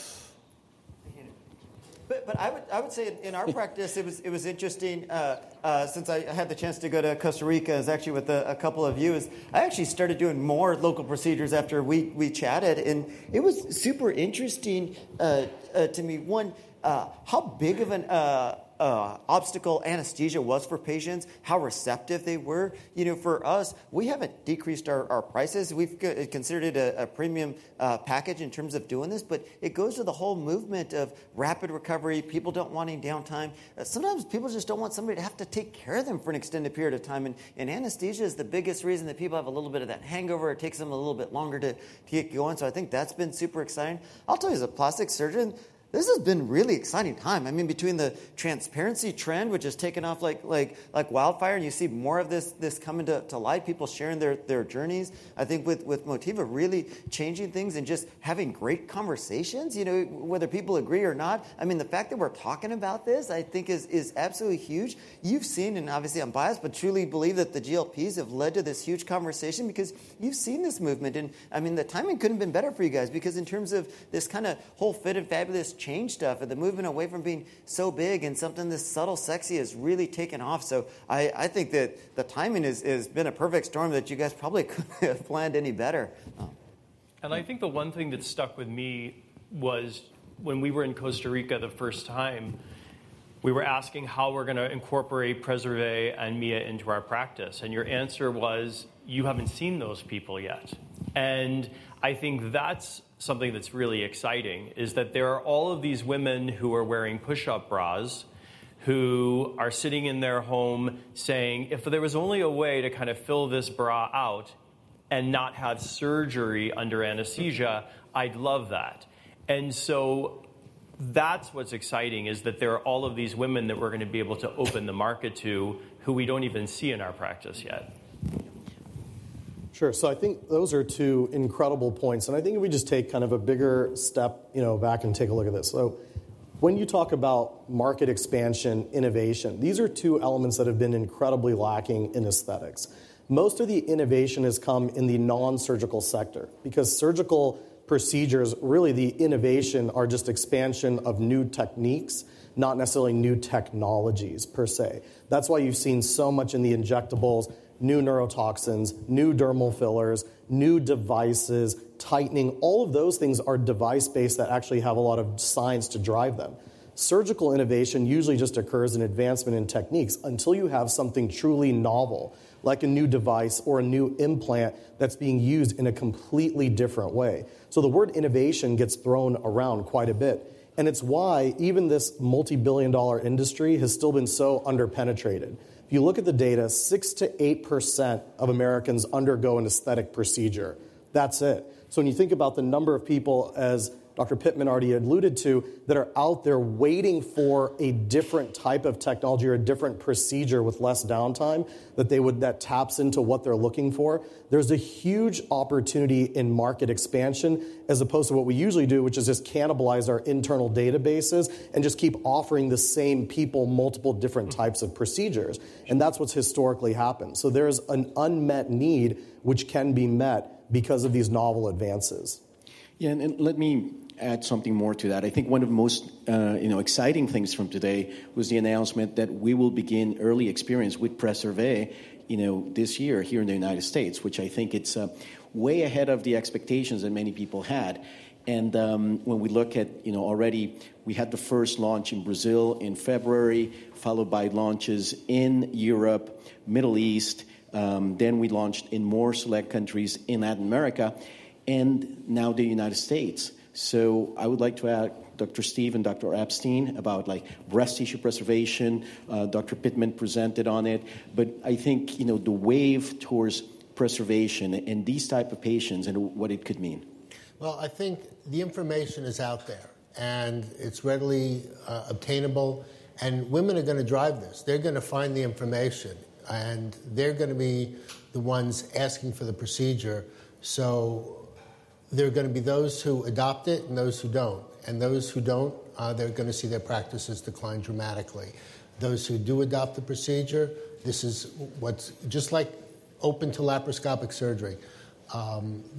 I would say in our practice, it was interesting since I had the chance to go to Costa Rica and was actually with a couple of you. I actually started doing more local procedures after we chatted. It was super interesting to me. One, how big of an obstacle anesthesia was for patients, how receptive they were. For us, we haven't decreased our prices. We've considered it a premium package in terms of doing this. It goes to the whole movement of rapid recovery. People don't want any downtime. Sometimes people just don't want somebody to have to take care of them for an extended period of time. Anesthesia is the biggest reason that people have a little bit of that hangover. It takes them a little bit longer to get going. I think that's been super exciting. I'll tell you as a plastic surgeon, this has been a really exciting time. I mean, between the transparency trend, which has taken off like wildfire, and you see more of this coming to light, people sharing their journeys, I think with Motiva really changing things and just having great conversations, whether people agree or not, I mean, the fact that we're talking about this, I think, is absolutely huge. You've seen, and obviously, I'm biased, but truly believe that the GLPs have led to this huge conversation because you've seen this movement. I mean, the timing couldn't have been better for you guys because in terms of this kind of whole fit and fabulous change stuff and the movement away from being so big and something this subtle, sexy has really taken off. I think that the timing has been a perfect storm that you guys probably couldn't have planned any better. I think the one thing that stuck with me was when we were in Costa Rica the first time, we were asking how we're going to incorporate Preservé and Mia into our practice. Your answer was, "You haven't seen those people yet." I think that's something that's really exciting is that there are all of these women who are wearing push-up bras who are sitting in their home saying, "If there was only a way to kind of fill this bra out and not have surgery under anesthesia, I'd love that." That's what's exciting is that there are all of these women that we're going to be able to open the market to who we don't even see in our practice yet. Sure. I think those are two incredible points. I think if we just take kind of a bigger step back and take a look at this. When you talk about market expansion, innovation, these are two elements that have been incredibly lacking in aesthetics. Most of the innovation has come in the non-surgical sector because surgical procedures, really, the innovation are just expansion of new techniques, not necessarily new technologies per se. That's why you've seen so much in the injectables, new neurotoxins, new dermal fillers, new devices, tightening. All of those things are device-based that actually have a lot of science to drive them. Surgical innovation usually just occurs in advancement in techniques until you have something truly novel, like a new device or a new implant that's being used in a completely different way. The word innovation gets thrown around quite a bit. It is why even this multi-billion-dollar industry has still been so underpenetrated. If you look at the data, 6%-8% of Americans undergo an aesthetic procedure. That is it. When you think about the number of people, as Dr. Pittman already alluded to, that are out there waiting for a different type of technology or a different procedure with less downtime that taps into what they are looking for, there is a huge opportunity in market expansion as opposed to what we usually do, which is just cannibalize our internal databases and just keep offering the same people multiple different types of procedures. That is what has historically happened. There is an unmet need which can be met because of these novel advances. Yeah. Let me add something more to that. I think one of the most exciting things from today was the announcement that we will begin early experience with Preservé this year here in the United States, which I think is way ahead of the expectations that many people had. When we look at it already, we had the first launch in Brazil in February, followed by launches in Europe and the Middle East. Then we launched in more select countries in Latin America and now the United States. I would like to ask Dr. Steve and Dr. Epstein about breast tissue preservation. Dr. Pittman presented on it. I think the wave towards preservation and these types of patients and what it could mean. I think the information is out there, and it's readily obtainable. Women are going to drive this. They're going to find the information, and they're going to be the ones asking for the procedure. There are going to be those who adopt it and those who don't. Those who don't, they're going to see their practices decline dramatically. Those who do adopt the procedure, this is just like open to laparoscopic surgery.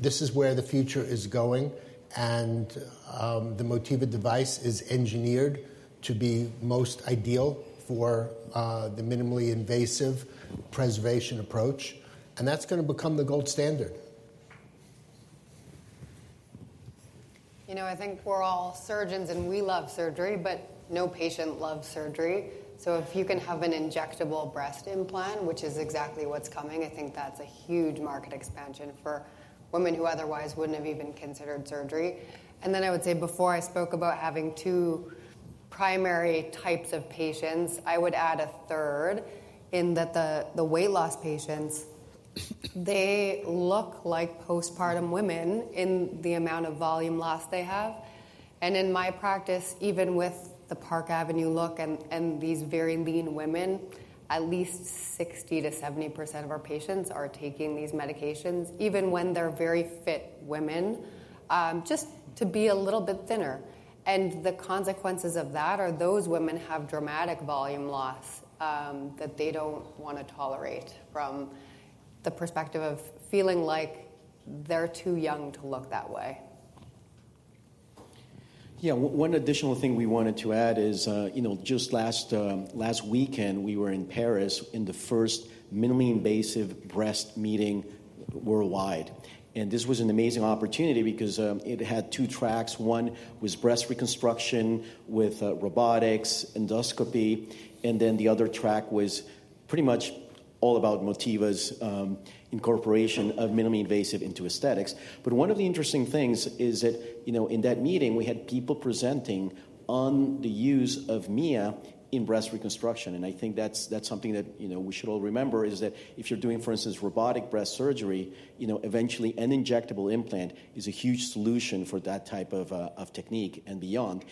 This is where the future is going. The Motiva device is engineered to be most ideal for the minimally invasive preservation approach. That's going to become the gold standard. You know, I think we're all surgeons, and we love surgery, but no patient loves surgery. If you can have an injectable breast implant, which is exactly what's coming, I think that's a huge market expansion for women who otherwise wouldn't have even considered surgery. I would say before I spoke about having two primary types of patients, I would add a third in that the weight loss patients, they look like postpartum women in the amount of volume loss they have. In my practice, even with the Park Avenue look and these very lean women, at least 60%-70% of our patients are taking these medications, even when they're very fit women, just to be a little bit thinner. The consequences of that are those women have dramatic volume loss that they do not want to tolerate from the perspective of feeling like they are too young to look that way. Yeah. One additional thing we wanted to add is just last weekend, we were in Paris in the first minimally invasive breast meeting worldwide. This was an amazing opportunity because it had two tracks. One was breast reconstruction with robotics, endoscopy. The other track was pretty much all about Motiva's incorporation of minimally invasive into aesthetics. One of the interesting things is that in that meeting, we had people presenting on the use of Mia in breast reconstruction. I think that's something that we should all remember is that if you're doing, for instance, robotic breast surgery, eventually an injectable implant is a huge solution for that type of technique and beyond.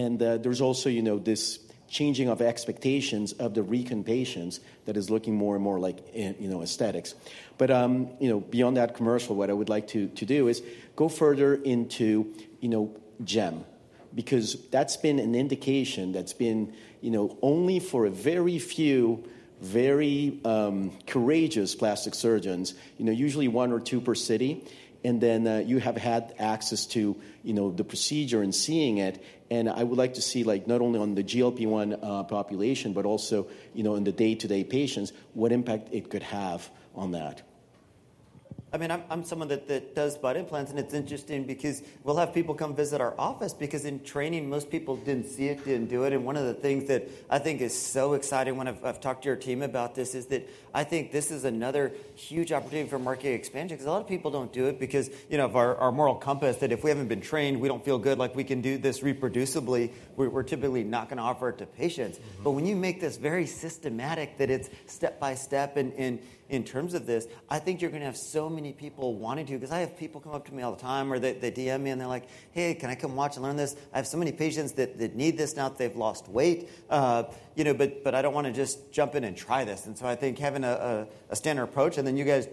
There's also this changing of expectations of the recent patients that is looking more and more like aesthetics. Beyond that commercial, what I would like to do is go further into GEM because that's been an indication that's been only for a very few, very courageous plastic surgeons, usually one or two per city. You have had access to the procedure and seeing it. I would like to see not only on the GLP-1 population, but also in the day-to-day patients what impact it could have on that. I mean, I'm someone that does butt implants. It's interesting because we'll have people come visit our office because in training, most people didn't see it, didn't do it. One of the things that I think is so exciting when I've talked to your team about this is that I think this is another huge opportunity for market expansion because a lot of people don't do it because of our moral compass that if we haven't been trained, we don't feel good. Like we can do this reproducibly. We're typically not going to offer it to patients. When you make this very systematic, that it's step by step in terms of this, I think you're going to have so many people wanting to because I have people come up to me all the time or they DM me and they're like, "Hey, can I come watch and learn this? I have so many patients that need this now that they've lost weight. I don't want to just jump in and try this." I think having a standard approach and then you guys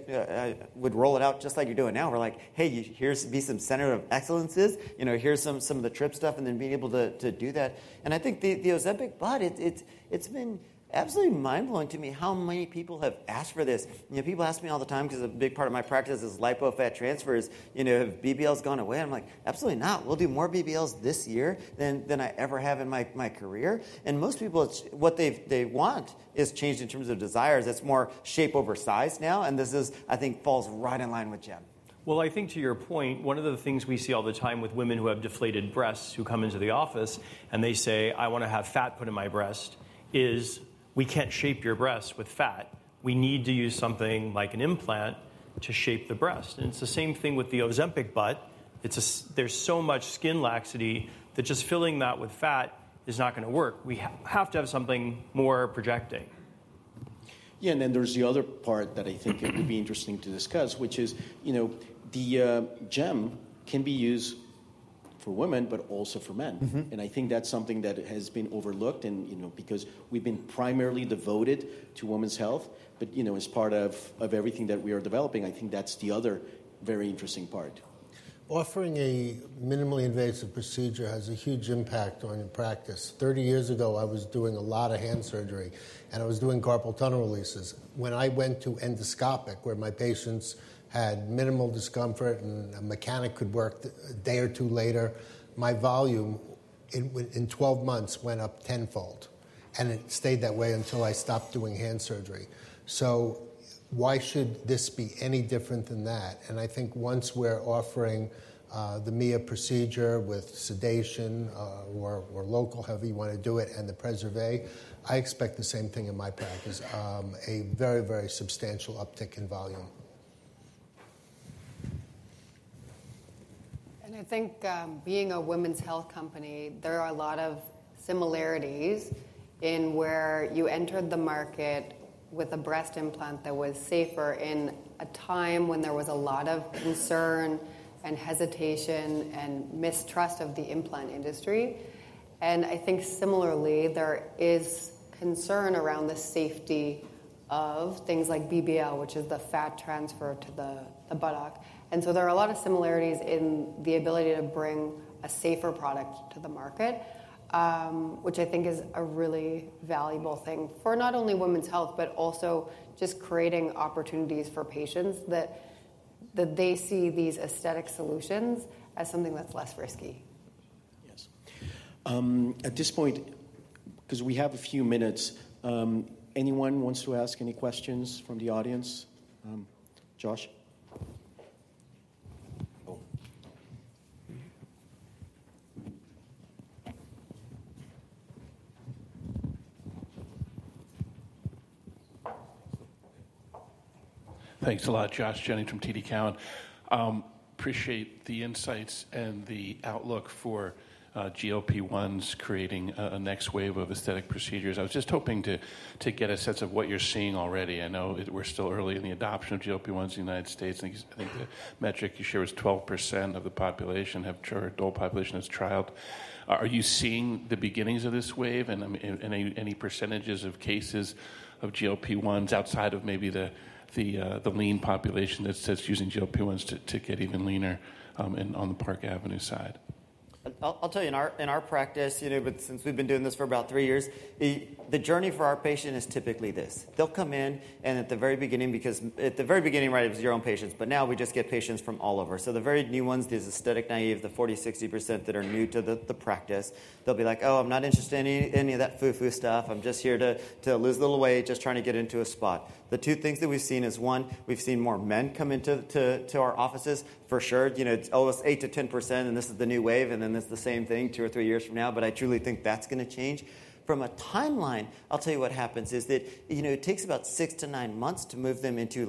would roll it out just like you're doing now. We're like, "Hey, here be some center of excellences. Here's some of the trip stuff," and then being able to do that. I think the Ozempic butt, it's been absolutely mind-blowing to me how many people have asked for this. People ask me all the time because a big part of my practice is lipo fat transfers. Have BBLs gone away? I’m like, "Absolutely not. We’ll do more BBLs this year than I ever have in my career." Most people, what they want has changed in terms of desires. It’s more shape over size now. This, I think, falls right in line with GEM. I think to your point, one of the things we see all the time with women who have deflated breasts who come into the office and they say, "I want to have fat put in my breast," is we can't shape your breasts with fat. We need to use something like an implant to shape the breast. It's the same thing with the Ozempic butt. There's so much skin laxity that just filling that with fat is not going to work. We have to have something more projecting. Yeah. There is the other part that I think it would be interesting to discuss, which is the GEM can be used for women, but also for men. I think that's something that has been overlooked because we've been primarily devoted to women's health. As part of everything that we are developing, I think that's the other very interesting part. Offering a minimally invasive procedure has a huge impact on your practice. Thirty years ago, I was doing a lot of hand surgery, and I was doing carpal tunnel releases. When I went to endoscopic, where my patients had minimal discomfort and a mechanic could work a day or two later, my volume in 12 months went up tenfold. It stayed that way until I stopped doing hand surgery. Why should this be any different than that? I think once we're offering the Mia procedure with sedation or local, however you want to do it, and the Preservé, I expect the same thing in my practice, a very, very substantial uptick in volume. I think being a women's health company, there are a lot of similarities in where you entered the market with a breast implant that was safer in a time when there was a lot of concern and hesitation and mistrust of the implant industry. I think similarly, there is concern around the safety of things like BBL, which is the fat transfer to the buttock. There are a lot of similarities in the ability to bring a safer product to the market, which I think is a really valuable thing for not only women's health, but also just creating opportunities for patients that they see these aesthetic solutions as something that's less risky. Yes. At this point, because we have a few minutes, anyone wants to ask any questions from the audience? Josh? Thanks a lot, Josh Jennings from TD Cowen. Appreciate the insights and the outlook for GLP-1s creating a next wave of aesthetic procedures. I was just hoping to get a sense of what you're seeing already. I know we're still early in the adoption of GLP-1s in the United States. I think the metric you shared was 12% of the population have adult population as trialed. Are you seeing the beginnings of this wave and any percentages of cases of GLP-1s outside of maybe the lean population that's using GLP-1s to get even leaner on the Park Avenue side? I'll tell you, in our practice, since we've been doing this for about three years, the journey for our patient is typically this. They'll come in, and at the very beginning, because at the very beginning, right, it was your own patients, but now we just get patients from all over. The very new ones, these aesthetic naive, the 40%-60% that are new to the practice, they'll be like, "Oh, I'm not interested in any of that foo-foo stuff. I'm just here to lose a little weight, just trying to get into a spot." The two things that we've seen is one, we've seen more men come into our offices, for sure. It's always 8%-10%, and this is the new wave, and then it's the same thing two or three years from now. I truly think that's going to change. From a timeline, I'll tell you what happens is that it takes about six to nine months to move them into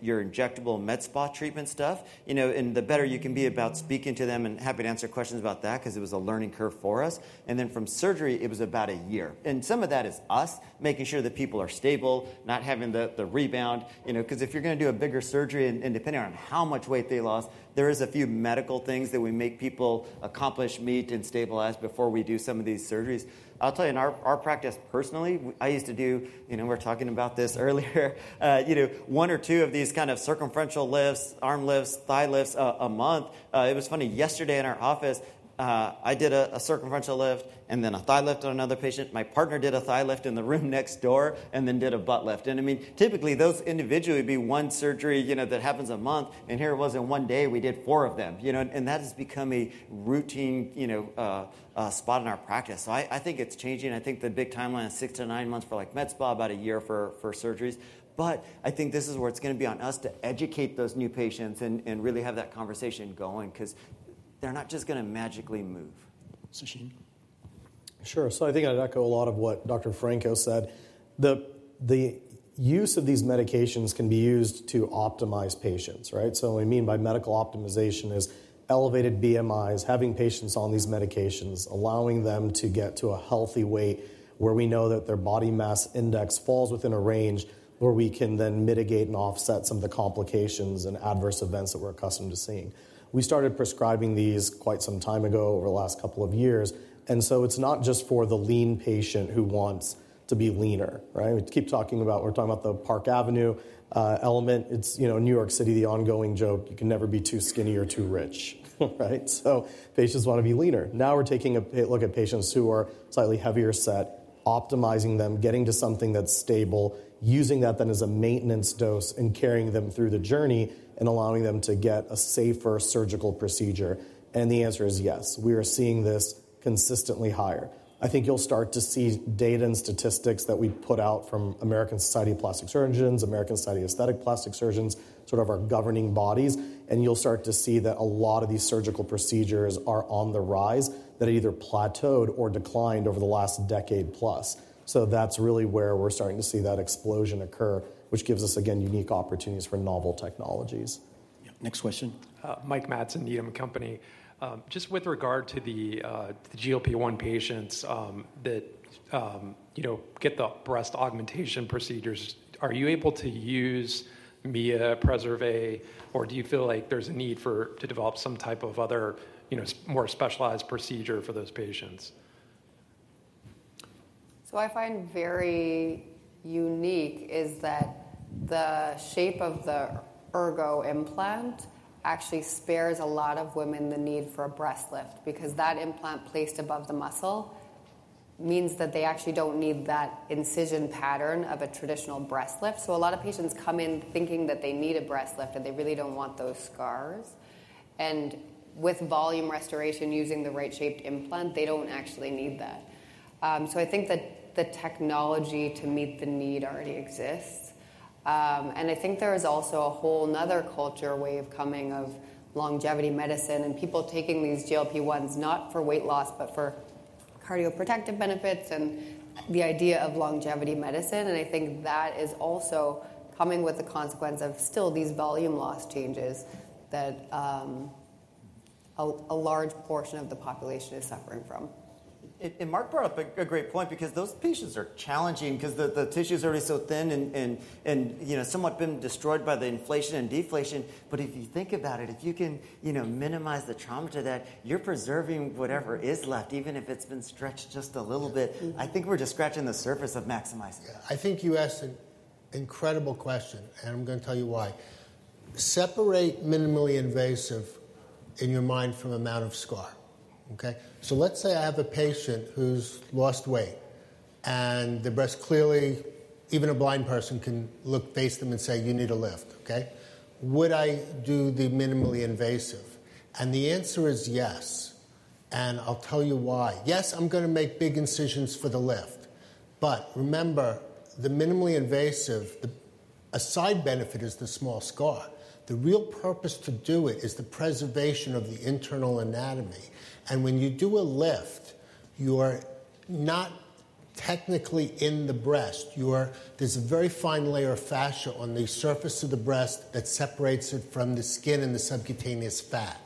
your injectable med spa treatment stuff. The better you can be about speaking to them and happy to answer questions about that because it was a learning curve for us. From surgery, it was about a year. Some of that is us making sure that people are stable, not having the rebound. Because if you're going to do a bigger surgery, and depending on how much weight they lost, there are a few medical things that we make people accomplish, meet, and stabilize before we do some of these surgeries. I'll tell you, in our practice personally, I used to do, we were talking about this earlier, one or two of these kind of circumferential lifts, arm lifts, thigh lifts a month. It was funny. Yesterday in our office, I did a circumferential lift and then a thigh lift on another patient. My partner did a thigh lift in the room next door and then did a butt lift. I mean, typically, those individually would be one surgery that happens a month. Here it was in one day, we did four of them. That has become a routine spot in our practice. I think it's changing. I think the big timeline is six to nine months for med spa, about a year for surgeries. I think this is where it's going to be on us to educate those new patients and really have that conversation going because they're not just going to magically move. Sachin. Sure. I think I'd echo a lot of what Dr. Franco said. The use of these medications can be used to optimize patients, right? What we mean by medical optimization is elevated BMIs, having patients on these medications, allowing them to get to a healthy weight where we know that their body mass index falls within a range where we can then mitigate and offset some of the complications and adverse events that we're accustomed to seeing. We started prescribing these quite some time ago over the last couple of years. It's not just for the lean patient who wants to be leaner, right? We keep talking about, we're talking about the Park Avenue element. It's New York City, the ongoing joke, you can never be too skinny or too rich, right? Patients want to be leaner. Now we're taking a look at patients who are slightly heavier set, optimizing them, getting to something that's stable, using that then as a maintenance dose and carrying them through the journey and allowing them to get a safer surgical procedure. The answer is yes. We are seeing this consistently higher. I think you'll start to see data and statistics that we put out from American Society of Plastic Surgeons, American Society of Aesthetic Plastic Surgeons, sort of our governing bodies. You'll start to see that a lot of these surgical procedures are on the rise that either plateaued or declined over the last decade plus. That is really where we're starting to see that explosion occur, which gives us, again, unique opportunities for novel technologies. Yeah. Next question. Mike Matson, Needham & Company. Just with regard to the GLP-1 patients that get the breast augmentation procedures, are you able to use Mia, Preservé, or do you feel like there's a need to develop some type of other more specialized procedure for those patients? I find very unique is that the shape of the Ergo implant actually spares a lot of women the need for a breast lift because that implant placed above the muscle means that they actually do not need that incision pattern of a traditional breast lift. A lot of patients come in thinking that they need a breast lift and they really do not want those scars. With volume restoration using the right shaped implant, they do not actually need that. I think that the technology to meet the need already exists. I think there is also a whole nother culture way of coming of longevity medicine and people taking these GLP-1s not for weight loss, but for cardioprotective benefits and the idea of longevity medicine. I think that is also coming with the consequence of still these volume loss changes that a large portion of the population is suffering from. Mark brought up a great point because those patients are challenging because the tissue is already so thin and somewhat been destroyed by the inflation and deflation. If you think about it, if you can minimize the trauma to that, you're preserving whatever is left, even if it's been stretched just a little bit. I think we're just scratching the surface of maximizing it. I think you asked an incredible question, and I'm going to tell you why. Separate minimally invasive in your mind from amount of scar, okay? Let's say I have a patient who's lost weight and the breast clearly, even a blind person can look, face them and say, "You need a lift," okay? Would I do the minimally invasive? The answer is yes. I'll tell you why. Yes, I'm going to make big incisions for the lift. Remember, the minimally invasive, a side benefit is the small scar. The real purpose to do it is the preservation of the internal anatomy. When you do a lift, you are not technically in the breast. There's a very fine layer of fascia on the surface of the breast that separates it from the skin and the subcutaneous fat.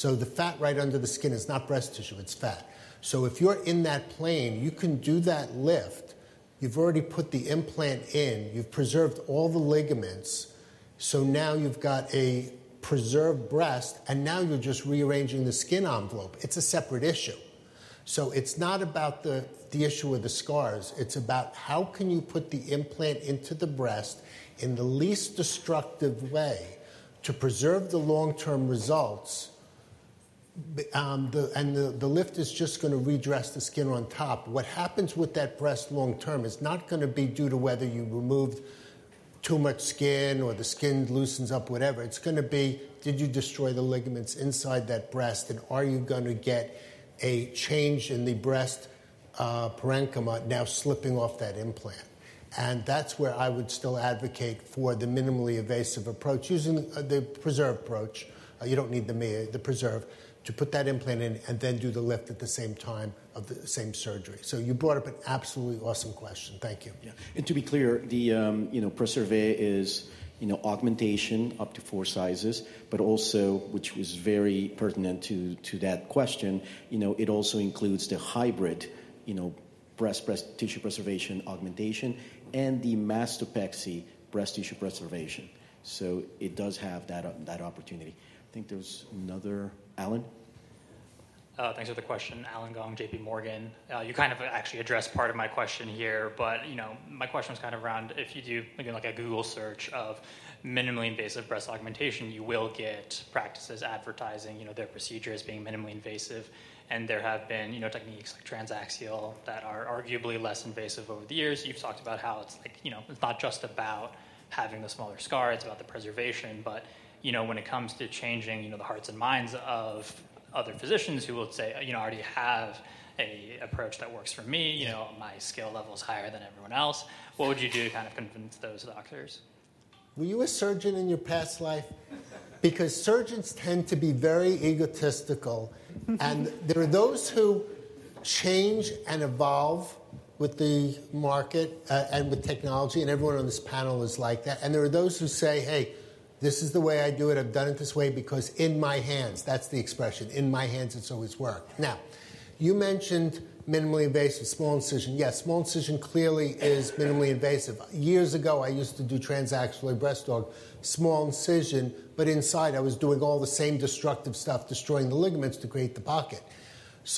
The fat right under the skin is not breast tissue, it's fat. If you're in that plane, you can do that lift. You've already put the implant in. You've preserved all the ligaments. Now you've got a preserved breast, and now you're just rearranging the skin envelope. It's a separate issue. It's not about the issue with the scars. It's about how can you put the implant into the breast in the least destructive way to preserve the long-term results. The lift is just going to redress the skin on top. What happens with that breast long-term is not going to be due to whether you removed too much skin or the skin loosens up, whatever. It's going to be, did you destroy the ligaments inside that breast? Are you going to get a change in the breast parenchyma now slipping off that implant? That is where I would still advocate for the minimally invasive approach. Using the preserve approach, you do not need the preserve to put that implant in and then do the lift at the same time of the same surgery. You brought up an absolutely awesome question. Thank you. Yeah. To be clear, the Preservé is augmentation up to four sizes, but also, which was very pertinent to that question, it also includes the hybrid breast, breast tissue preservation augmentation, and the mastopexy breast tissue preservation. It does have that opportunity. I think there is another, Allen. Thanks for the question. Allen Gong, JPMorgan. You kind of actually addressed part of my question here, but my question was kind of around if you do, again, like a Google search of minimally invasive breast augmentation, you will get practices advertising their procedures being minimally invasive. There have been techniques like transaxial that are arguably less invasive over the years. You have talked about how it is not just about having the smaller scar, it is about the preservation. When it comes to changing the hearts and minds of other physicians who will say, "I already have an approach that works for me. My skill level is higher than everyone else." What would you do to kind of convince those doctors? Were you a surgeon in your past life? Because surgeons tend to be very egotistical. There are those who change and evolve with the market and with technology, and everyone on this panel is like that. There are those who say, "Hey, this is the way I do it. I've done it this way because in my hands," that's the expression, "In my hands, it's always worked." You mentioned minimally invasive, small incision. Yes, small incision clearly is minimally invasive. Years ago, I used to do transaxial breast aug, small incision, but inside I was doing all the same destructive stuff, destroying the ligaments to create the pocket. If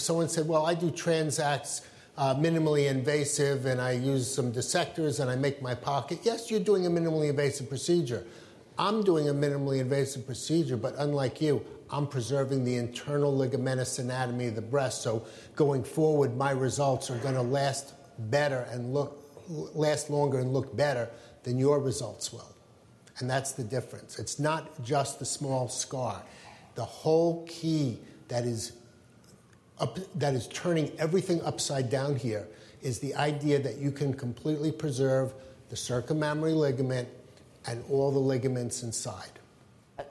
someone said, "I do transax minimally invasive and I use some dissectors and I make my pocket," yes, you're doing a minimally invasive procedure. I'm doing a minimally invasive procedure, but unlike you, I'm preserving the internal ligamentous anatomy of the breast. Going forward, my results are going to last longer and look better than your results will. That's the difference. It's not just the small scar. The whole key that is turning everything upside down here is the idea that you can completely preserve the circummammary ligament and all the ligaments inside.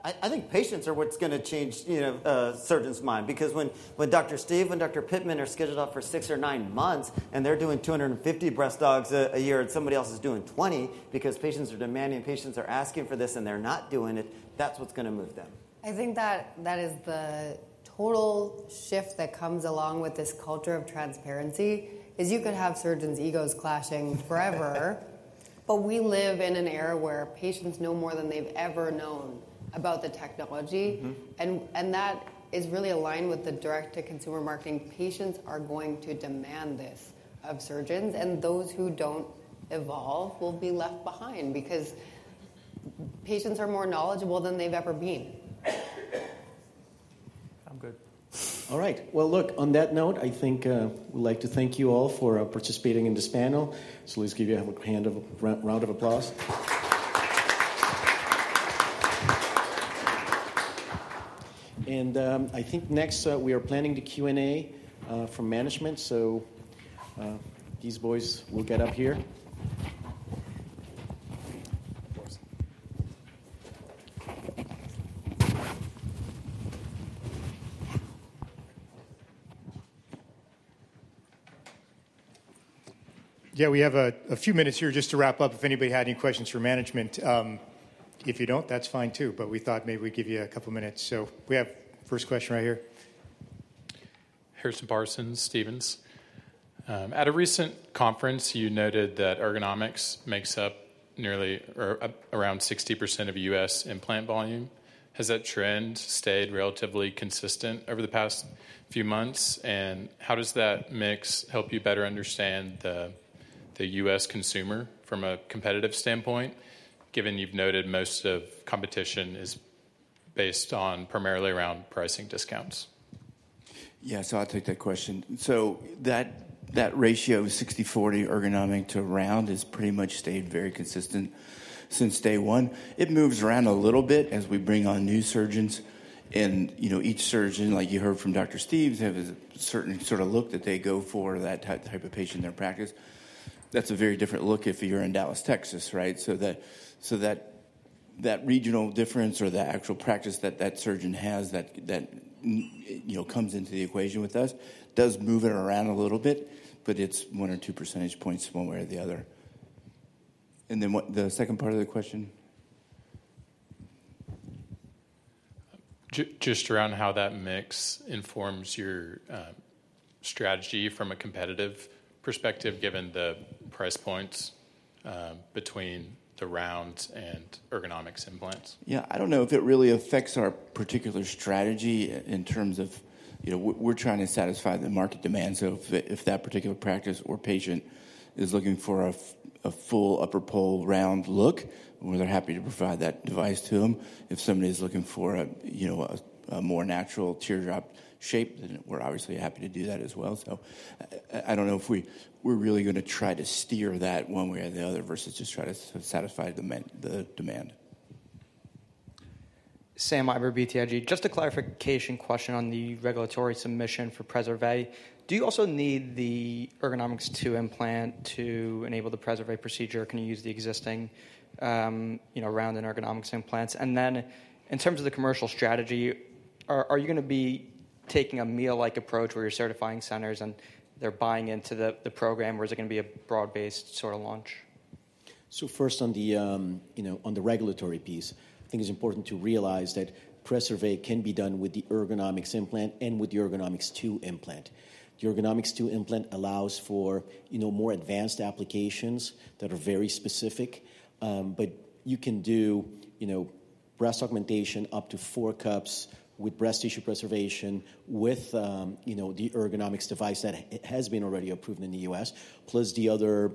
I think patients are what's going to change a surgeon's mind because when Dr. Steve and Dr. Pittman are scheduled up for six or nine months and they're doing 250 breast augs a year and somebody else is doing 20 because patients are demanding, patients are asking for this and they're not doing it, that's what's going to move them. I think that is the total shift that comes along with this culture of transparency is you could have surgeons' egos clashing forever. We live in an era where patients know more than they've ever known about the technology. That is really aligned with the direct-to-consumer marketing. Patients are going to demand this of surgeons. Those who do not evolve will be left behind because patients are more knowledgeable than they've ever been. I'm good. All right. On that note, I think we'd like to thank you all for participating in this panel. Let's give you a round of applause. I think next we are planning to Q&A from management. These boys will get up here. We have a few minutes here just to wrap up. If anybody had any questions for management, if you don't, that's fine too. We thought maybe we'd give you a couple of minutes. We have first question right here. Harrison Parsons, Stevens. At a recent conference, you noted that ergonomics makes up nearly or around 60% of U.S. implant volume. Has that trend stayed relatively consistent over the past few months? How does that mix help you better understand the U.S. consumer from a competitive standpoint, given you've noted most of competition is based on primarily around pricing discounts? Yeah, so I'll take that question. That ratio of 60-40 ergonomic to round has pretty much stayed very consistent since day one. It moves around a little bit as we bring on new surgeons. Each surgeon, like you heard from Dr. Steve, has a certain sort of look that they go for, that type of patient in their practice. That is a very different look if you're in Dallas, Texas, right? That regional difference or the actual practice that that surgeon has that comes into the equation with us does move it around a little bit, but it's one or two percentage points one way or the other. The second part of the question. Just around how that mix informs your strategy from a competitive perspective given the price points between the Round and Ergo implants? Yeah, I don't know if it really affects our particular strategy in terms of we're trying to satisfy the market demand. If that particular practice or patient is looking for a full upper pole round look, we're happy to provide that device to them. If somebody is looking for a more natural teardrop shape, then we're obviously happy to do that as well. I don't know if we're really going to try to steer that one way or the other versus just try to satisfy the demand. Just a clarification question on the regulatory submission for Preservé. Do you also need the Ergo2 implant to enable the Preservé procedure? Can you use the existing Round and Ergo implants? In terms of the commercial strategy, are you going to be taking a Mia-like approach where you're certifying centers and they're buying into the program, or is it going to be a broad-based sort of launch? First on the regulatory piece, I think it's important to realize that Preservé can be done with the Ergonomics implant and with the Ergonomics2 implant. The Ergonomics2 implant allows for more advanced applications that are very specific. You can do breast augmentation up to four cups with breast tissue preservation with the Ergonomics device that has been already approved in the U.S., plus the other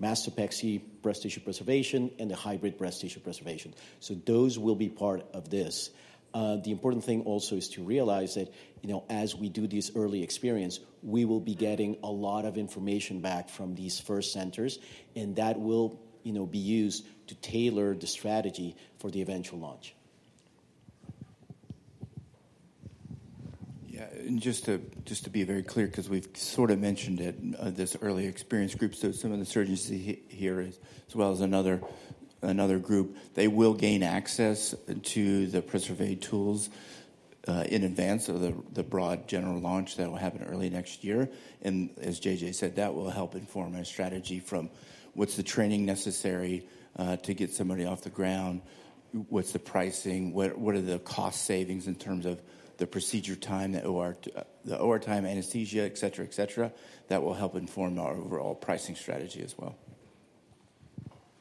mastopexy breast tissue preservation and the hybrid breast tissue preservation. Those will be part of this. The important thing also is to realize that as we do these early experiences, we will be getting a lot of information back from these first centers, and that will be used to tailor the strategy for the eventual launch. Yeah. Just to be very clear, because we've sort of mentioned it, this early experience group, so some of the surgeons here as well as another group, they will gain access to the Preservé tools in advance of the broad general launch that will happen early next year. As JJ said, that will help inform our strategy from what's the training necessary to get somebody off the ground, what's the pricing, what are the cost savings in terms of the procedure time, the OR time, anesthesia, et cetera, et cetera. That will help inform our overall pricing strategy as well.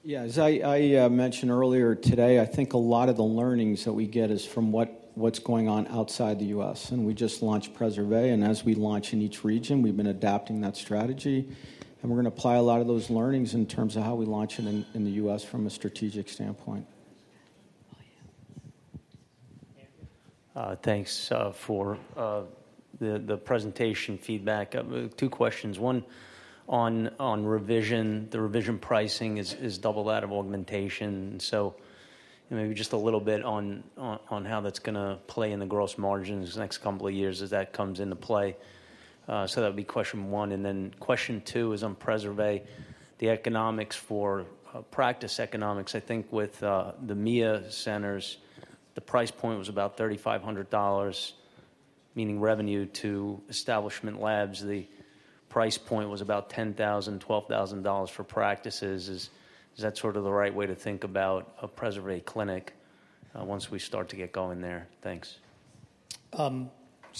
Yeah, as I mentioned earlier today, I think a lot of the learnings that we get is from what's going on outside the U.S. We just launched Preservé. As we launch in each region, we've been adapting that strategy. We're going to apply a lot of those learnings in terms of how we launch it in the U.S. from a strategic standpoint. Thanks for the presentation feedback. Two questions. One on revision, the revision pricing is double that of augmentation. Maybe just a little bit on how that's going to play in the gross margins next couple of years as that comes into play. That would be question one. Question two is on Preservé, the economics for practice economics. I think with the Mia centers, the price point was about $3,500, meaning revenue to Establishment Labs. The price point was about $10,000-$12,000 for practices. Is that sort of the right way to think about a Preservé clinic once we start to get going there? Thanks.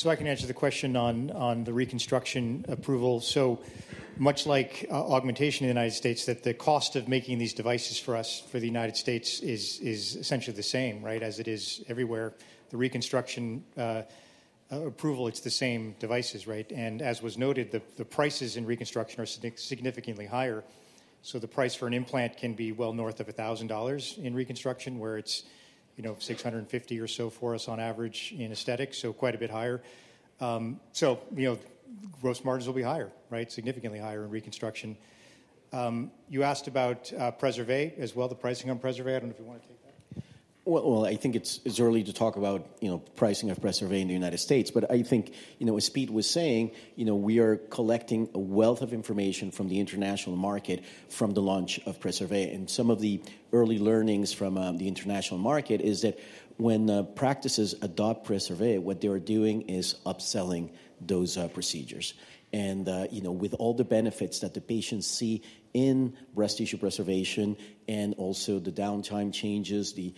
I can answer the question on the reconstruction approval. Much like augmentation in the United States, the cost of making these devices for us, for the United States, is essentially the same, right, as it is everywhere. The reconstruction approval, it's the same devices, right? As was noted, the prices in reconstruction are significantly higher. The price for an implant can be well north of $1,000 in reconstruction, where it's $650 or so for us on average in aesthetics, so quite a bit higher. Gross margins will be higher, right, significantly higher in reconstruction. You asked about Preservé as well, the pricing on Preservé. I don't know if you want to take that. I think it's early to talk about pricing of Preservé in the United States. I think as Pete was saying, we are collecting a wealth of information from the international market from the launch of Preservé. Some of the early learnings from the international market is that when practices adopt Preservé, what they're doing is upselling those procedures. With all the benefits that the patients see in breast tissue preservation and also the downtime changes, the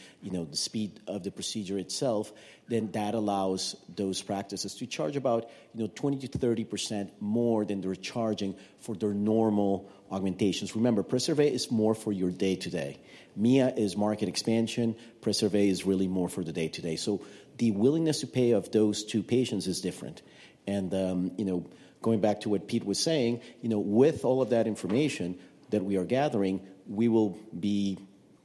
speed of the procedure itself, that allows those practices to charge about 20-30% more than they're charging for their normal augmentations. Remember, Preservé is more for your day-to-day. Mia is market expansion. Preservé is really more for the day-to-day. The willingness to pay of those two patients is different. Going back to what Pete was saying, with all of that information that we are gathering, we will be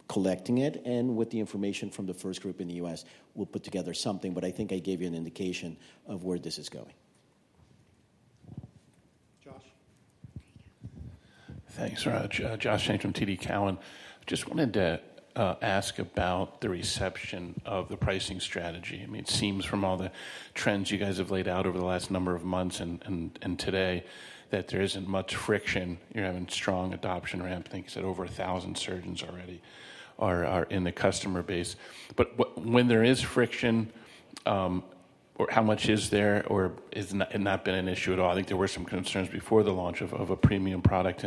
collecting it. With the information from the first group in the U.S., we'll put together something. I think I gave you an indication of where this is going. Josh. Thanks, Raj. Josh Jennings from TD Cowen. Just wanted to ask about the reception of the pricing strategy. I mean, it seems from all the trends you guys have laid out over the last number of months and today that there isn't much friction. You're having strong adoption ramp. I think you said over 1,000 surgeons already are in the customer base. When there is friction, how much is there? Or has it not been an issue at all? I think there were some concerns before the launch of a premium product.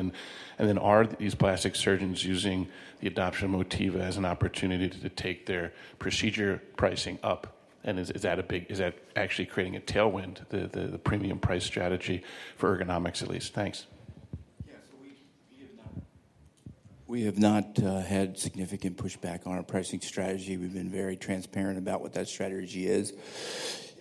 Are these plastic surgeons using the adoption motif as an opportunity to take their procedure pricing up? Is that actually creating a tailwind, the premium price strategy for ergonomics at least? Thanks. Yeah, so we have not. We have not had significant pushback on our pricing strategy. We've been very transparent about what that strategy is.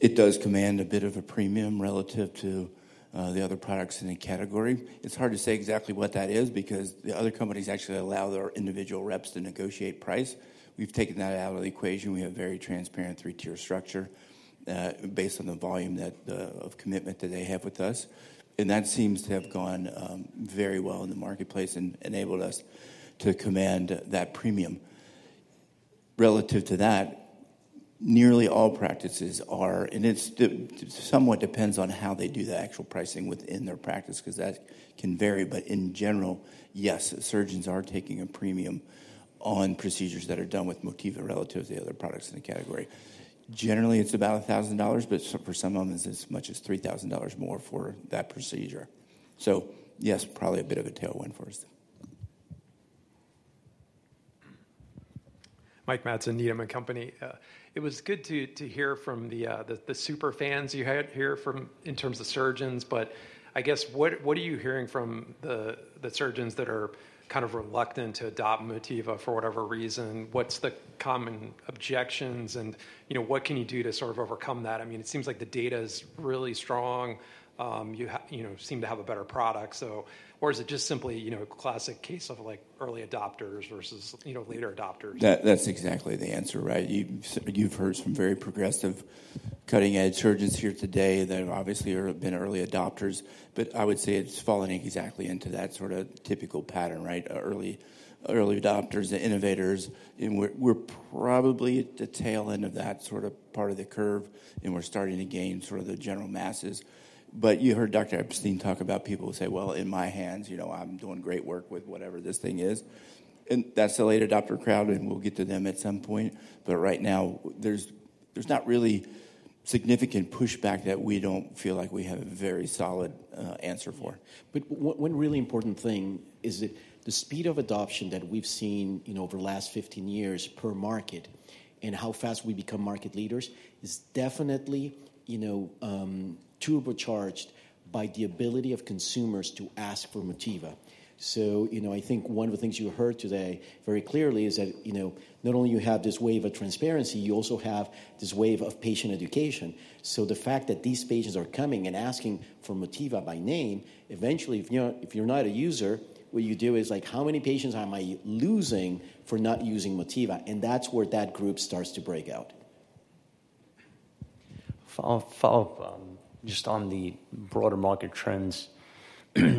It does command a bit of a premium relative to the other products in the category. It's hard to say exactly what that is because the other companies actually allow their individual reps to negotiate price. We've taken that out of the equation. We have a very transparent three-tier structure based on the volume of commitment that they have with us. That seems to have gone very well in the marketplace and enabled us to command that premium. Relative to that, nearly all practices are, and it somewhat depends on how they do the actual pricing within their practice because that can vary. In general, yes, surgeons are taking a premium on procedures that are done with Motiva relative to the other products in the category. Generally, it's about $1,000, but for some of them, it's as much as $3,000 more for that procedure. Yes, probably a bit of a tailwind for us. Mike Matson, Needham & Company. It was good to hear from the super fans you had here in terms of surgeons. I guess what are you hearing from the surgeons that are kind of reluctant to adopt Motiva for whatever reason? What's the common objections? What can you do to sort of overcome that? I mean, it seems like the data is really strong. You seem to have a better product. Is it just simply a classic case of early adopters versus later adopters? That's exactly the answer, right? You've heard some very progressive cutting-edge surgeons here today that obviously have been early adopters. I would say it's falling exactly into that sort of typical pattern, right? Early adopters, the innovators. We're probably at the tail end of that sort of part of the curve. We're starting to gain sort of the general masses. You heard Dr. Epstein talk about people who say, "In my hands, I'm doing great work with whatever this thing is." That's the late adopter crowd, and we'll get to them at some point. Right now, there's not really significant pushback that we don't feel like we have a very solid answer for. One really important thing is that the speed of adoption that we've seen over the last 15 years per market and how fast we become market leaders is definitely turbocharged by the ability of consumers to ask for Motiva. I think one of the things you heard today very clearly is that not only do you have this wave of transparency, you also have this wave of patient education. The fact that these patients are coming and asking for Motiva by name, eventually, if you're not a user, what you do is like, "How many patients am I losing for not using Motiva?" That is where that group starts to break out. Follow-up just on the broader market trends.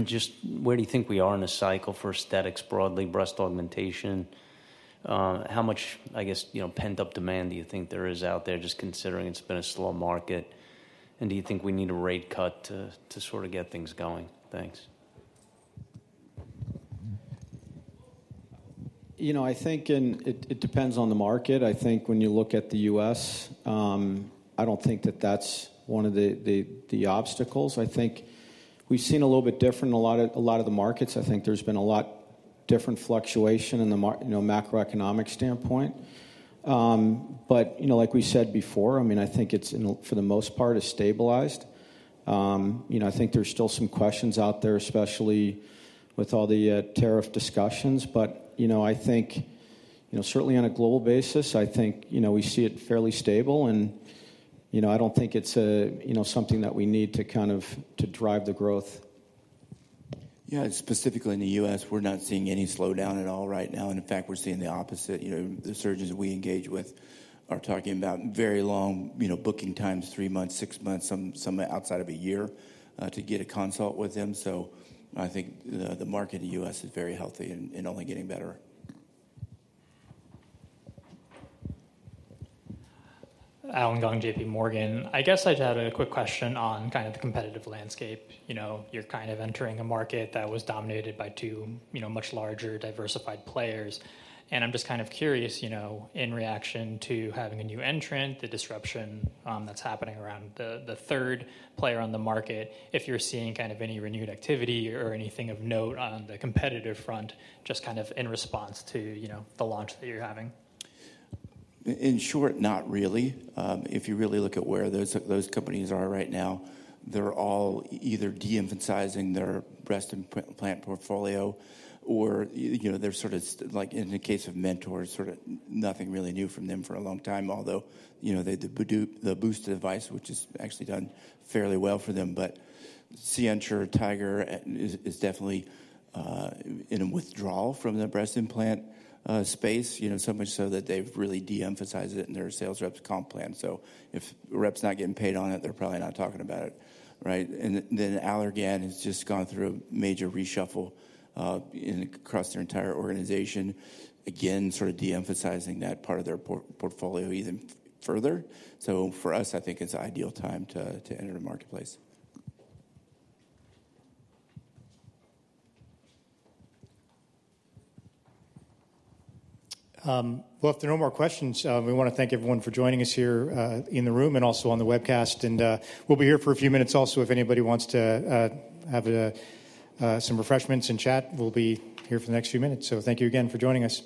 Just where do you think we are in the cycle for aesthetics broadly, breast augmentation? How much, I guess, pent-up demand do you think there is out there just considering it's been a slow market? Do you think we need a rate cut to sort of get things going? Thanks. You know, I think it depends on the market. I think when you look at the U.S., I do not think that that is one of the obstacles. I think we have seen a little bit different in a lot of the markets. I think there has been a lot of different fluctuation in the macroeconomic standpoint. Like we said before, I mean, I think for the most part, it is stabilized. I think there are still some questions out there, especially with all the tariff discussions. I think certainly on a global basis, we see it fairly stable. I do not think it is something that we need to kind of drive the growth. Yeah, specifically in the U.S., we're not seeing any slowdown at all right now. In fact, we're seeing the opposite. The surgeons we engage with are talking about very long booking times, three months, six months, some outside of a year to get a consult with them. I think the market in the U.S. is very healthy and only getting better. Allen Gong, JPMorgan. I guess I'd had a quick question on kind of the competitive landscape. You're kind of entering a market that was dominated by two much larger diversified players. I'm just kind of curious, in reaction to having a new entrant, the disruption that's happening around the third player on the market, if you're seeing kind of any renewed activity or anything of note on the competitive front, just kind of in response to the launch that you're having. In short, not really. If you really look at where those companies are right now, they're all either de-emphasizing their breast implant portfolio or they're sort of, like in the case of Mentor, sort of nothing really new from them for a long time, although the Boost device, which has actually done fairly well for them. But Sientra Tiger is definitely in a withdrawal from the breast implant space, so much so that they've really de-emphasized it in their sales rep's comp plan. If a rep's not getting paid on it, they're probably not talking about it, right? Allergan has just gone through a major reshuffle across their entire organization, again, sort of de-emphasizing that part of their portfolio even further. For us, I think it's an ideal time to enter the marketplace. If there are no more questions, we want to thank everyone for joining us here in the room and also on the webcast. We will be here for a few minutes also. If anybody wants to have some refreshments and chat, we will be here for the next few minutes. Thank you again for joining us.